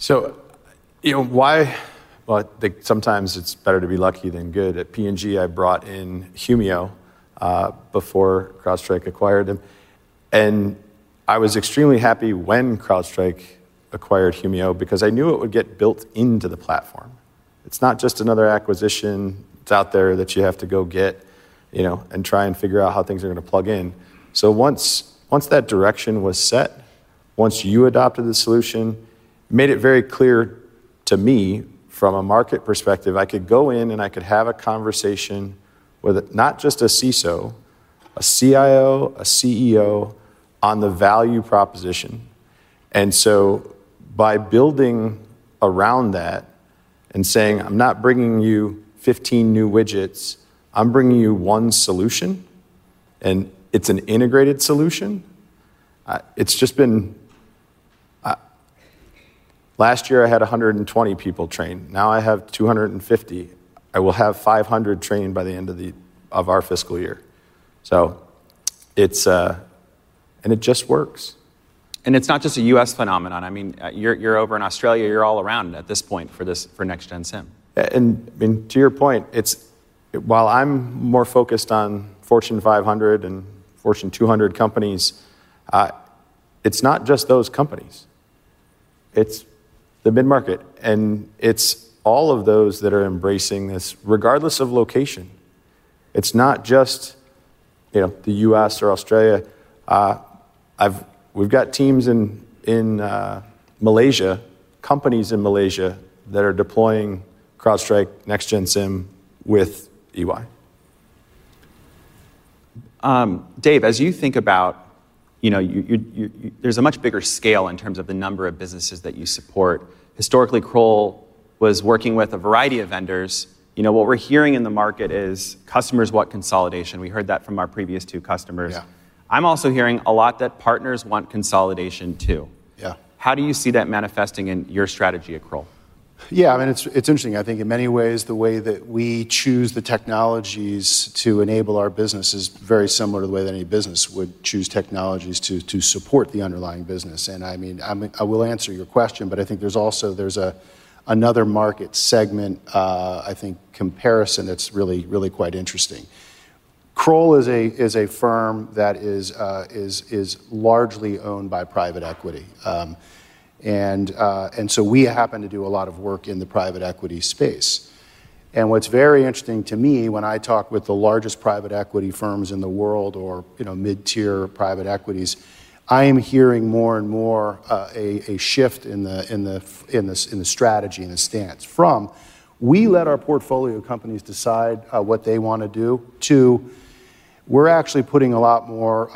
You know, sometimes it's better to be lucky than good. At P&G, I brought in Humio before CrowdStrike acquired them. I was extremely happy when CrowdStrike acquired Humio because I knew it would get built into the platform. It's not just another acquisition that's out there that you have to go get, you know, and try and figure out how things are going to plug in. Once that direction was set, once you adopted the solution, it made it very clear to me from a market perspective, I could go in and I could have a conversation with not just a CISO, a CIO, a CEO on the value proposition. By building around that and saying, I'm not bringing you 15 new widgets, I'm bringing you one solution. It's an integrated solution. Last year I had 120 people trained. Now I have 250. I will have 500 trained by the end of our fiscal year. It just works. It's not just a U.S. phenomenon. I mean, you're over in Australia, you're all around at this point for Next-Gen SIEM. To your point, while I'm more focused on Fortune 500 and Fortune 200 companies, it's not just those companies. It's the mid-market, and it's all of those that are embracing this, regardless of location. It's not just, you know, the U.S. or Australia. We've got teams in Malaysia, companies in Malaysia that are deploying CrowdStrike Next-Gen SIEM with EY. Dave, as you think about, you know, there's a much bigger scale in terms of the number of businesses that you support. Historically, Kroll was working with a variety of vendors. You know, what we're hearing in the market is customers want consolidation. We heard that from our previous two customers. I'm also hearing a lot that partners want consolidation too. Yeah. How do you see that manifesting in your strategy at Kroll? Yeah, I mean, it's interesting. I think in many ways, the way that we choose the technologies to enable our business is very similar to the way that any business would choose technologies to support the underlying business. I mean, I will answer your question, but I think there's also another market segment comparison that's really, really quite interesting. Kroll is a firm that is largely owned by private equity. We happen to do a lot of work in the private equity space. What's very interesting to me, when I talk with the largest private equity firms in the world or, you know, mid-tier private equities, I am hearing more and more a shift in the strategy and the stance from we let our portfolio companies decide what they want to do to we're actually putting a lot more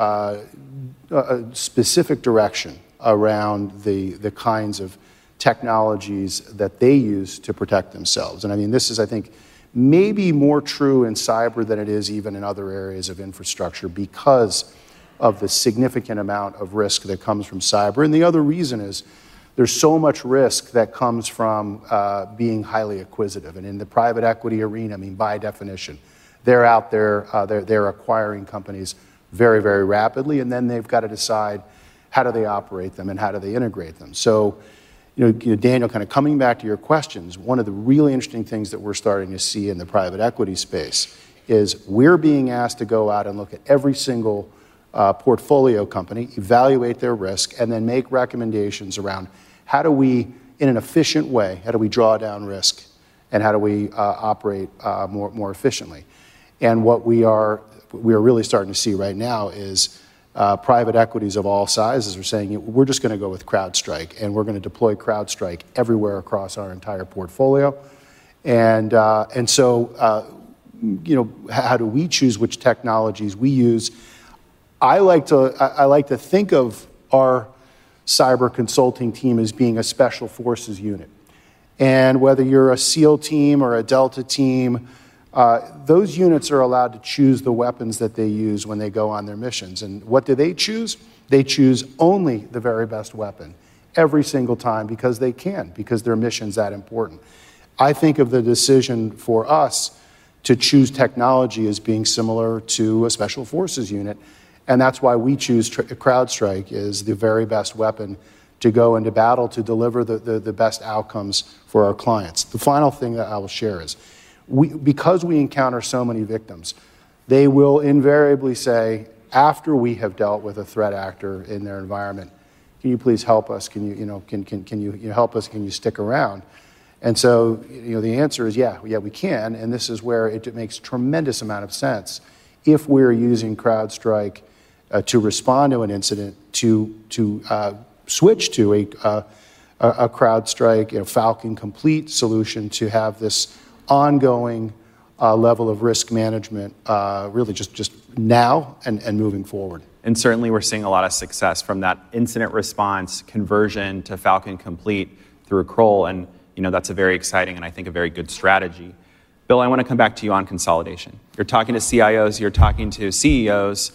specific direction around the kinds of technologies that they use to protect themselves. I mean, this is, I think, maybe more true in cyber than it is even in other areas of infrastructure because of the significant amount of risk that comes from cyber. The other reason is there's so much risk that comes from being highly acquisitive. In the private equity arena, by definition, they're out there, they're acquiring companies very, very rapidly. Then they've got to decide how do they operate them and how do they integrate them. Daniel, kind of coming back to your questions, one of the really interesting things that we're starting to see in the private equity space is we're being asked to go out and look at every single portfolio company, evaluate their risk, and then make recommendations around how do we, in an efficient way, draw down risk and how do we operate more efficiently. What we are really starting to see right now is private equities of all sizes are saying, we're just going to go with CrowdStrike and we're going to deploy CrowdStrike everywhere across our entire portfolio. How do we choose which technologies we use? I like to think of our cyber consulting team as being a special forces unit. Whether you're a SEAL team or a Delta team, those units are allowed to choose the weapons that they use when they go on their missions. What do they choose? They choose only the very best weapon every single time because they can, because their mission's that important. I think of the decision for us to choose technology as being similar to a special forces unit. That is why we choose CrowdStrike as the very best weapon to go into battle to deliver the best outcomes for our clients. The final thing that I will share is because we encounter so many victims, they will invariably say, after we have dealt with a threat actor in their environment, can you please help us? Can you, you know, can you help us? Can you stick around? The answer is, yeah, yeah, we can. This is where it makes a tremendous amount of sense. If we're using CrowdStrike to respond to an incident, to switch to a CrowdStrike Falcon Complete solution to have this ongoing level of risk management really just now and moving forward. We're seeing a lot of success from that incident response conversion to Falcon Complete through Kroll. That's very exciting and I think a very good strategy. Bill, I want to come back to you on consolidation. You're talking to CIOs, you're talking to CEOs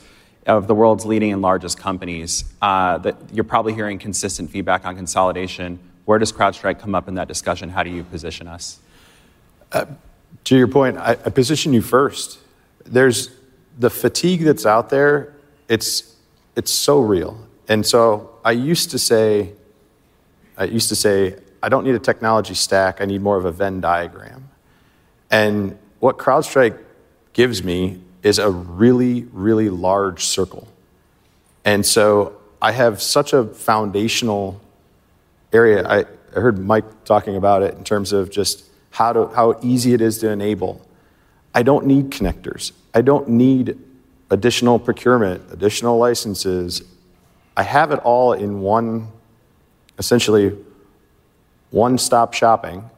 of the world's leading and largest companies. You're probably hearing consistent feedback on consolidation. Where does CrowdStrike come up in that discussion? How do you position us? To your point, I position you first. There's the fatigue that's out there. It's so real. I used to say, I don't need a technology stack. I need more of a Venn diagram. What CrowdStrike gives me is a really, really large circle. I have such a foundational area. I heard Mike talking about it in terms of just how easy it is to enable. I don't need connectors. I don't need additional procurement, additional licenses. I have it all in one, essentially one-stop shopping.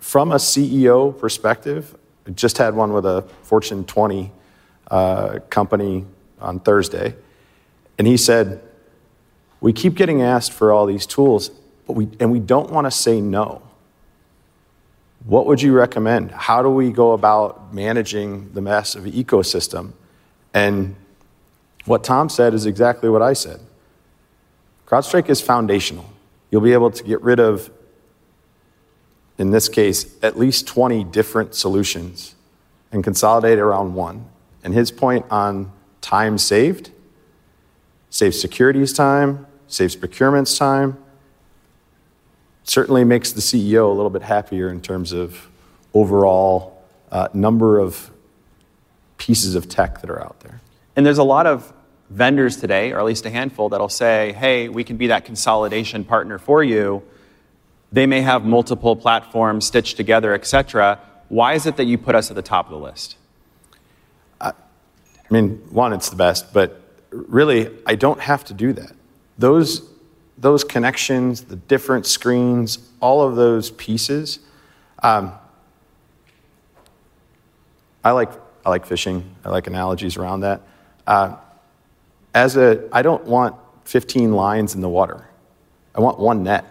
From a CEO perspective, I just had one with a Fortune 20 company on Thursday. He said, we keep getting asked for all these tools, and we don't want to say no. What would you recommend? How do we go about managing the mess of the ecosystem? What Tom said is exactly what I said. CrowdStrike is foundational. You'll be able to get rid of, in this case, at least 20 different solutions and consolidate around one. His point on time saved, saves security's time, saves procurement's time, certainly makes the CEO a little bit happier in terms of overall number of pieces of tech that are out there. There are a lot of vendors today, or at least a handful that'll say, hey, we can be that consolidation partner for you. They may have multiple platforms stitched together, etc. Why is it that you put us at the top of the list? I mean, one, it's the best, but really, I don't have to do that. Those connections, the different screens, all of those pieces, I like fishing. I like analogies around that. As a, I don't want 15 lines in the water. I want one net.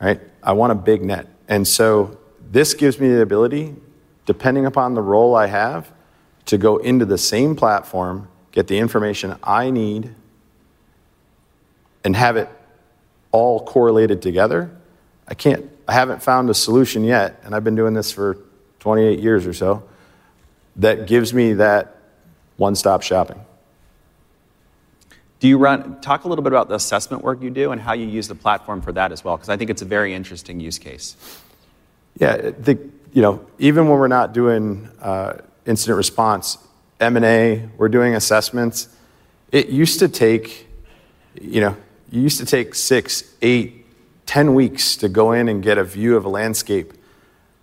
Right? I want a big net. This gives me the ability, depending upon the role I have, to go into the same platform, get the information I need, and have it all correlated together. I can't, I haven't found a solution yet, and I've been doing this for 28 years or so, that gives me that one-stop shopping. Do you run, talk a little bit about the assessment work you do and how you use the platform for that as well, because I think it's a very interesting use case. Yeah, you know, even when we're not doing incident response, M&A, we're doing assessments. It used to take, you know, six, eight, ten weeks to go in and get a view of a landscape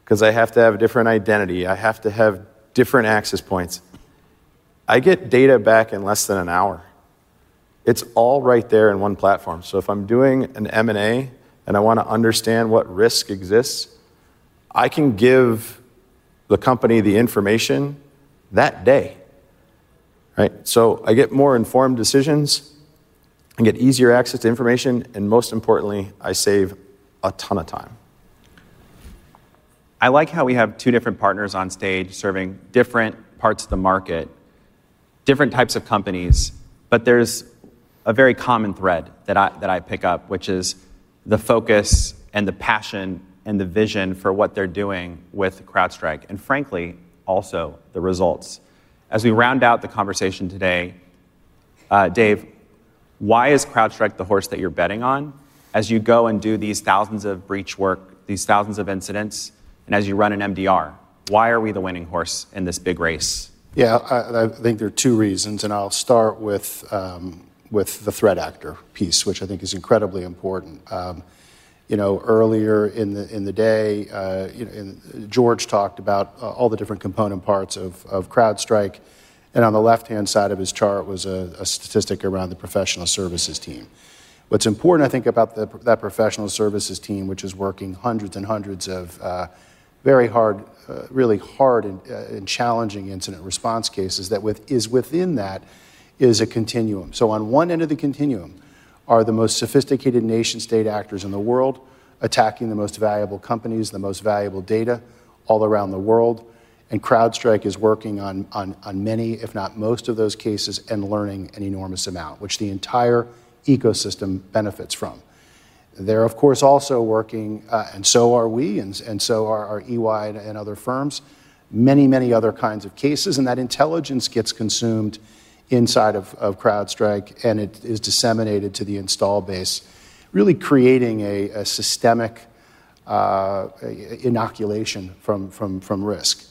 because I have to have a different identity. I have to have different access points. I get data back in less than an hour. It's all right there in one platform. If I'm doing an M&A and I want to understand what risk exists, I can give the company the information that day. Right? I get more informed decisions. I get easier access to information, and most importantly, I save a ton of time. I like how we have two different partners on stage serving different parts of the market, different types of companies, but there's a very common thread that I pick up, which is the focus and the passion and the vision for what they're doing with CrowdStrike, and frankly, also the results. As we round out the conversation today, Dave, why is CrowdStrike the horse that you're betting on as you go and do these thousands of breach work, these thousands of incidents, and as you run an MDR? Why are we the winning horse in this big race? Yeah, I think there are two reasons, and I'll start with the threat actor piece, which I think is incredibly important. Earlier in the day, George talked about all the different component parts of CrowdStrike, and on the left-hand side of his chart was a statistic around the professional services team. What's important, I think, about that professional services team, which is working hundreds and hundreds of very hard, really hard and challenging incident response cases, is that within that is a continuum. On one end of the continuum are the most sophisticated nation-state actors in the world attacking the most valuable companies, the most valuable data all around the world, and CrowdStrike is working on many, if not most, of those cases and learning an enormous amount, which the entire ecosystem benefits from. They're, of course, also working, and so are we, and so are EY and other firms, many, many other kinds of cases, and that intelligence gets consumed inside of CrowdStrike, and it is disseminated to the install base, really creating a systemic inoculation from risk.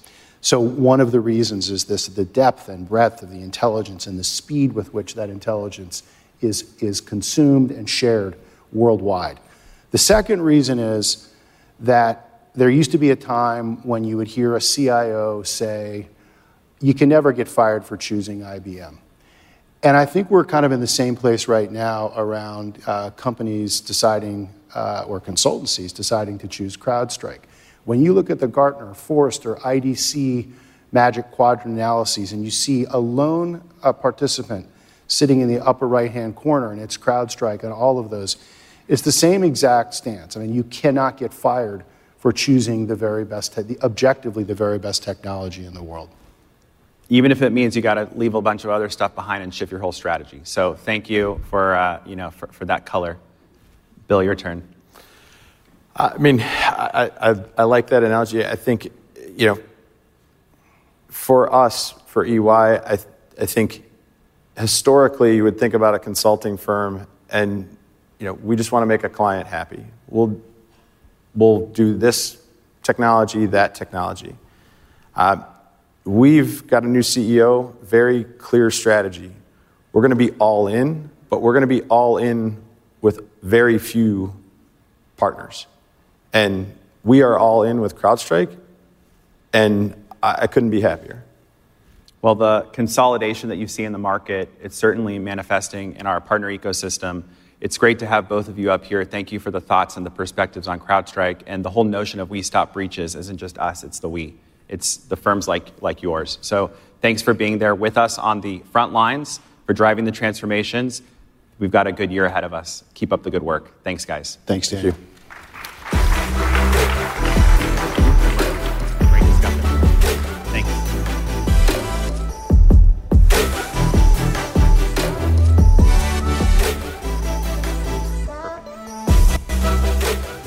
One of the reasons is the depth and breadth of the intelligence and the speed with which that intelligence is consumed and shared worldwide. The second reason is that there used to be a time when you would hear a CIO say, you can never get fired for choosing IBM. I think we're kind of in the same place right now around companies deciding, or consultancies deciding to choose CrowdStrike. When you look at the Gartner, Forrester, IDC, Magic Quadrant analyses, and you see a lone participant sitting in the upper right-hand corner and it's CrowdStrike in all of those, it's the same exact stance. You cannot get fired for choosing the very best, objectively the very best technology in the world. Even if it means you got to leave a bunch of other stuff behind and shift your whole strategy. Thank you for, you know, for that color. Bill, your turn. I mean, I like that analogy. I think, for us, for EY, I think historically you would think about a consulting firm and, you know, we just want to make a client happy. We'll do this technology, that technology. We've got a new CEO, very clear strategy. We're going to be all in, but we're going to be all in with very few partners. We are all in with CrowdStrike, and I couldn't be happier. The consolidation that you see in the market is certainly manifesting in our partner ecosystem. It's great to have both of you up here. Thank you for the thoughts and the perspectives on CrowdStrike and the whole notion of we stop breaches. It isn't just us, it's the we. It's the firms like yours. Thanks for being there with us on the front lines for driving the transformations. We've got a good year ahead of us. Keep up the good work. Thanks, guys. Thanks, David.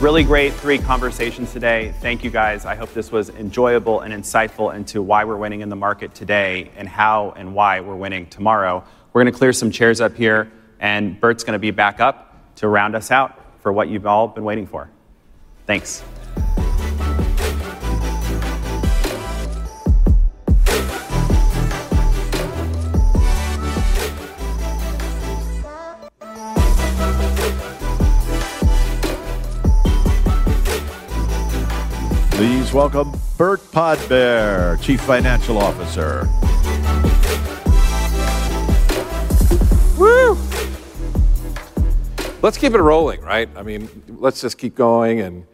Really great, great conversations today. Thank you, guys. I hope this was enjoyable and insightful into why we're winning in the market today and how and why we're winning tomorrow. We're going to clear some chairs up here, and Burt's going to be back up to round us out for what you've all been waiting for. Thanks. Please welcome Burt Podbere, Chief Financial Officer. Let's keep it rolling, right? I mean, let's just keep going. Even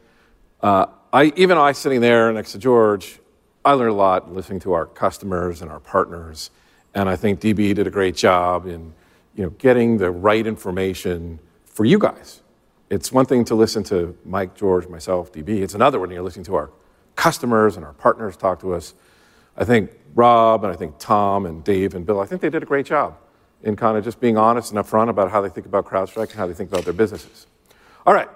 I, sitting there next to George, learned a lot listening to our customers and our partners. I think DB did a great job in, you know, getting the right information for you guys. It's one thing to listen to Mike, George, myself, DB. It's another one when you're listening to our customers and our partners talk to us. I think Rob, and I think Tom, and Dave, and Bill, I think they did a great job in kind of just being honest and upfront about how they think about CrowdStrike and how they think about their businesses. All right,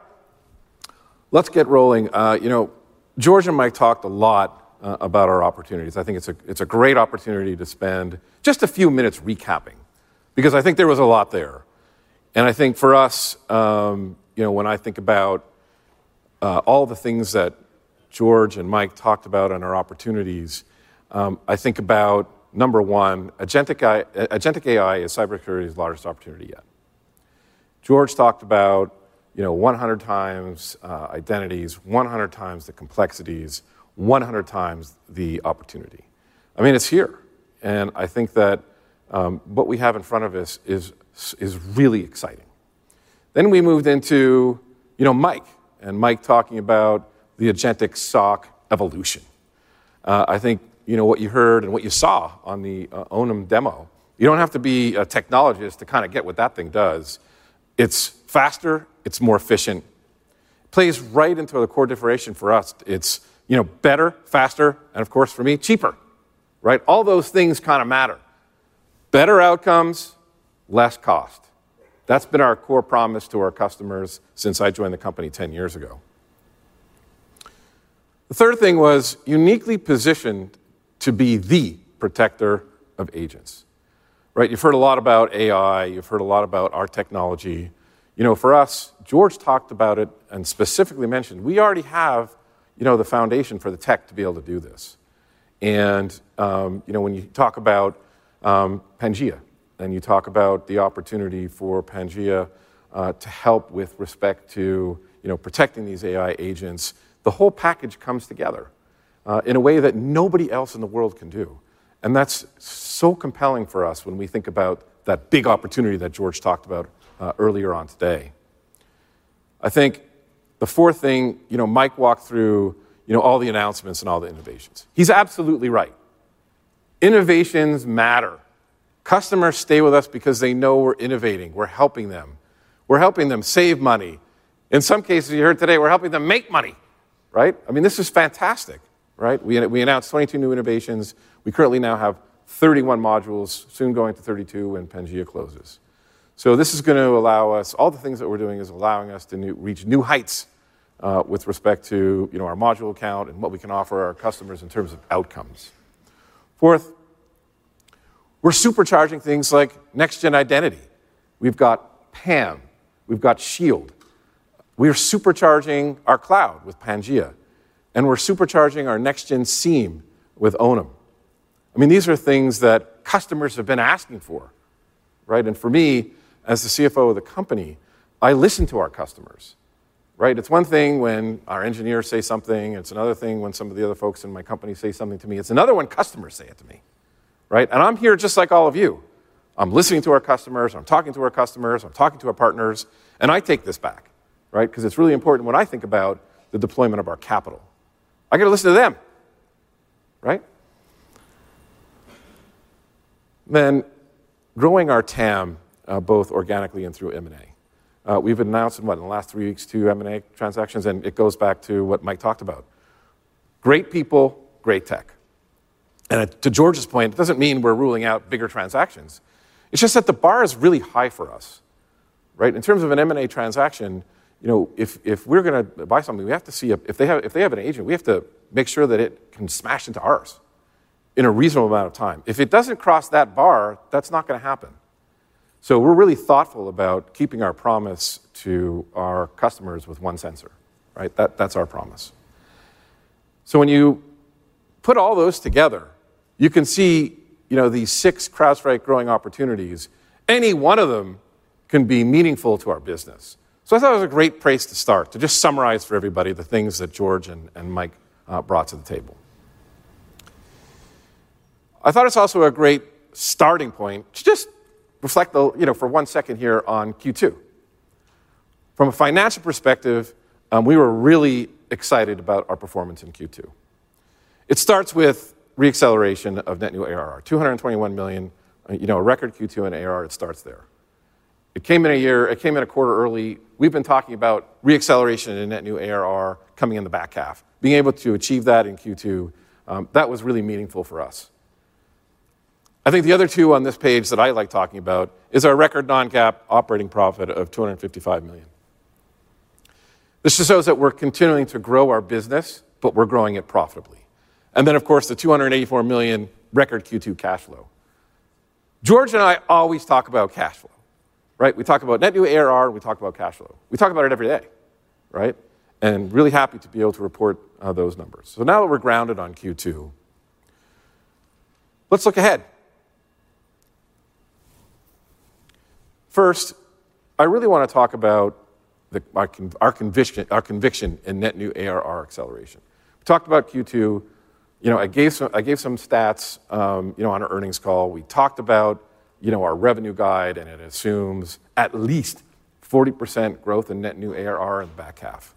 let's get rolling. You know, George and Mike talked a lot about our opportunities. I think it's a great opportunity to spend just a few minutes recapping because I think there was a lot there. I think for us, you know, when I think about all the things that George and Mike talked about in our opportunities, I think about number one, agentic AI is cybersecurity's largest opportunity yet. George talked about, you know, 100x times identities, 10x the complexities, 100x the opportunity. I mean, it's here. I think that what we have in front of us is really exciting. We moved into, you know, Mike and Mike talking about the agentic SOC evolution. I think, you know, what you heard and what you saw on the Onum demo, you don't have to be a technologist to kind of get what that thing does. It's faster, it's more efficient. It plays right into the core differentiation for us. It's, you know, better, faster, and of course, for me, cheaper. Right? All those things kind of matter. Better outcomes, less cost. That's been our core promise to our customers since I joined the company 10 years ago. The third thing was uniquely positioned to be the protector of agents. Right? You've heard a lot about AI, you've heard a lot about our technology. For us, George talked about it and specifically mentioned we already have, you know, the foundation for the tech to be able to do this. When you talk about Pangea, and you talk about the opportunity for Pangea to help with respect to, you know, protecting these AI agents, the whole package comes together in a way that nobody else in the world can do. That's so compelling for us when we think about that big opportunity that George talked about earlier on today. I think the fourth thing, you know, Mike walked through, you know, all the announcements and all the innovations. He's absolutely right. Innovations matter. Customers stay with us because they know we're innovating. We're helping them. We're helping them save money. In some cases, you heard today, we're helping them make money. Right? I mean, this is fantastic. Right? We announced 22 new innovations. We currently now have 31 modules, soon going to 32 when Pangea closes. This is going to allow us, all the things that we're doing is allowing us to reach new heights with respect to, you know, our module count and what we can offer our customers in terms of outcomes. Fourth, we're supercharging things like NextGen Identity. We've got PAM. We've got Shield. We're supercharging our cloud with Pangea. We're supercharging our Next-Gen SIEM with Onum. I mean, these are things that customers have been asking for. Right? For me, as the CFO of the company, I listen to our customers. Right? It's one thing when our engineers say something, and it's another thing when some of the other folks in my company say something to me. It's another when customers say it to me. Right? I'm here just like all of you. I'm listening to our customers, I'm talking to our customers, I'm talking to our partners, and I take this back. Right? It's really important when I think about the deployment of our capital. I got to listen to them. Right? Growing our TAM, both organically and through M&A. We've announced what, in the last three weeks, two M&A transactions, and it goes back to what Mike talked about. Great people, great tech. To George's point, it doesn't mean we're ruling out bigger transactions. It's just that the bar is really high for us. Right? In terms of an M&A transaction, you know, if we're going to buy something, we have to see if they have an agent, we have to make sure that it can smash into ours in a reasonable amount of time. If it doesn't cross that bar, that's not going to happen. We're really thoughtful about keeping our promise to our customers with one sensor. Right? That's our promise. When you put all those together, you can see, you know, these six CrowdStrike growing opportunities, any one of them can be meaningful to our business. I thought it was a great place to start, to just summarize for everybody the things that George and Mike brought to the table. I thought it's also a great starting point to just reflect for one second here on Q2. From a financial perspective, we were really excited about our performance in Q2. It starts with re-acceleration of net new ARR, $221 million, you know, a record Q2 in ARR. It starts there. It came in a year, it came in a quarter early. We've been talking about re-acceleration and net new ARR coming in the back half, being able to achieve that in Q2. That was really meaningful for us. I think the other two on this page that I like talking about are our record non-GAAP operating profit of $255 million. This shows that we're continuing to grow our business, but we're growing it profitably. Of course, the $284 million record Q2 cash flow. George and I always talk about cash flow. Right? We talk about net new ARR, we talk about cash flow. We talk about it every day. Right? Really happy to be able to report those numbers. Now that we're grounded on Q2, let's look ahead. First, I really want to talk about our conviction in net new ARR acceleration. We talked about Q2. You know, I gave some stats, you know, on an earnings call. We talked about, you know, our revenue guide, and it assumes at least 40% growth in net new ARR in the back half.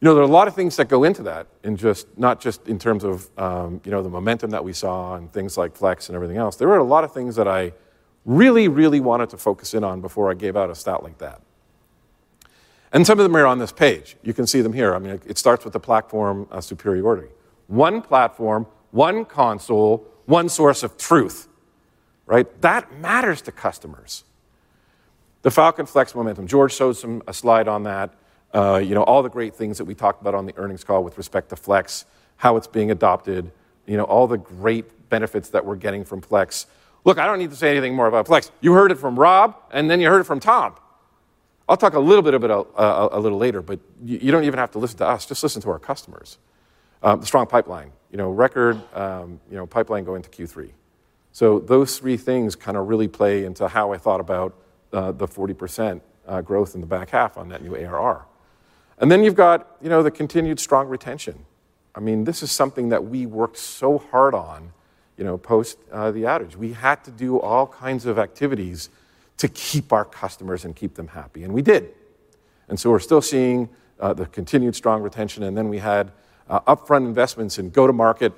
There are a lot of things that go into that, and just not just in terms of, you know, the momentum that we saw and things like Flex and everything else. There were a lot of things that I really, really wanted to focus in on before I gave out a stat like that. Some of them are on this page. You can see them here. I mean, it starts with the platform superiority. One platform, one console, one source of truth. Right? That matters to customers. The Falcon Flex momentum. George shows a slide on that. You know, all the great things that we talked about on the earnings call with respect to Flex, how it's being adopted, you know, all the great benefits that we're getting from Flex. Look, I don't need to say anything more about Flex. You heard it from Rob, and then you heard it from Tom. I'll talk a little bit about it a little later, but you don't even have to listen to us. Just listen to our customers. The strong pipeline, you know, record, you know, pipeline going to Q3. Those three things kind of really play into how I thought about the 40% growth in the back half on net new ARR. Then you've got, you know, the continued strong retention. I mean, this is something that we worked so hard on, you know, post the outage. We had to do all kinds of activities to keep our customers and keep them happy. We did. We're still seeing the continued strong retention. We had upfront investments in go-to-market,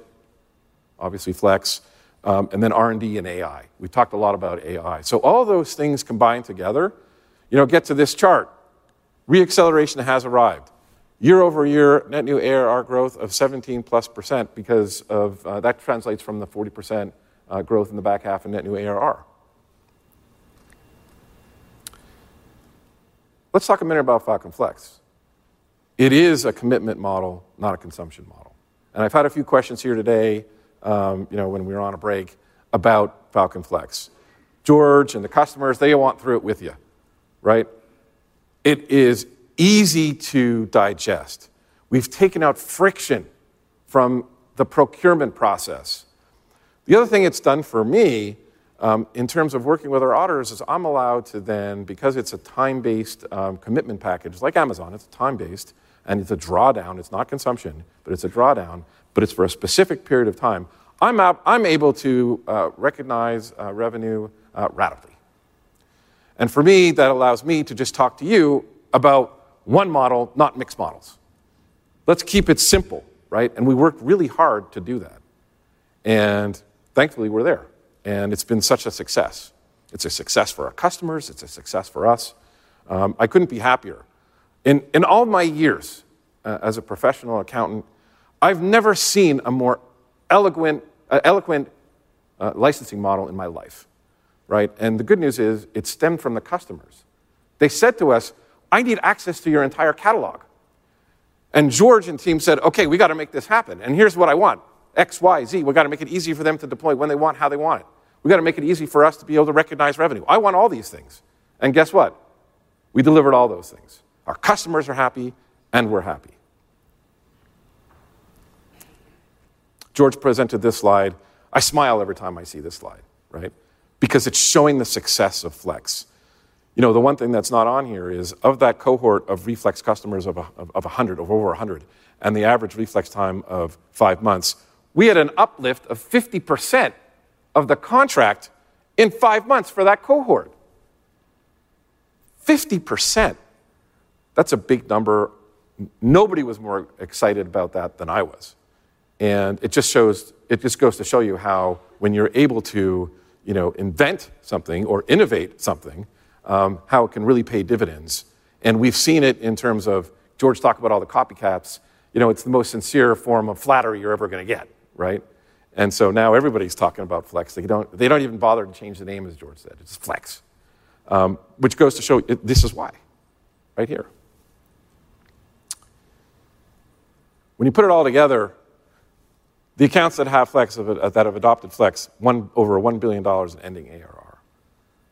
obviously Flex, and then R&D and AI. We talked a lot about AI. All those things combined together get to this chart. Re-acceleration has arrived. Year over year, net new ARR growth of 17% plus because that translates from the 40% growth in the back half in net new ARR. Let's talk a minute about Falcon Flex. It is a commitment model, not a consumption model. I've had a few questions here today when we were on a break about Falcon Flex. George and the customers, they went through it with you. It is easy to digest. We've taken out friction from the procurement process. The other thing it's done for me in terms of working with our auditors is I'm allowed to then, because it's a time-based commitment package, like Amazon, it's time-based, and it's a drawdown. It's not consumption, but it's a drawdown, but it's for a specific period of time. I'm able to recognize revenue rapidly. For me, that allows me to just talk to you about one model, not mixed models. Let's keep it simple. We worked really hard to do that. Thankfully, we're there. It's been such a success. It's a success for our customers. It's a success for us. I couldn't be happier. In all my years as a professional accountant, I've never seen a more eloquent licensing model in my life. The good news is it stemmed from the customers. They said to us, I need access to your entire catalog. George and team said, okay, we got to make this happen. Here's what I want. X, Y, Z. We got to make it easy for them to deploy when they want, how they want it. We got to make it easy for us to be able to recognize revenue. I want all these things. Guess what? We delivered all those things. Our customers are happy, and we're happy. George presented this slide. I smile every time I see this slide because it's showing the success of Flex. The one thing that's not on here is of that cohort of Flex customers of over 100, and the average Flex time of five months, we had an uplift of 50% of the contract in five months for that cohort. 50%. That's a big number. Nobody was more excited about that than I was. It just goes to show you how when you're able to invent something or innovate something, how it can really pay dividends. We've seen it in terms of George talking about all the copycats. You know, it's the most sincere form of flattery you're ever going to get. Right? Now everybody's talking about Flex. They don't even bother to change the name, as George said, it's Flex. Which goes to show this is why. Right here. When you put it all together, the accounts that have Flex, that have adopted Flex, won over $1 billion in ending ARR.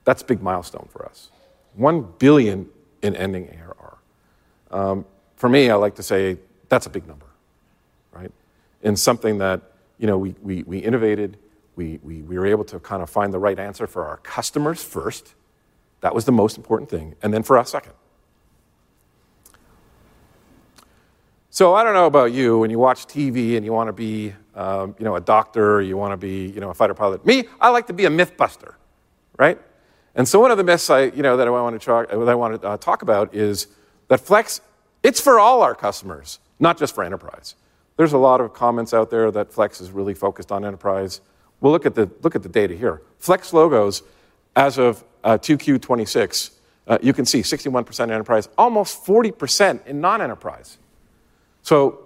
That's a big milestone for us. $1 billion in ending ARR. For me, I like to say that's a big number. Right? Something that, you know, we innovated, we were able to kind of find the right answer for our customers first. That was the most important thing. Then for us, second. I don't know about you, when you watch TV and you want to be, you know, a doctor or you want to be, you know, a fighter pilot. Me, I like to be a mythbuster. Right? One of the myths I, you know, that I want to talk about is that Flex, it's for all our customers, not just for enterprise. There's a lot of comments out there that Flex is really focused on enterprise. Look at the data here. Flex logos, as of 2Q26, you can see 61% enterprise, almost 40% in non-enterprise.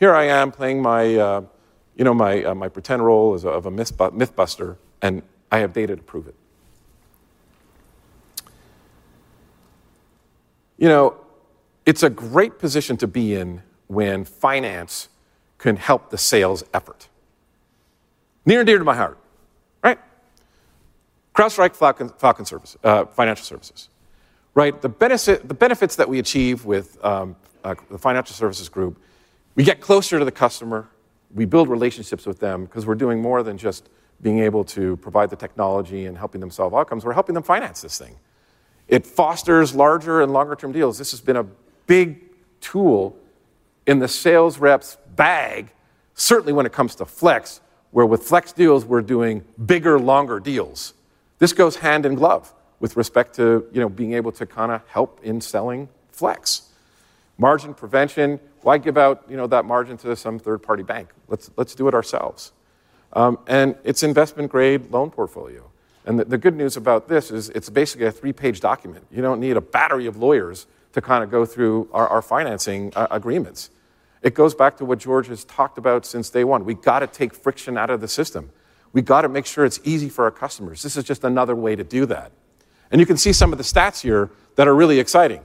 Here I am playing my, you know, my pretend role as a mythbuster, and I have data to prove it. You know, it's a great position to be in when finance can help the sales effort. Near and dear to my heart. Right? CrowdStrike Financial Services. The benefits that we achieve with the Financial Services Group, we get closer to the customer. We build relationships with them because we're doing more than just being able to provide the technology and helping them solve outcomes. We're helping them finance this thing. It fosters larger and longer-term deals. This has been a big tool in the sales rep's bag, certainly when it comes to Flex, where with Flex deals, we're doing bigger, longer deals. This goes hand in glove with respect to, you know, being able to kind of help in selling Flex. Margin prevention, why give out, you know, that margin to some third-party bank? Let's do it ourselves. It's an investment-grade loan portfolio. The good news about this is it's basically a three-page document. You don't need a battery of lawyers to kind of go through our financing agreements. It goes back to what George has talked about since day one. We got to take friction out of the system. We got to make sure it's easy for our customers. This is just another way to do that. You can see some of the stats here that are really exciting.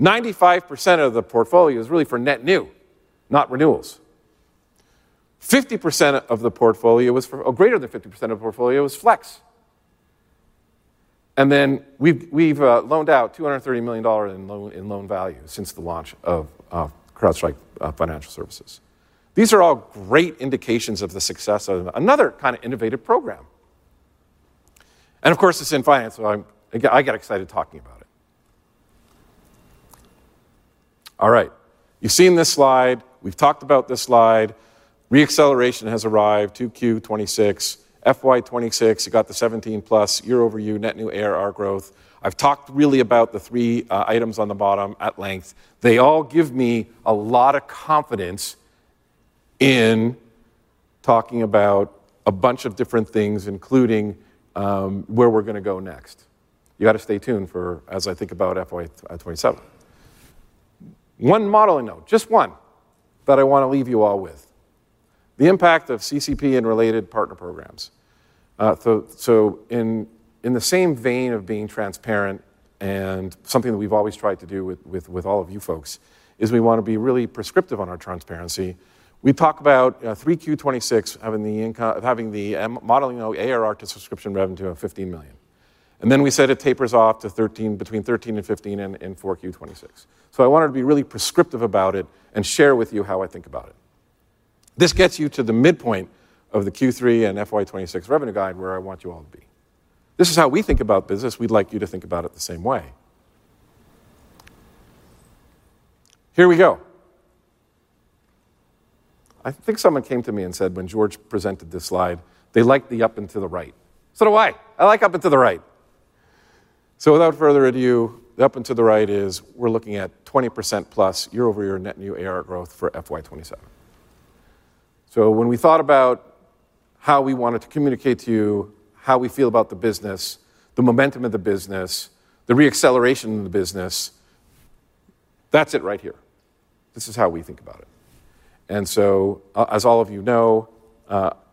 95% of the portfolio is really for net new, not renewals. 50% of the portfolio was for, or greater than 50% of the portfolio was Flex. We've loaned out $230 million in loan value since the launch of CrowdStrike Financial Services. These are all great indications of the success of another kind of innovative program. Of course, it's in finance. I get excited talking about it. You've seen this slide. We've talked about this slide. Re-acceleration has arrived 2Q26, FY 2026. You got the 17% plus year-over-year net new ARR growth. I've talked really about the three items on the bottom at length. They all give me a lot of confidence in talking about a bunch of different things, including where we're going to go next. You got to stay tuned for as I think about FY 2027. One modeling note, just one that I want to leave you all with. The impact of CCP and related partner programs. In the same vein of being transparent and something that we've always tried to do with all of you folks is we want to be really prescriptive on our transparency. We talk about 3Q26 having the modeling note ARR to subscription revenue of $15 million. We said it tapers off to between $13 million and $15 million in 4Q26. I wanted to be really prescriptive about it and share with you how I think about it. This gets you to the midpoint of the Q3 and FY 2026 revenue guide where I want you all to be. This is how we think about business. We'd like you to think about it the same way. Here we go. I think someone came to me and said when George presented this slide, they liked the up and to the right. I like up and to the right. Without further ado, the up and to the right is we're looking at 20%+ year-over-year net new ARR growth for FY 2027. When we thought about how we wanted to communicate to you how we feel about the business, the momentum of the business, the re-acceleration of the business, that's it right here. This is how we think about it. As all of you know,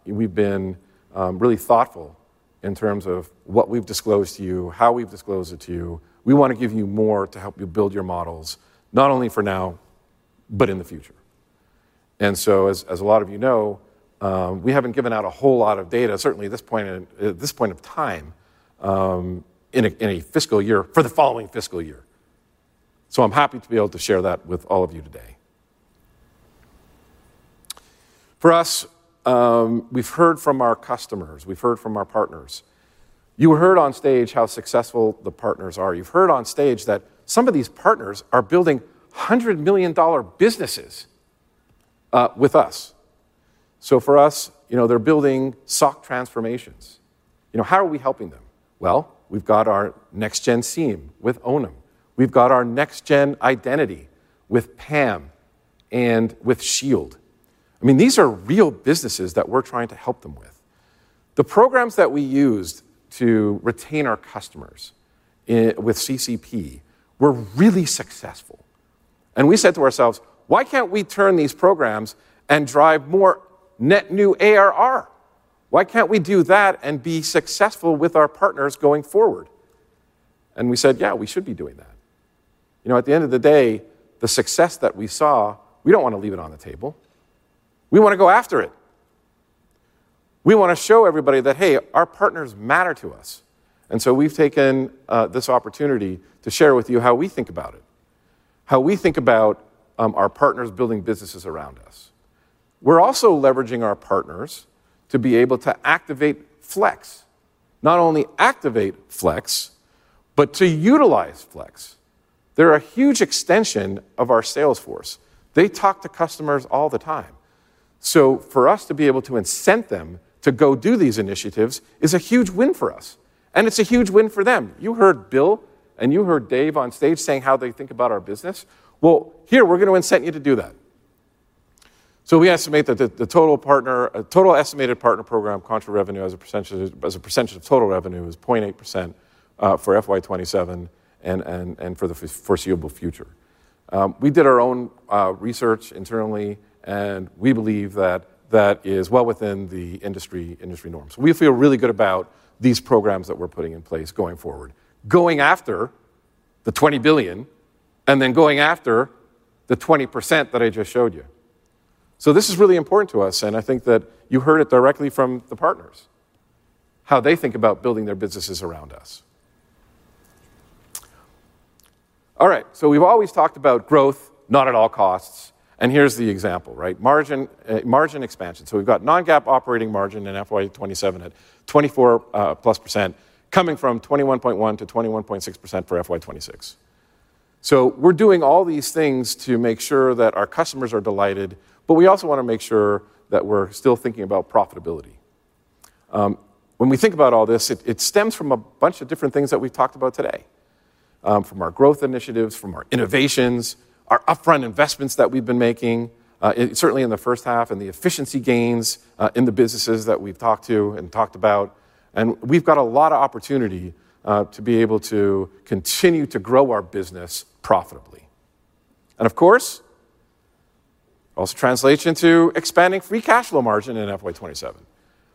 we've been really thoughtful in terms of what we've disclosed to you, how we've disclosed it to you. We want to give you more to help you build your models, not only for now, but in the future. As a lot of you know, we haven't given out a whole lot of data, certainly at this point of time, in a fiscal year for the following fiscal year. I'm happy to be able to share that with all of you today. For us, we've heard from our customers. We've heard from our partners. You heard on stage how successful the partners are. You've heard on stage that some of these partners are building $100 million businesses with us. For us, they're building SOC transformations. How are we helping them? We've got our Next-Gen SIEM with Onum. We've got our Next-Gen Identity with PAM and with Shield. These are real businesses that we're trying to help them with. The programs that we used to retain our customers with CCP were really successful. We said to ourselves, why can't we turn these programs and drive more net new ARR? Why can't we do that and be successful with our partners going forward? We said, yeah, we should be doing that. At the end of the day, the success that we saw, we don't want to leave it on the table. We want to go after it. We want to show everybody that, hey, our partners matter to us. We've taken this opportunity to share with you how we think about it, how we think about our partners building businesses around us. We're also leveraging our partners to be able to activate Flex, not only activate Flex, but to utilize Flex. They're a huge extension of our sales force. They talk to customers all the time. For us to be able to incent them to go do these initiatives is a huge win for us. It's a huge win for them. You heard Bill and you heard Dave on stage saying how they think about our business. Here, we're going to incent you to do that. We estimate that the total partner, a total estimated partner program contra revenue as a percentage of total revenue is 0.8% for FY 2027 and for the foreseeable future. We did our own research internally, and we believe that that is well within the industry norms. We feel really good about these programs that we're putting in place going forward, going after the $20 billion and then going after the 20% that I just showed you. This is really important to us. I think that you heard it directly from the partners, how they think about building their businesses around us. All right. We've always talked about growth, not at all costs. Here's the example, right? Margin expansion. We've got non-GAAP operating margin in FY 2027 at 24+%, coming from 21.1%-21.6% for FY 2026. We're doing all these things to make sure that our customers are delighted, but we also want to make sure that we're still thinking about profitability. When we think about all this, it stems from a bunch of different things that we've talked about today, from our growth initiatives, from our innovations, our upfront investments that we've been making, certainly in the first half, and the efficiency gains in the businesses that we've talked to and talked about. We've got a lot of opportunity to be able to continue to grow our business profitably. It also translates into expanding free cash flow margin in FY 2027.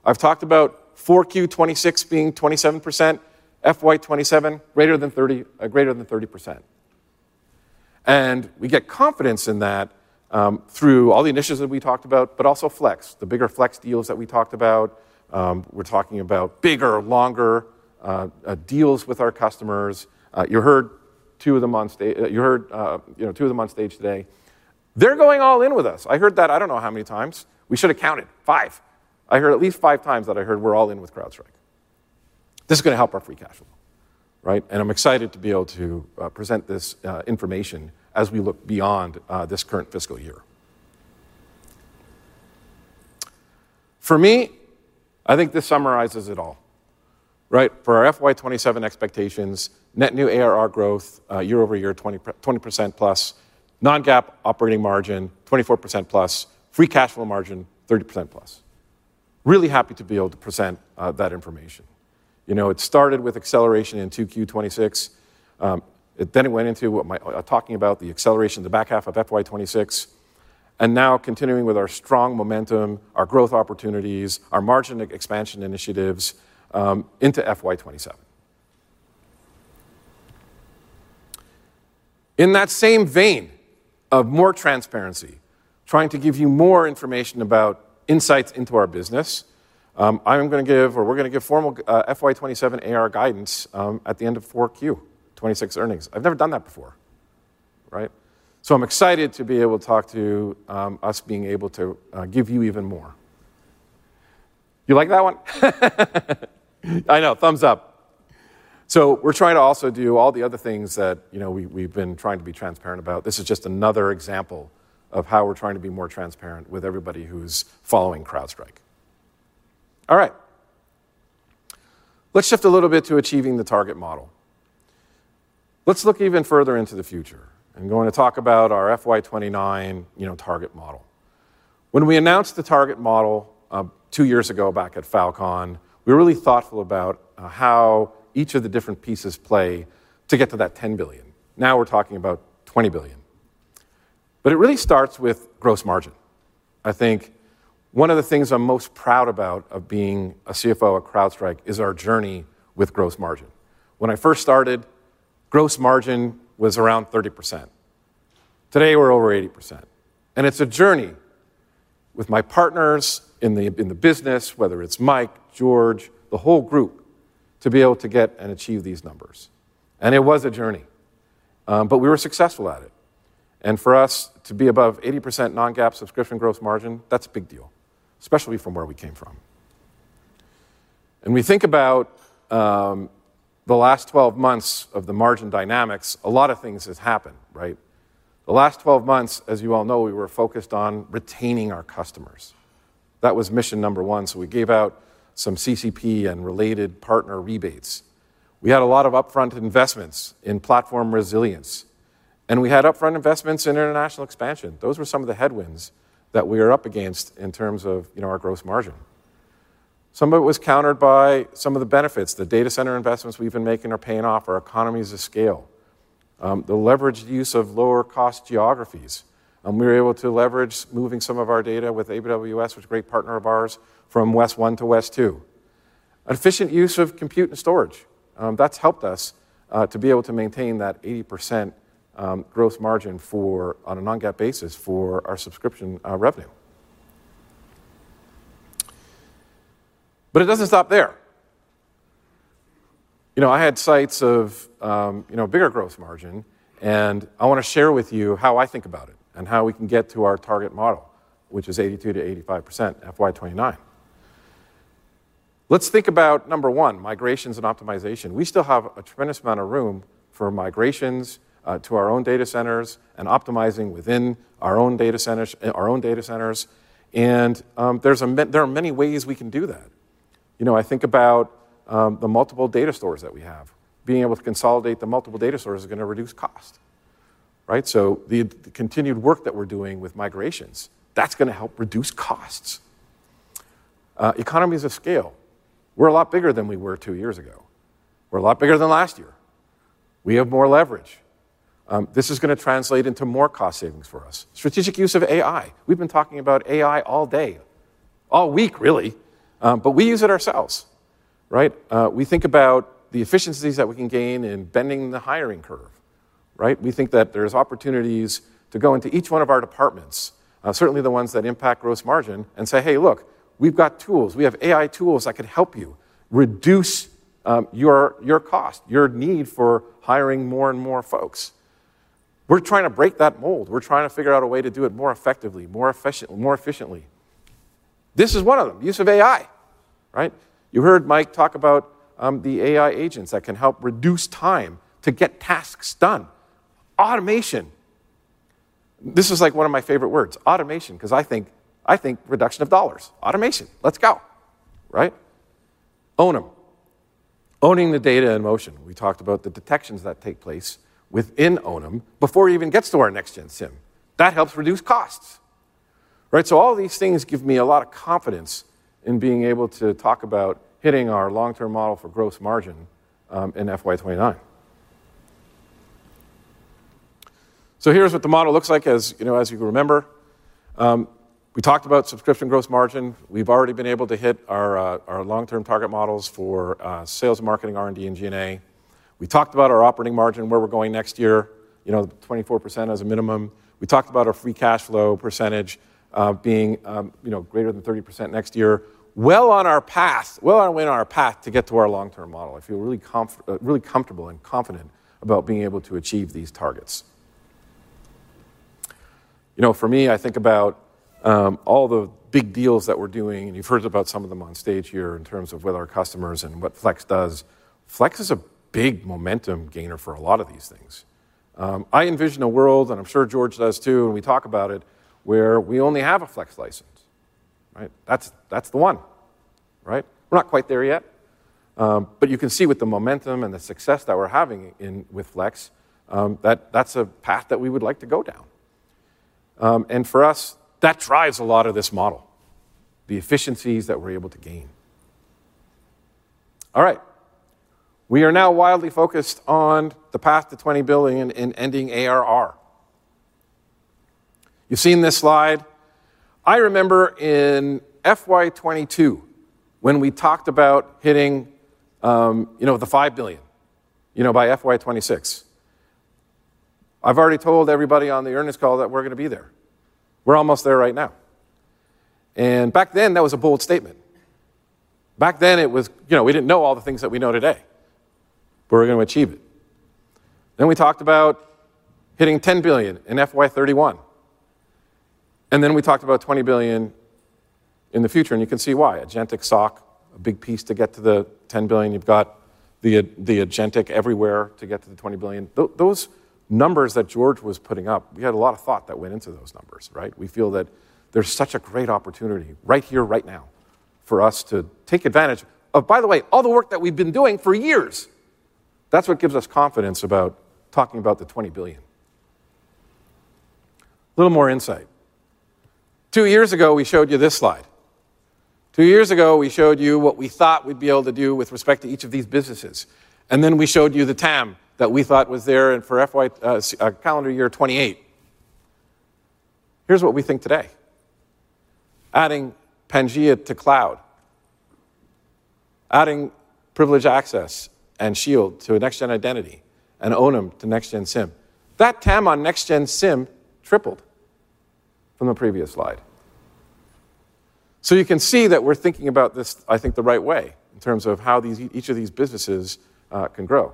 I've talked about 4Q26 being 27%, FY 2027 greater than 30%. We get confidence in that through all the initiatives that we talked about, but also Flex, the bigger Flex deals that we talked about. We're talking about bigger, longer deals with our customers. You heard two of them on stage today. They're going all in with us. I heard that, I don't know how many times. We should have counted five. I heard at least five times that I heard we're all in with CrowdStrike. This is going to help our free cash flow. I'm excited to be able to present this information as we look beyond this current fiscal year. For me, I think this summarizes it all. For our FY 2027 expectations, net new ARR growth, year-over-year, 20%+, non-GAAP operating margin, 24%+, free cash flow margin, 30%+. Really happy to be able to present that information. It started with acceleration in 2Q 2026. Then it went into what I'm talking about, the acceleration in the back half of FY 2026. Now continuing with our strong momentum, our growth opportunities, our margin expansion initiatives into FY 2027. In that same vein of more transparency, trying to give you more information about insights into our business, I'm going to give, or we're going to give formal FY 2027 ARR guidance at the end of 4Q 2026 earnings. I've never done that before. I'm excited to be able to talk to us being able to give you even more. You like that one? I know, thumbs up. We're trying to also do all the other things that we've been trying to be transparent about. This is just another example of how we're trying to be more transparent with everybody who's following CrowdStrike. All right. Let's shift a little bit to achieving the target model. Let's look even further into the future. I'm going to talk about our FY 2029 target model. When we announced the target model two years ago back at Falcon, we were really thoughtful about how each of the different pieces play to get to that $10 billion. Now we're talking about $20 billion. It really starts with gross margin. I think one of the things I'm most proud about of being a CFO at CrowdStrike is our journey with gross margin. When I first started, gross margin was around 30%. Today we're over 80%. It's a journey with my partners in the business, whether it's Mike, George, the whole group, to be able to get and achieve these numbers. It was a journey. We were successful at it. For us to be above 80% non-GAAP subscription gross margin, that's a big deal, especially from where we came from. We think about the last 12 months of the margin dynamics, a lot of things have happened, right? The last 12 months, as you all know, we were focused on retaining our customers. That was mission number one. We gave out some CCP and related partner rebates. We had a lot of upfront investments in platform resilience. We had upfront investments in international expansion. Those were some of the headwinds that we were up against in terms of our gross margin. Some of it was countered by some of the benefits. The data center investments we've been making are paying off. Our economies of scale. The leveraged use of lower cost geographies. We were able to leverage moving some of our data with AWS, which is a great partner of ours, from West 1 to West 2. An efficient use of compute and storage. That's helped us to be able to maintain that 80% gross margin on a non-GAAP basis for our subscription revenue. It doesn't stop there. I had sights of a bigger gross margin, and I want to share with you how I think about it and how we can get to our target model, which is 82% -85% FY 2029. Let's think about number one, migrations and optimization. We still have a tremendous amount of room for migrations to our own data centers and optimizing within our own data centers. There are many ways we can do that. I think about the multiple data stores that we have. Being able to consolidate the multiple data stores is going to reduce cost. The continued work that we're doing with migrations, that's going to help reduce costs. Economies of scale. We're a lot bigger than we were two years ago. We're a lot bigger than last year. We have more leverage. This is going to translate into more cost savings for us. Strategic use of AI. We've been talking about AI all day, all week, really. We use it ourselves, right? We think about the efficiencies that we can gain in bending the hiring curve, right? We think that there are opportunities to go into each one of our departments, certainly the ones that impact gross margin, and say, hey, look, we've got tools. We have AI tools that can help you reduce your cost, your need for hiring more and more folks. We're trying to break that mold. We're trying to figure out a way to do it more effectively, more efficiently. This is one of them, use of AI, right? You heard Mike talk about the AI agents that can help reduce time to get tasks done. Automation. This is like one of my favorite words, automation, because I think reduction of dollars, automation. Let's go, right? Onum. Owning the data in motion. We talked about the detections that take place within Onum before it even gets to our Next-Gen SIEM. That helps reduce costs, right? All of these things give me a lot of confidence in being able to talk about hitting our long-term model for gross margin in FY 2029. Here's what the model looks like. As you remember, we talked about subscription gross margin. We've already been able to hit our long-term target models for sales, marketing, R&D, and G&A. We talked about our operating margin, where we're going next year, you know, 24% as a minimum. We talked about our free cash flow percentage being, you know, greater than 30% next year. We are on our path, on our way on our path to get to our long-term model. I feel really comfortable and confident about being able to achieve these targets. For me, I think about all the big deals that we're doing, and you've heard about some of them on stage here in terms of with our customers and what Flex does. Flex is a big momentum gainer for a lot of these things. I envision a world, and I'm sure George does too, and we talk about it, where we only have a Flex license, right? That's the one, right? We're not quite there yet. You can see with the momentum and the success that we're having with Flex, that that's a path that we would like to go down. For us, that drives a lot of this model, the efficiencies that we're able to gain. We are now wildly focused on the path to $20 billion in ending ARR. You've seen this slide. I remember in FY 2022, when we talked about hitting, you know, the $5 billion, you know, by FY 2026. I've already told everybody on the earnings call that we're going to be there. We're almost there right now. Back then, that was a bold statement. Back then, it was, you know, we didn't know all the things that we know today, but we're going to achieve it. Then we talked about hitting $10 billion in FY 2031. Then we talked about $20 billion in the future, and you can see why. Agentic SOC, a big piece to get to the $10 billion. You've got the agentic everywhere to get to the $20 billion. Those numbers that George was putting up, we had a lot of thought that went into those numbers. Right? We feel that there's such a great opportunity right here, right now for us to take advantage of, by the way, all the work that we've been doing for years. That's what gives us confidence about talking about the $20 billion. A little more insight. Two years ago, we showed you this slide. Two years ago, we showed you what we thought we'd be able to do with respect to each of these businesses. Then we showed you the TAM that we thought was there for calendar year 2028. Here's what we think today. Adding Pangea to Cloud. Adding Privileged Access and Shield to Next-Gen Identity and Onum to Next-Gen SIEM. That TAM on Next-Gen SIEM tripled from the previous slide. You can see that we're thinking about this, I think, the right way in terms of how each of these businesses can grow.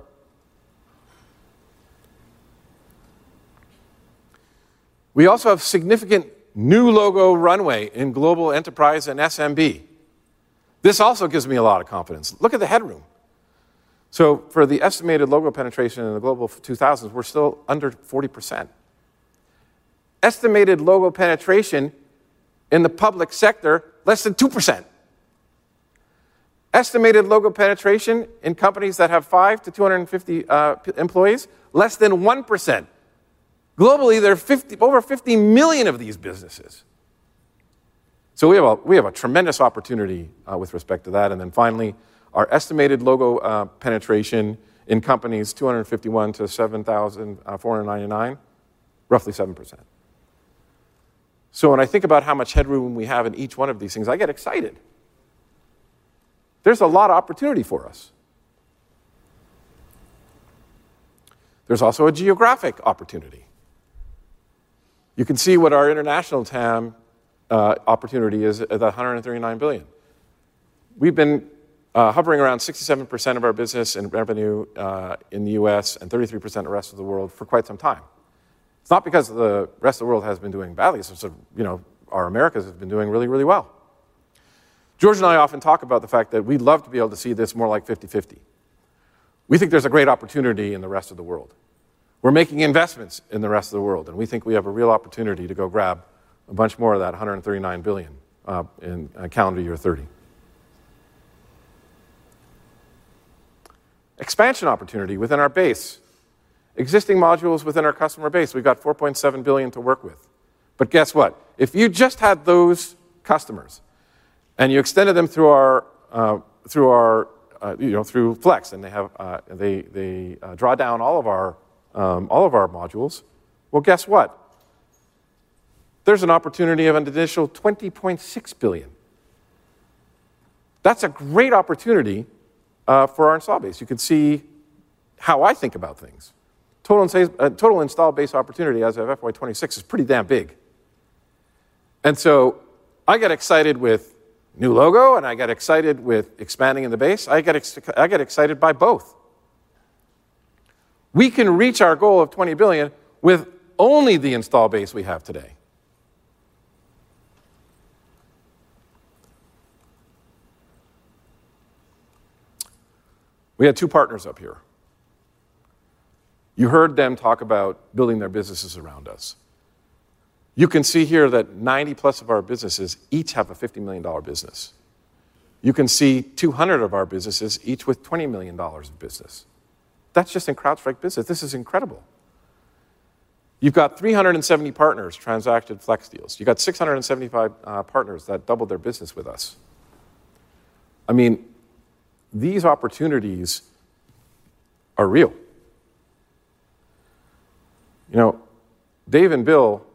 We also have significant new logo runway in global enterprise and SMB. This also gives me a lot of confidence. Look at the headroom. For the estimated logo penetration in the global 2000s, we're still under 40%. Estimated logo penetration in the public sector, less than 2%. Estimated logo penetration in companies that have 5 to 250 employees, less than 1%. Globally, there are over 50 million of these businesses. We have a tremendous opportunity with respect to that. Finally, our estimated logo penetration in companies, 251- 7,499, roughly 7%. When I think about how much headroom we have in each one of these things, I get excited. There's a lot of opportunity for us. There's also a geographic opportunity. You can see what our international TAM opportunity is at $139 billion. We've been hovering around 67% of our business and revenue in the U.S. and 33% of the rest of the world for quite some time. It's not because the rest of the world has been doing badly. It's just that our Americas have been doing really, really well. George and I often talk about the fact that we'd love to be able to see this more like 50-50. We think there's a great opportunity in the rest of the world. We're making investments in the rest of the world, and we think we have a real opportunity to go grab a bunch more of that $139 billion. In calendar year 2030, expansion opportunity within our base. Existing modules within our customer base. We've got $4.7 billion to work with. Guess what? If you just had those customers and you extended them through our Flex, and they draw down all of our modules, guess what? There's an opportunity of an additional $20.6 billion. That's a great opportunity for our install base. You could see how I think about things. Total install base opportunity as of FY 2026 is pretty damn big. I get excited with new logo, and I get excited with expanding in the base. I get excited by both. We can reach our goal of $20 billion with only the install base we have today. We had two partners up here. You heard them talk about building their businesses around us. You can see here that 90%+ of our businesses each have a $50 million business. You can see 200 of our businesses each with $20 million of business. That's just in CrowdStrike business. This is incredible. You've got 370 partners transacted Flex deals. You've got 675 partners that doubled their business with us. I mean, these opportunities are real. Dave and Bill,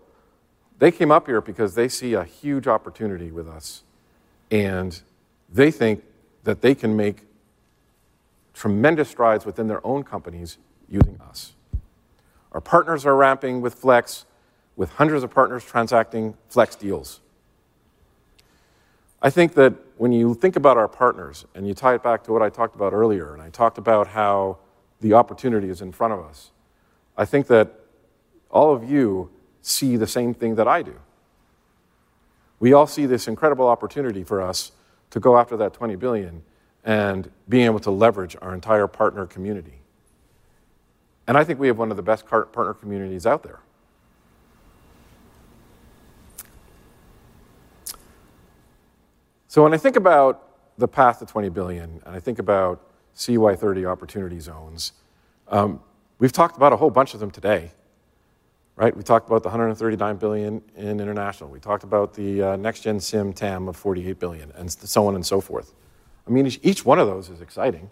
they came up here because they see a huge opportunity with us, and they think that they can make tremendous strides within their own companies using us. Our partners are ramping with Flex, with hundreds of partners transacting Flex deals. When you think about our partners and you tie it back to what I talked about earlier, and I talked about how the opportunity is in front of us, I think that all of you see the same thing that I do. We all see this incredible opportunity for us to go after that $20 billion and being able to leverage our entire partner community. I think we have one of the best partner communities out there. When I think about the path to $20 billion, and I think about calendar year 2030 opportunity zones, we've talked about a whole bunch of them today, right? We talked about the $139 billion in international. We talked about the Next-Gen SIEM TAM of $48 billion, and so on and so forth. Each one of those is exciting,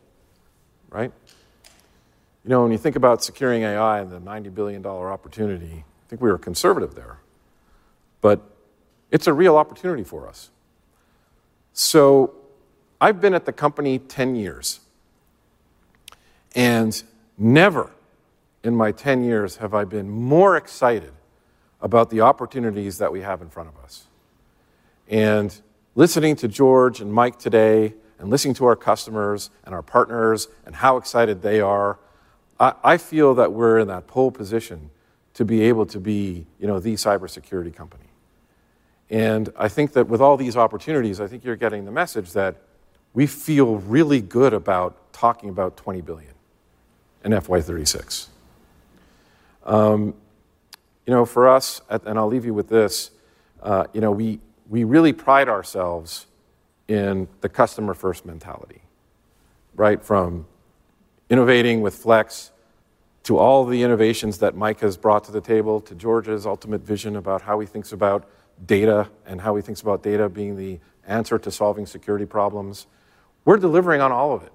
right? When you think about securing AI and the $90 billion opportunity, I think we were conservative there. It's a real opportunity for us. I've been at the company 10 years, and never in my 10 years have I been more excited about the opportunities that we have in front of us. Listening to George and Mike today, and listening to our customers and our partners and how excited they are, I feel that we're in that pole position to be able to be, you know, the cybersecurity company. I think that with all these opportunities, I think you're getting the message that we feel really good about talking about $20 billion in FY 2036. You know, for us, and I'll leave you with this, you know, we really pride ourselves in the customer-first mentality, right? From innovating with Flex to all the innovations that Mike has brought to the table, to George's ultimate vision about how he thinks about data and how he thinks about data being the answer to solving security problems. We're delivering on all of it.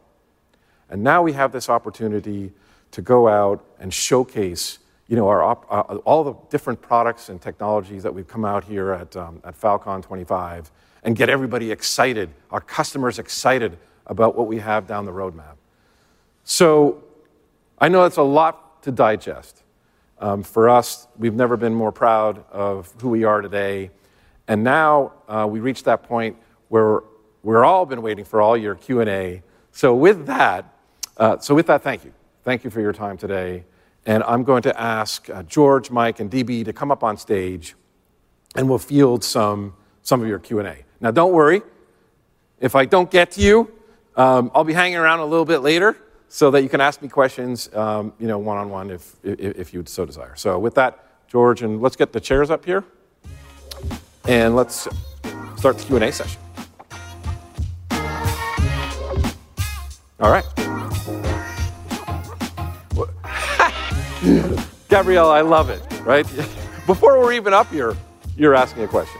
Now we have this opportunity to go out and showcase, you know, all the different products and technologies that we've come out here at Falcon 25 and get everybody excited, our customers excited about what we have down the roadmap. I know that's a lot to digest. For us, we've never been more proud of who we are today. Now, we reached that point where we've all been waiting for all your Q&A. With that, thank you. Thank you for your time today. I'm going to ask George, Mike, and DB to come up on stage, and we'll field some of your Q&A. Now, don't worry. If I don't get to you, I'll be hanging around a little bit later so that you can ask me questions, you know, one-on-one if you so desire. With that, George, let's get the chairs up here, and let's start the Q&A session. All right. Gabriela, I love it, right? Before we're even up here, you're asking a question.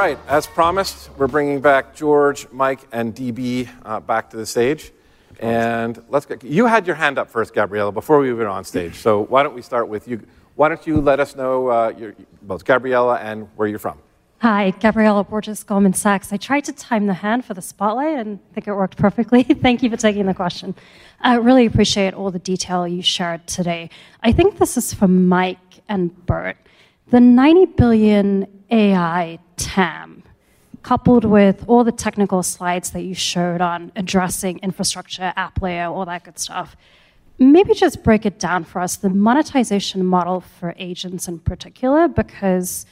Yeah. All right. As promised, we're bringing back George, Mike, and DB back to the stage. Let's get, you had your hand up first, Gabriela, before we went on stage. Why don't we start with you? Why don't you let us know your, both Gabriela and where you're from? Hi, Gabriela Borges-Goldman Sachs. I tried to time the hand for the spotlight, and I think it worked perfectly. Thank you for taking the question. I really appreciate all the detail you shared today. I think this is for Mike and Burt. The $90 billion AI TAM, coupled with all the technical slides that you showed on addressing infrastructure, app layout, all that good stuff, maybe just break it down for us, the monetization model for agents in particular, because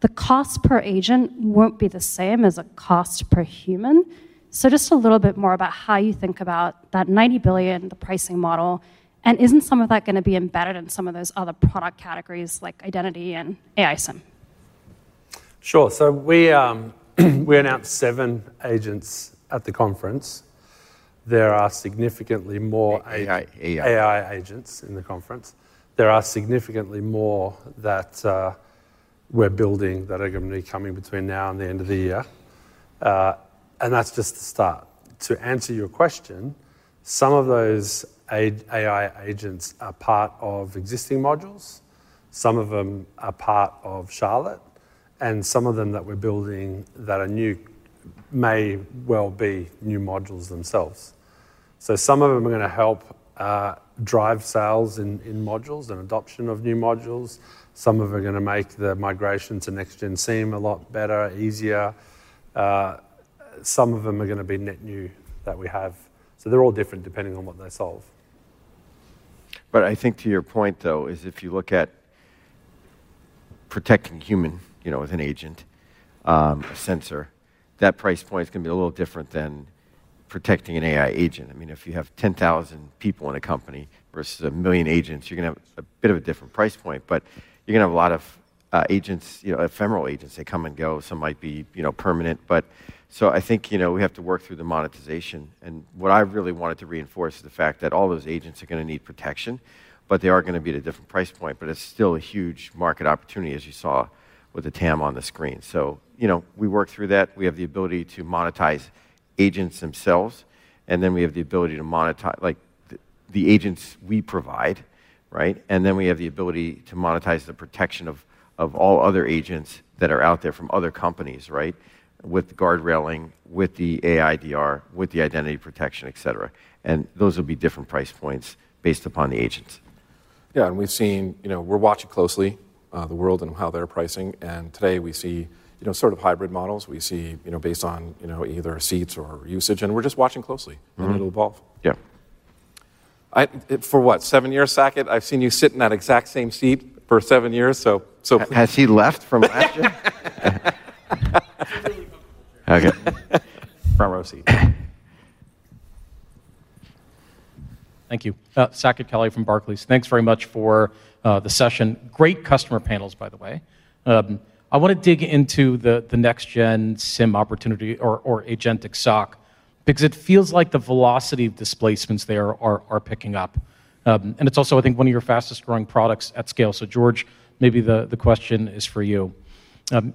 the cost per agent won't be the same as a cost per human. Just a little bit more about how you think about that $90 billion, the pricing model, and isn't some of that going to be embedded in some of those other product categories like identity and AI SIEM? Sure. We announced seven agents at the conference. There are significantly more AI agents in the conference. There are significantly more that we're building that are going to be coming between now and the end of the year, and that's just the start. To answer your question, some of those AI agents are part of existing modules. Some of them are part of Charlotte, and some of them that we're building that are new may well be new modules themselves. Some of them are going to help drive sales in modules and adoption of new modules. Some of them are going to make the migration to Next-Gen SIEM a lot better, easier. Some of them are going to be net new that we have. They're all different depending on what they solve. I think to your point, though, is if you look at protecting a human, you know, with an agent, a sensor, that price point is going to be a little different than protecting an AI agent. If you have 10,000 people in a company versus a million agents, you're going to have a bit of a different price point, but you're going to have a lot of agents, you know, ephemeral agents. They come and go. Some might be, you know, permanent. I think, you know, we have to work through the monetization. What I really wanted to reinforce is the fact that all those agents are going to need protection, but they are going to be at a different price point. It's still a huge market opportunity, as you saw with the TAM on the screen. We work through that. We have the ability to monetize agents themselves, and then we have the ability to monetize, like, the agents we provide, right? We have the ability to monetize the protection of all other agents that are out there from other companies, right? With the guard railing, with the AIDR, with the identity protection, et cetera. Those will be different price points based upon the agents. Yeah, we've seen, you know, we're watching closely, the world and how they're pricing. Today we see, you know, sort of hybrid models. We see, you know, based on, you know, either seats or usage, and we're just watching closely. It'll evolve. Yeah. For what, seven years, Saket? I've seen you sit in that exact same seat for seven years. Has he left from Agile? Okay. Front row seat. Thank you. Saket Kalia from Barclays. Thanks very much for the session. Great customer panels, by the way. I want to dig into the Next-Gen SIEM opportunity or agentic SOC because it feels like the velocity of displacements there are picking up. It's also, I think, one of your fastest growing products at scale. George, maybe the question is for you.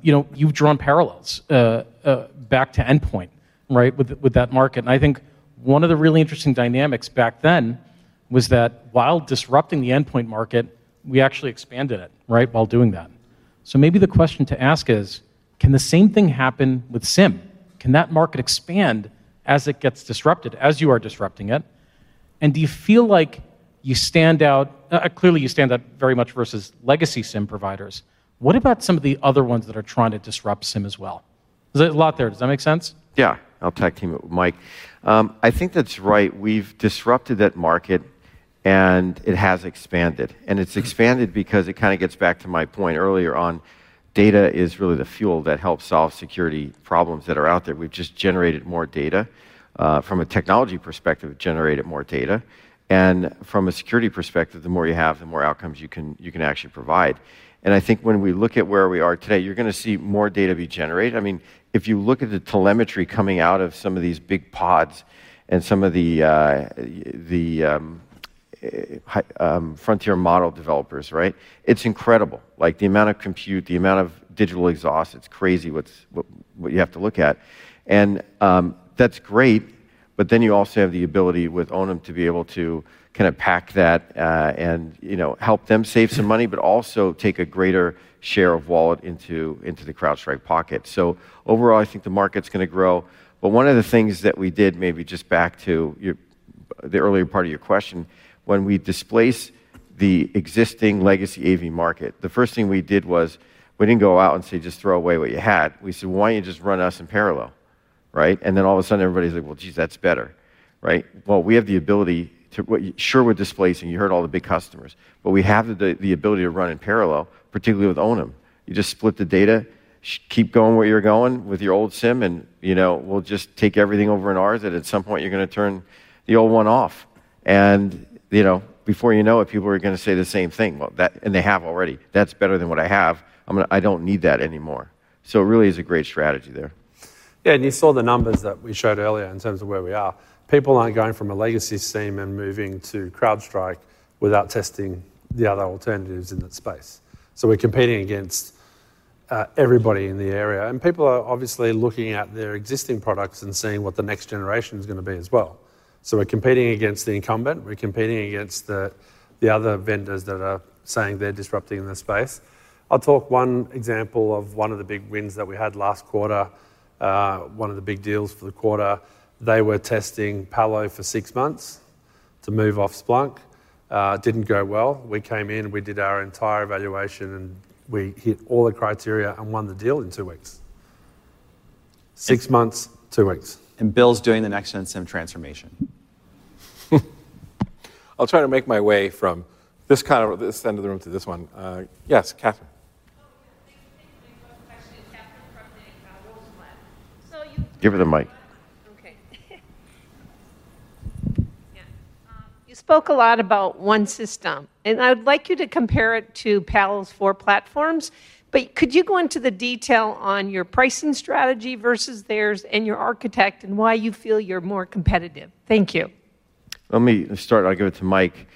You've drawn parallels back to endpoint, right, with that market. I think one of the really interesting dynamics back then was that while disrupting the endpoint market, we actually expanded it, right, while doing that. The question to ask is, can the same thing happen with SIEM? Can that market expand as it gets disrupted, as you are disrupting it? Do you feel like you stand out? Clearly, you stand out very much versus legacy SIEM providers. What about some of the other ones that are trying to disrupt SIEM as well? There's a lot there. Does that make sense? Yeah, I'll tag team it with Mike. I think that's right. We've disrupted that market, and it has expanded. It's expanded because it kind of gets back to my point earlier on. Data is really the fuel that helps solve security problems that are out there. We've just generated more data. From a technology perspective, we've generated more data. From a security perspective, the more you have, the more outcomes you can actually provide. I think when we look at where we are today, you're going to see more data be generated. If you look at the telemetry coming out of some of these big pods and some of the frontier model developers, it's incredible. The amount of compute, the amount of digital exhaust, it's crazy what you have to look at. That's great, but then you also have the ability with Onum to be able to kind of pack that and help them save some money, but also take a greater share of wallet into the CrowdStrike pocket. Overall, I think the market's going to grow. One of the things that we did, maybe just back to the earlier part of your question, when we displaced the existing legacy AV market, the first thing we did was we didn't go out and say, just throw away what you had. We said, why don't you just run us in parallel, right? All of a sudden, everybody's like, geez, that's better, right? We have the ability to, sure, we're displacing. You heard all the big customers. We have the ability to run in parallel, particularly with Onum. You just split the data, keep going where you're going with your old SIEM, and we'll just take everything over in ours, and at some point, you're going to turn the old one off. Before you know it, people are going to say the same thing. That, and they have already, that's better than what I have. I don't need that anymore. It really is a great strategy there. Yeah, and you saw the numbers that we showed earlier in terms of where we are. People aren't going from a legacy SIEM and moving to CrowdStrike without testing the other alternatives in that space. We're competing against everybody in the area. People are obviously looking at their existing products and seeing what the next generation is going to be as well. We're competing against the incumbent. We're competing against the other vendors that are saying they're disrupting the space. I'll talk one example of one of the big wins that we had last quarter, one of the big deals for the quarter. They were testing Palo for six months to move off Splunk. It didn't go well. We came in, we did our entire evaluation, and we hit all the criteria and won the deal in two weeks. Six months, two weeks. Bill's doing the Next-Gen SIEM transformation. I'll try to make my way from this end of the room to this one. Yes, Catharine. The global question is Catherine from the examples one. So you. Give her the mic. Okay. Yeah. You spoke a lot about OneSystem, and I'd like you to compare it to Palo's four platforms, but could you go into the detail on your pricing strategy versus theirs and your architect and why you feel you're more competitive? Thank you. Let me start. I'll give it to Mike.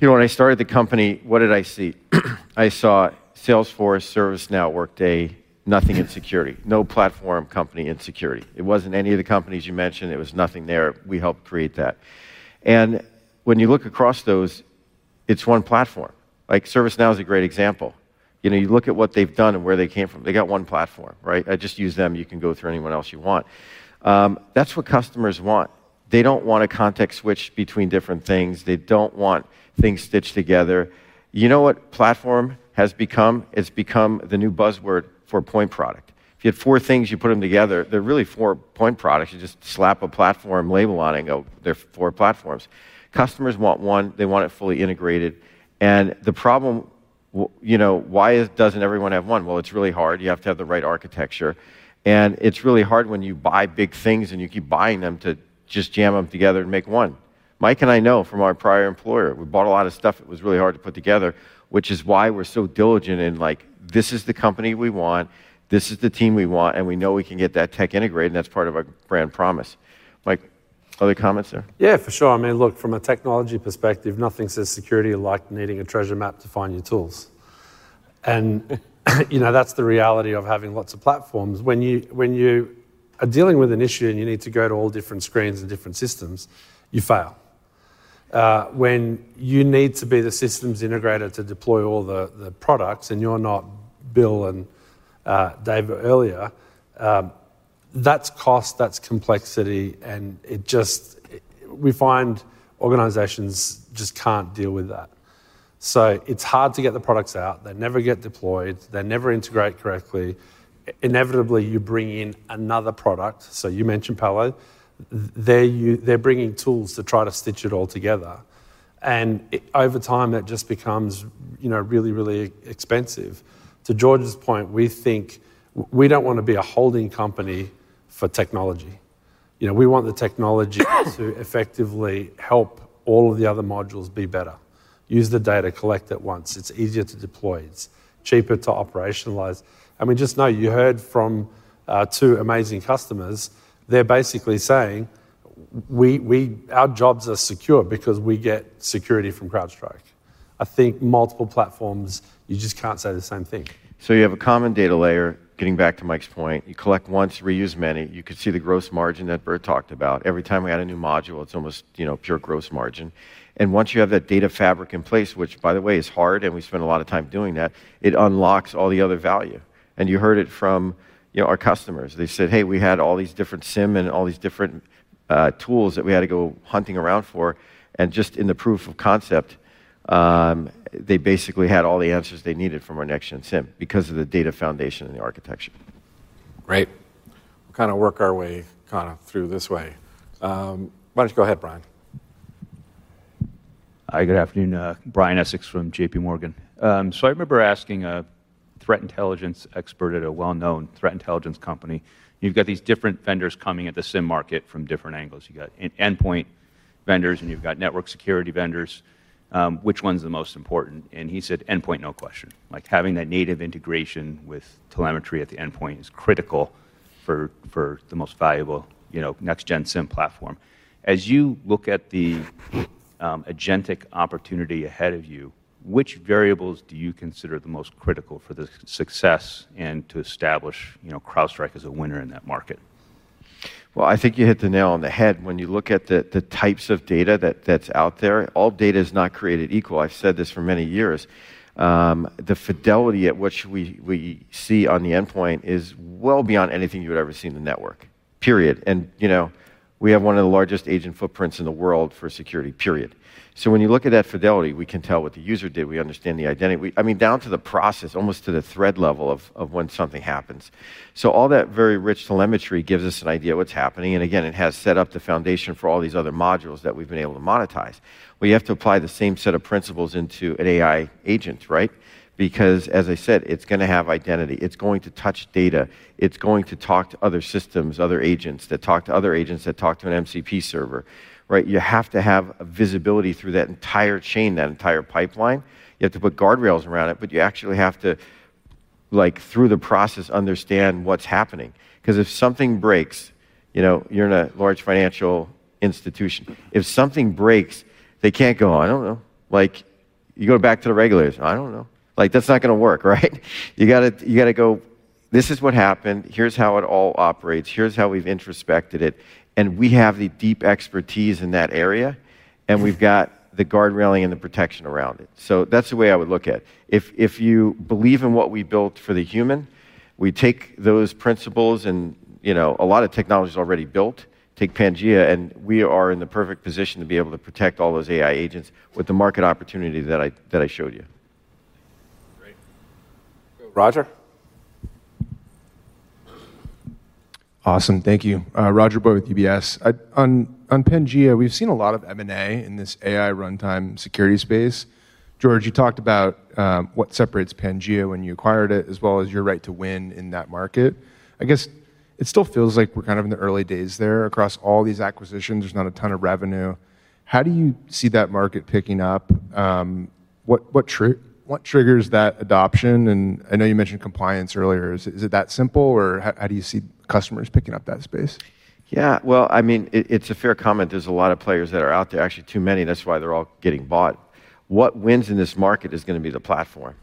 You know, when I started the company, what did I see? I saw Salesforce, ServiceNow, Workday, nothing in security. No platform company in security. It wasn't any of the companies you mentioned. It was nothing there. We helped create that. When you look across those, it's one platform. Like ServiceNow is a great example. You know, you look at what they've done and where they came from. They got one platform, right? I just use them. You can go through anyone else you want. That's what customers want. They don't want a context switch between different things. They don't want things stitched together. You know what platform has become? It's become the new buzzword for point product. If you have four things, you put them together, they're really four point products. You just slap a platform label on it and go, they're four platforms. Customers want one. They want it fully integrated. The problem, you know, why doesn't everyone have one? It's really hard. You have to have the right architecture. It's really hard when you buy big things and you keep buying them to just jam them together and make one. Mike and I know from our prior employer, we bought a lot of stuff. It was really hard to put together, which is why we're so diligent in like, this is the company we want. This is the team we want. We know we can get that tech integrated. That's part of our brand promise. Mike, other comments there? Yeah, for sure. I mean, look, from a technology perspective, nothing says security like needing a treasure map to find your tools. You know, that's the reality of having lots of platforms. When you are dealing with an issue and you need to go to all different screens and different systems, you fail. When you need to be the systems integrator to deploy all the products and you're not Bill and David earlier, that's cost, that's complexity, and it just, we find organizations just can't deal with that. It's hard to get the products out. They never get deployed. They never integrate correctly. Inevitably, you bring in another product. You mentioned Palo. They're bringing tools to try to stitch it all together. Over time, that just becomes really, really expensive. To George's point, we think we don't want to be a holding company for technology. We want the technology to effectively help all of the other modules be better. Use the data, collect it once. It's easier to deploy. It's cheaper to operationalize. We just know you heard from two amazing customers. They're basically saying, our jobs are secure because we get security from CrowdStrike. I think multiple platforms, you just can't say the same thing. You have a common data layer. Getting back to Mike's point, you collect once, you reuse many. You could see the gross margin that Burt talked about. Every time we add a new module, it's almost, you know, pure gross margin. Once you have that data fabric in place, which, by the way, is hard, and we spend a lot of time doing that, it unlocks all the other value. You heard it from, you know, our customers. They said, hey, we had all these different SIEM and all these different tools that we had to go hunting around for. Just in the proof of concept, they basically had all the answers they needed from our Next-Gen SIEM because of the data foundation and the architecture. Right. We'll kind of work our way through this way. Why don't you go ahead, Brian? Hi, good afternoon. Brian Essex from JPMorgan. I remember asking a threat intelligence expert at a well-known threat intelligence company. You've got these different vendors coming at the SIEM market from different angles. You've got endpoint vendors, and you've got network security vendors. Which one's the most important? He said, endpoint, no question. Having that native integration with telemetry at the endpoint is critical for the most valuable, you know, next-gen SIEM platform. As you look at the agentic opportunity ahead of you, which variables do you consider the most critical for the success and to establish, you know, CrowdStrike as a winner in that market? I think you hit the nail on the head. When you look at the types of data that's out there, all data is not created equal. I've said this for many years. The fidelity at which we see on the endpoint is well beyond anything you've ever seen in the network. Period. We have one of the largest agent footprints in the world for security. Period. When you look at that fidelity, we can tell what the user did. We understand the identity, I mean, down to the process, almost to the thread level of when something happens. All that very rich telemetry gives us an idea of what's happening. It has set up the foundation for all these other modules that we've been able to monetize. We have to apply the same set of principles into an AI agent, right? Because, as I said, it's going to have identity. It's going to touch data. It's going to talk to other systems, other agents that talk to other agents that talk to an MCP server, right? You have to have visibility through that entire chain, that entire pipeline. You have to put guardrails around it, but you actually have to, like, through the process, understand what's happening. Because if something breaks, you know, you're in a large financial institution. If something breaks, they can't go, "I don't know." You go back to the regulators, "I don't know." That's not going to work, right? You got to go, "This is what happened. Here's how it all operates. Here's how we've introspected it." We have the deep expertise in that area. We've got the guardrailing and the protection around it. That's the way I would look at it. If you believe in what we built for the human, we take those principles and, you know, a lot of technology is already built. Take Pangea, and we are in the perfect position to be able to protect all those AI agents with the market opportunity that I showed you. Roger? Awesome. Thank you. Roger Boyd with UBS. On Pangea, we've seen a lot of M&A in this AI runtime security space. George, you talked about what separates Pangea when you acquired it, as well as your right to win in that market. I guess it still feels like we're kind of in the early days there across all these acquisitions. There's not a ton of revenue. How do you see that market picking up? What triggers that adoption? I know you mentioned compliance earlier. Is it that simple, or how do you see customers picking up that space? Yeah, I mean, it's a fair comment. There's a lot of players that are out there, actually too many. That's why they're all getting bought. What wins in this market is going to be the platform.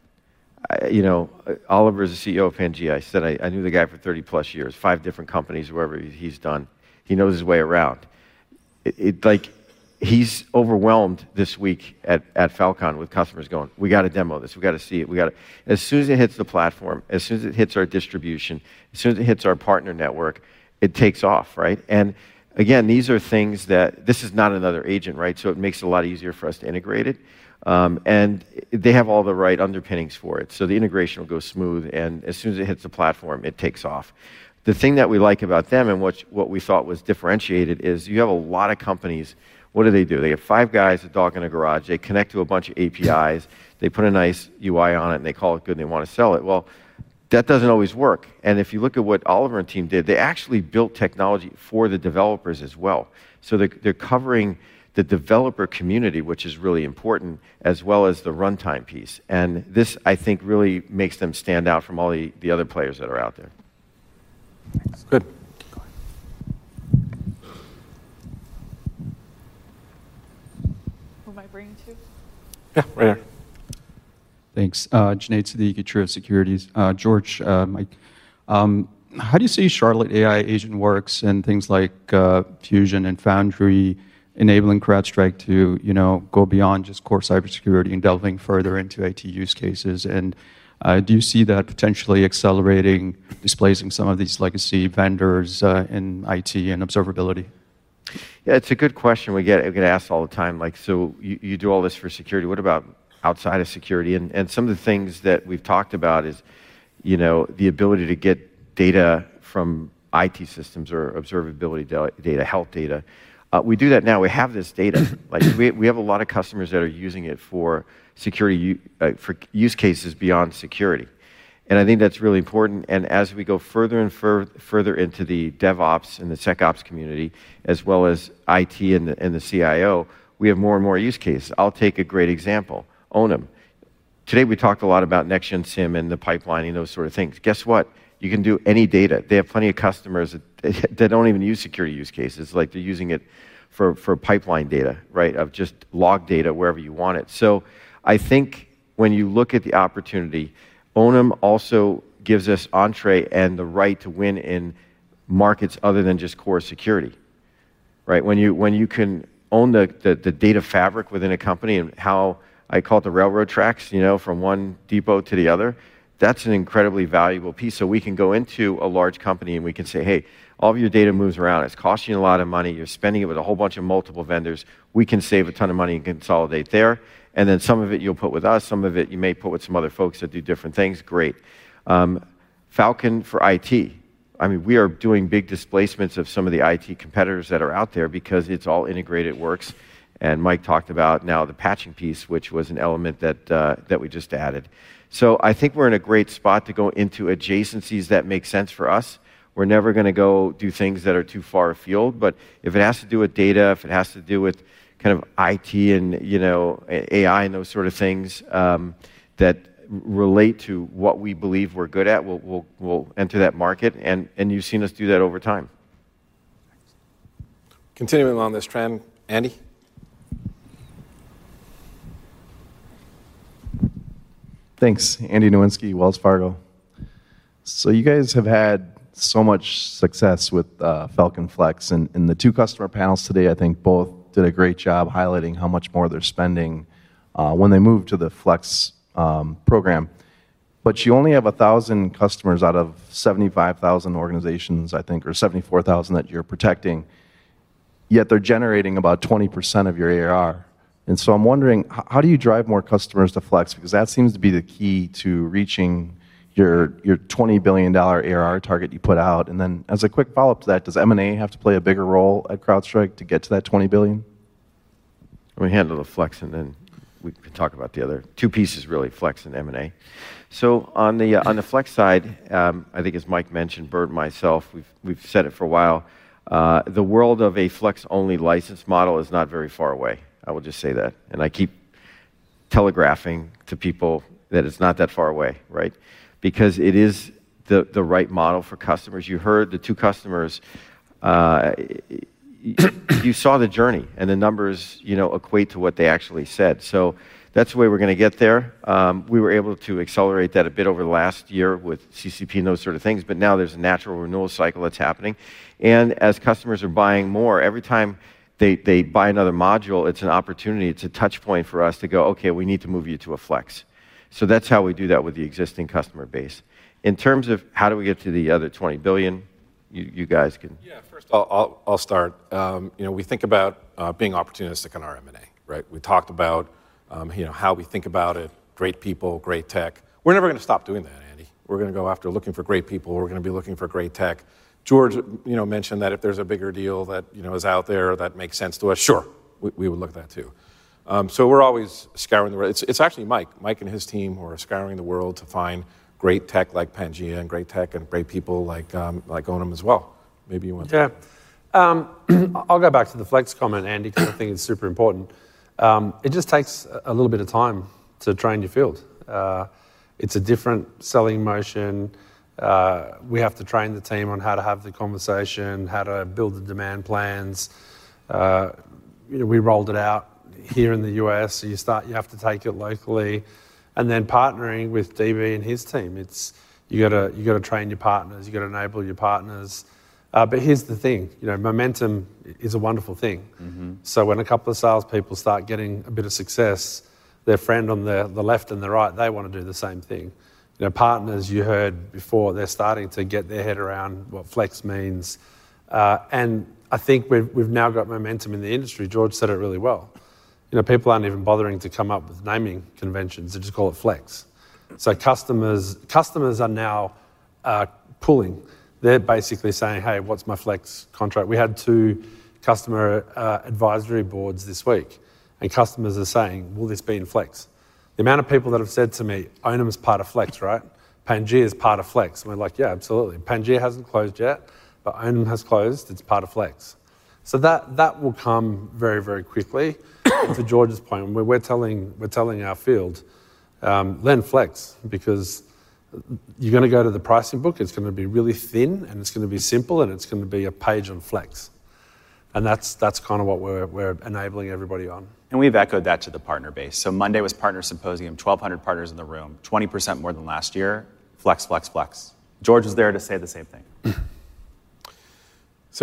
You know, Oliver is the CEO of Pangea. I said I knew the guy for 30+ years, five different companies, whatever he's done. He knows his way around. He's overwhelmed this week at Falcon with customers going, "We got to demo this. We got to see it. We got to..." As soon as it hits the platform, as soon as it hits our distribution, as soon as it hits our partner network, it takes off, right? These are things that this is not another agent, right? It makes it a lot easier for us to integrate it, and they have all the right underpinnings for it. The integration will go smooth. As soon as it hits the platform, it takes off. The thing that we like about them and what we thought was differentiated is you have a lot of companies. What do they do? They have five guys, a dog in a garage. They connect to a bunch of APIs. They put a nice UI on it, and they call it good, and they want to sell it. That doesn't always work. If you look at what Oliver and team did, they actually built technology for the developers as well. They're covering the developer community, which is really important, as well as the runtime piece. This, I think, really makes them stand out from all the other players that are out there. Thanks. Junaid Siddiqui Truist Securities. George, Mike. How do you see Charlotte AI Agentic Workflows and things like Fusion and Foundry enabling CrowdStrike to, you know, go beyond just core cybersecurity and delving further into IT use cases? Do you see that potentially accelerating displacing some of these legacy vendors in IT and observability? Yeah, it's a good question. We get asked all the time, like, so you do all this for security. What about outside of security? Some of the things that we've talked about is, you know, the ability to get data from IT systems or observability data, health data. We do that now. We have this data. We have a lot of customers that are using it for security, for use cases beyond security. I think that's really important. As we go further and further into the DevOps and the SecOps community, as well as IT and the CIO, we have more and more use cases. I'll take a great example, Onum. Today, we talked a lot about Next-Gen SIEM and the pipeline and those sort of things. Guess what? You can do any data. They have plenty of customers that don't even use security use cases. They're using it for pipeline data, right, of just log data wherever you want it. I think when you look at the opportunity, Onum also gives us entrée and the right to win in markets other than just core security, right? When you can own the data fabric within a company and how I call it the railroad tracks, you know, from one depot to the other, that's an incredibly valuable piece. We can go into a large company and we can say, "Hey, all of your data moves around. It's costing you a lot of money. You're spending it with a whole bunch of multiple vendors. We can save a ton of money and consolidate there. Some of it you'll put with us. Some of it you may put with some other folks that do different things. Great." Falcon for IT. We are doing big displacements of some of the IT competitors that are out there because it's all integrated, works. Mike talked about now the patching piece, which was an element that we just added. I think we're in a great spot to go into adjacencies that make sense for us. We're never going to go do things that are too far afield. If it has to do with data, if it has to do with kind of IT and, you know, AI and those sort of things that relate to what we believe we're good at, we'll enter that market. You've seen us do that over time. Continuing on this trend, Andy. Thanks, Andy Nowinski, Wells Fargo. You guys have had so much success with Falcon Flex. The two customer panels today, I think, both did a great job highlighting how much more they're spending when they move to the Flex program. You only have 1,000 customers out of 75,000 organizations, I think, or 74,000 that you're protecting. Yet they're generating about 20% of your ARR. I'm wondering, how do you drive more customers to Flex? That seems to be the key to reaching your $20 billion ARR target you put out. As a quick follow-up to that, does M&A have to play a bigger role at CrowdStrike to get to that $20 billion? Let me handle the Flex, and then we could talk about the other two pieces, really, Flex and M&A. On the Flex side, I think, as Mike mentioned, Burt and myself, we've said it for a while. The world of a Flex-only license model is not very far away. I will just say that. I keep telegraphing to people that it's not that far away, right? It is the right model for customers. You heard the two customers. You saw the journey, and the numbers, you know, equate to what they actually said. That's the way we're going to get there. We were able to accelerate that a bit over the last year with CCP and those sort of things. Now there's a natural renewal cycle that's happening. As customers are buying more, every time they buy another module, it's an opportunity. It's a touchpoint for us to go, "Okay, we need to move you to a Flex." That's how we do that with the existing customer base. In terms of how do we get to the other $20 billion, you guys can. Yeah, first off, I'll start. We think about being opportunistic in our M&A, right? We talked about how we think about it. Great people, great tech. We're never going to stop doing that, Andy. We're going to go after looking for great people. We're going to be looking for great tech. George mentioned that if there's a bigger deal that is out there that makes sense to us, sure, we would look at that too. We're always scouring the world. It's actually Mike. Mike and his team were scouring the world to find great tech like Pangea and great tech and great people like Onum as well. Maybe you want to. Yeah. I'll go back to the Flex comment, Andy, because I think it's super important. It just takes a little bit of time to train your field. It's a different selling motion. We have to train the team on how to have the conversation, how to build the demand plans. You know, we rolled it out here in the U.S. You start, you have to take it locally. Then partnering with DB and his team, you got to train your partners. You got to enable your partners. Here's the thing. Momentum is a wonderful thing. When a couple of salespeople start getting a bit of success, their friend on the left and the right, they want to do the same thing. Partners, you heard before, they're starting to get their head around what Flex means. I think we've now got momentum in the industry. George said it really well. People aren't even bothering to come up with naming conventions. They just call it Flex. Customers are now pulling. They're basically saying, "Hey, what's my Flex contract?" We had two customer advisory boards this week, and customers are saying, "Will this be in Flex?" The amount of people that have said to me, "Onum's part of Flex, right? Pangea is part of Flex." We're like, "Yeah, absolutely. Pangea hasn't closed yet, but Onum has closed. It's part of Flex." That will come very, very quickly. To George's point, when we're telling our field, "Lend Flex," because you're going to go to the pricing book. It's going to be really thin, and it's going to be simple, and it's going to be a page on Flex. That's kind of what we're enabling everybody on. We have echoed that to the partner base. Monday was partner symposium, 1,200 partners in the room, 20% more than last year. Flex, Flex, Flex. George was there to say the same thing.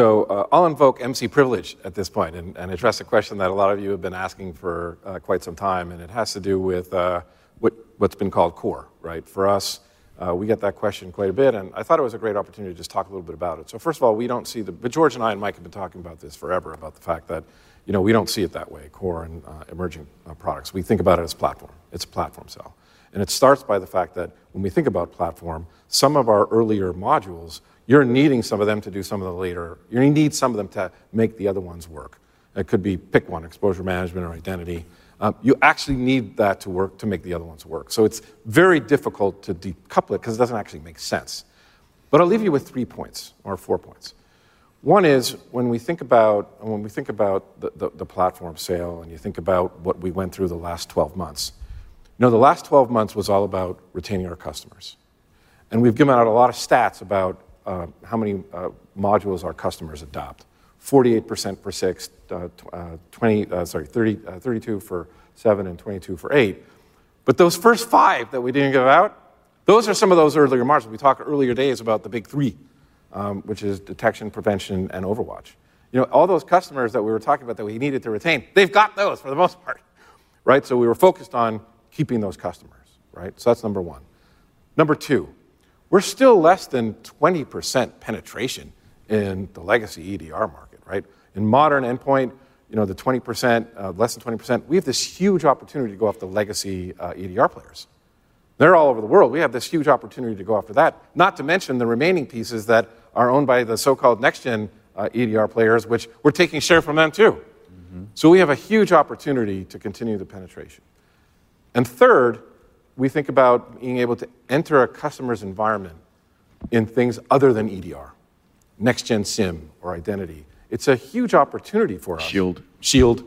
I'll invoke MC privilege at this point and address a question that a lot of you have been asking for quite some time, and it has to do with what's been called core, right? For us, we get that question quite a bit, and I thought it was a great opportunity to just talk a little bit about it. First of all, we don't see the—George and I and Mike have been talking about this forever, about the fact that, you know, we don't see it that way, core and emerging products. We think about it as platform. It's a platform sell. It starts by the fact that when we think about platform, some of our earlier modules, you're needing some of them to do some of the later. You need some of them to make the other ones work. It could be, pick one, exposure management or identity. You actually need that to work to make the other ones work. It's very difficult to decouple it because it doesn't actually make sense. I'll leave you with three points or four points. One is when we think about, and when we think about the platform sale and you think about what we went through the last 12 months, the last 12 months was all about retaining our customers. We've given out a lot of stats about how many modules our customers adopt. 48% for six, 32% for seven, and 22% for eight. Those first five that we didn't give out, those are some of those earlier margins. We talk earlier days about the big three, which is detection, prevention, and OverWatch. All those customers that we were talking about that we needed to retain, they've got those for the most part, right? We were focused on keeping those customers, right? That's number one. Number two, we're still less than 20% penetration in the legacy EDR market, right? In modern endpoint, the 20%, less than 20%, we have this huge opportunity to go after the legacy EDR players. They're all over the world. We have this huge opportunity to go after that, not to mention the remaining pieces that are owned by the so-called next-gen EDR players, which we're taking share from them too. We have a huge opportunity to continue the penetration. Third, we think about being able to enter a customer's environment in things other than EDR, Next-Gen SIEM or identity. It's a huge opportunity for... Shield. Shield.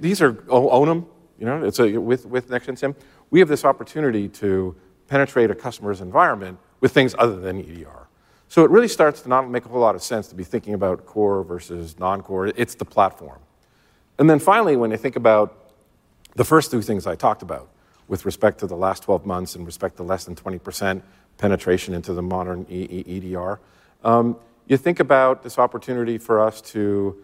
These are Onum, you know, with Next-Gen SIEM. We have this opportunity to penetrate a customer's environment with things other than EDR. It really starts to not make a whole lot of sense to be thinking about core versus non-core. It's the platform. Finally, when I think about the first two things I talked about with respect to the last 12 months and respect to less than 20% penetration into the modern EDR, you think about this opportunity for us to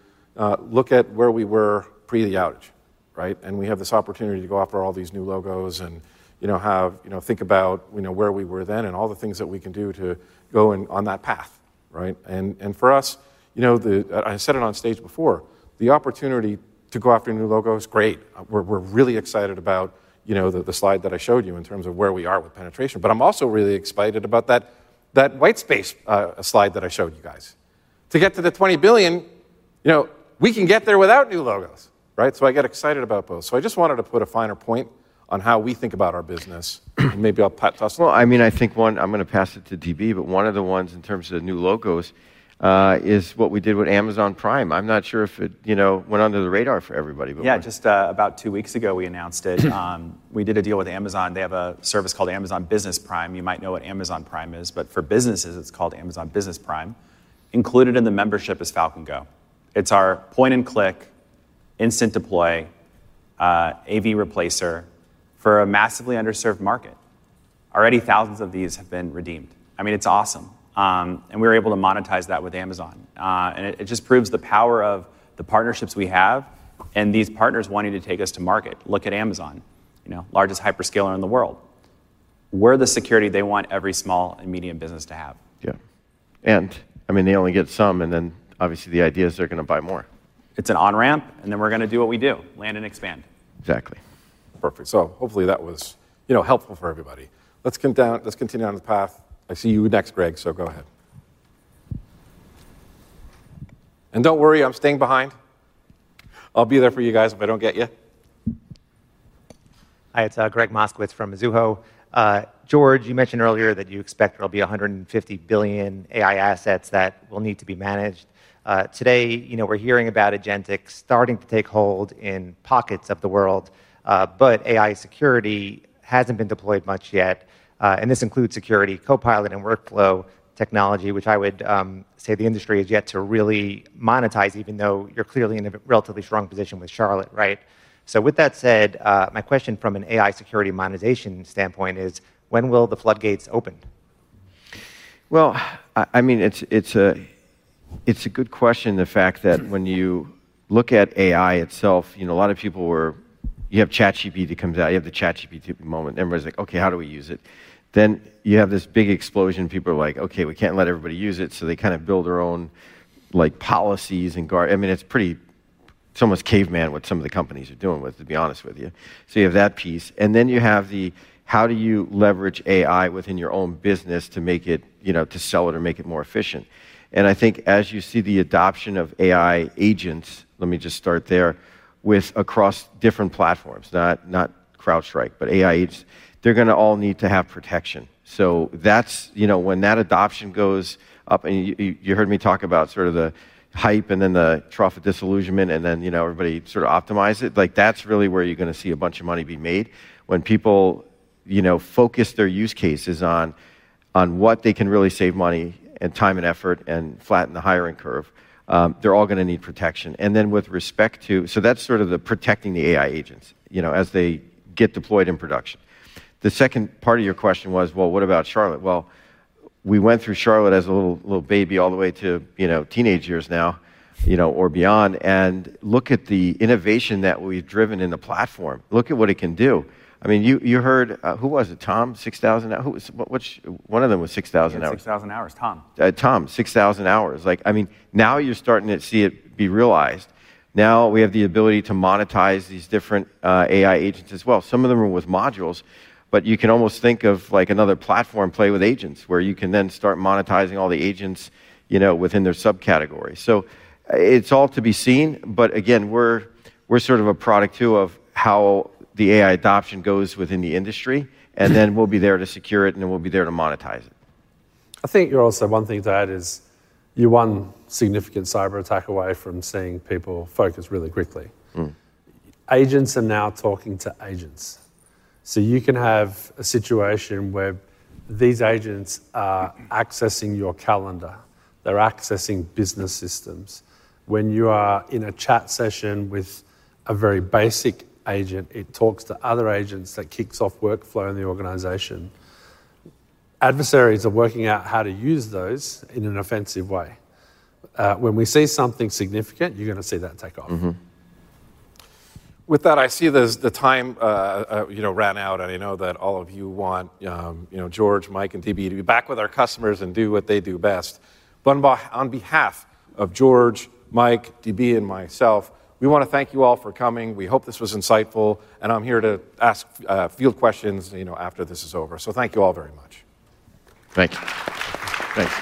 look at where we were pre the outage, right? We have this opportunity to go after all these new logos and, you know, have, you know, think about, you know, where we were then and all the things that we can do to go on that path, right? For us, you know, I said it on stage before, the opportunity to go after new logos, great. We're really excited about, you know, the slide that I showed you in terms of where we are with penetration. I'm also really excited about that white space slide that I showed you guys. To get to the $20 billion, you know, we can get there without new logos, right? I get excited about those. I just wanted to put a finer point on how we think about our business. Maybe I'll pass. I think one, I'm going to pass it to DB, but one of the ones in terms of the new logos is what we did with Amazon Prime. I'm not sure if it, you know, went under the radar for everybody. Yeah, just about two weeks ago, we announced it. We did a deal with Amazon. They have a service called Amazon Business Prime. You might know what Amazon Prime is, but for businesses, it's called Amazon Business Prime. Included in the membership is Falcon Go. It's our point and click, instant deploy, AV replacer for a massively underserved market. Already thousands of these have been redeemed. I mean, it's awesome. We were able to monetize that with Amazon. It just proves the power of the partnerships we have and these partners wanting to take us to market. Look at Amazon, you know, largest hyperscaler in the world. We're the security they want every small and medium business to have. Yeah, I mean, they only get some, and obviously the idea is they're going to buy more. It's an on-ramp, and then we're going to do what we do, land and expand. Exactly. Perfect. Hopefully that was, you know, helpful for everybody. Let's continue down the path. I see you next, Greg, so go ahead. Don't worry, I'm staying behind. I'll be there for you guys if I don't get you. Hi, it's Gregg Moskowitz from Mizuho. George, you mentioned earlier that you expect there'll be $150 billion AI assets that will need to be managed. Today, you know, we're hearing about agentic AI starting to take hold in pockets of the world, but AI security hasn't been deployed much yet. This includes security, copilot, and workflow technology, which I would say the industry has yet to really monetize, even though you're clearly in a relatively strong position with Charlotte AI, right? With that said, my question from an AI security monetization standpoint is, when will the floodgates open? It's a good question, the fact that when you look at AI itself, you know, a lot of people were, you have ChatGPT that comes out. You have the ChatGPT moment. Everybody's like, "Okay, how do we use it?" You have this big explosion. People are like, "Okay, we can't let everybody use it." They kind of build their own policies and guards. It's pretty, it's almost caveman what some of the companies are doing, to be honest with you. You have that piece. Then you have the, how do you leverage AI within your own business to make it, you know, to sell it or make it more efficient? I think as you see the adoption of AI agents, let me just start there, across different platforms, not CrowdStrike, but AI agents, they're going to all need to have protection. When that adoption goes up, and you heard me talk about sort of the hype and then the trough of disillusionment, and then, you know, everybody sort of optimized it. That's really where you're going to see a bunch of money be made. When people focus their use cases on what they can really save money and time and effort and flatten the hiring curve, they're all going to need protection. With respect to, so that's sort of the protecting the AI agents as they get deployed in production. The second part of your question was, what about Charlotte? We went through Charlotte as a little baby all the way to teenage years now, or beyond. Look at the innovation that we've driven in the platform. Look at what it can do. You heard, who was it? Tom? 6,000 hours? One of them was 6,000 hours. 6,000 hours, Tom. Tom, 6,000 hours. I mean, now you're starting to see it be realized. Now we have the ability to monetize these different AI agents as well. Some of them are with modules, but you can almost think of like another platform play with agents where you can then start monetizing all the agents within their subcategory. It is all to be seen. Again, we're sort of a product too of how the AI adoption goes within the industry. We will be there to secure it, and we will be there to monetize it. I think one thing to add is you're one significant cyber attack away from seeing people focus really quickly. Agents are now talking to agents. You can have a situation where these agents are accessing your calendar, they're accessing business systems. When you are in a chat session with a very basic agent, it talks to other agents that kicks off workflow in the organization. Adversaries are working out how to use those in an offensive way. When we see something significant, you're going to see that take off. With that, I see the time ran out, and I know that all of you want George, Mike, and DB to be back with our customers and do what they do best. On behalf of George, Mike, DB, and myself, we want to thank you all for coming. We hope this was insightful, and I'm here to ask field questions after this is over. Thank you all very much. Thank you. Thanks.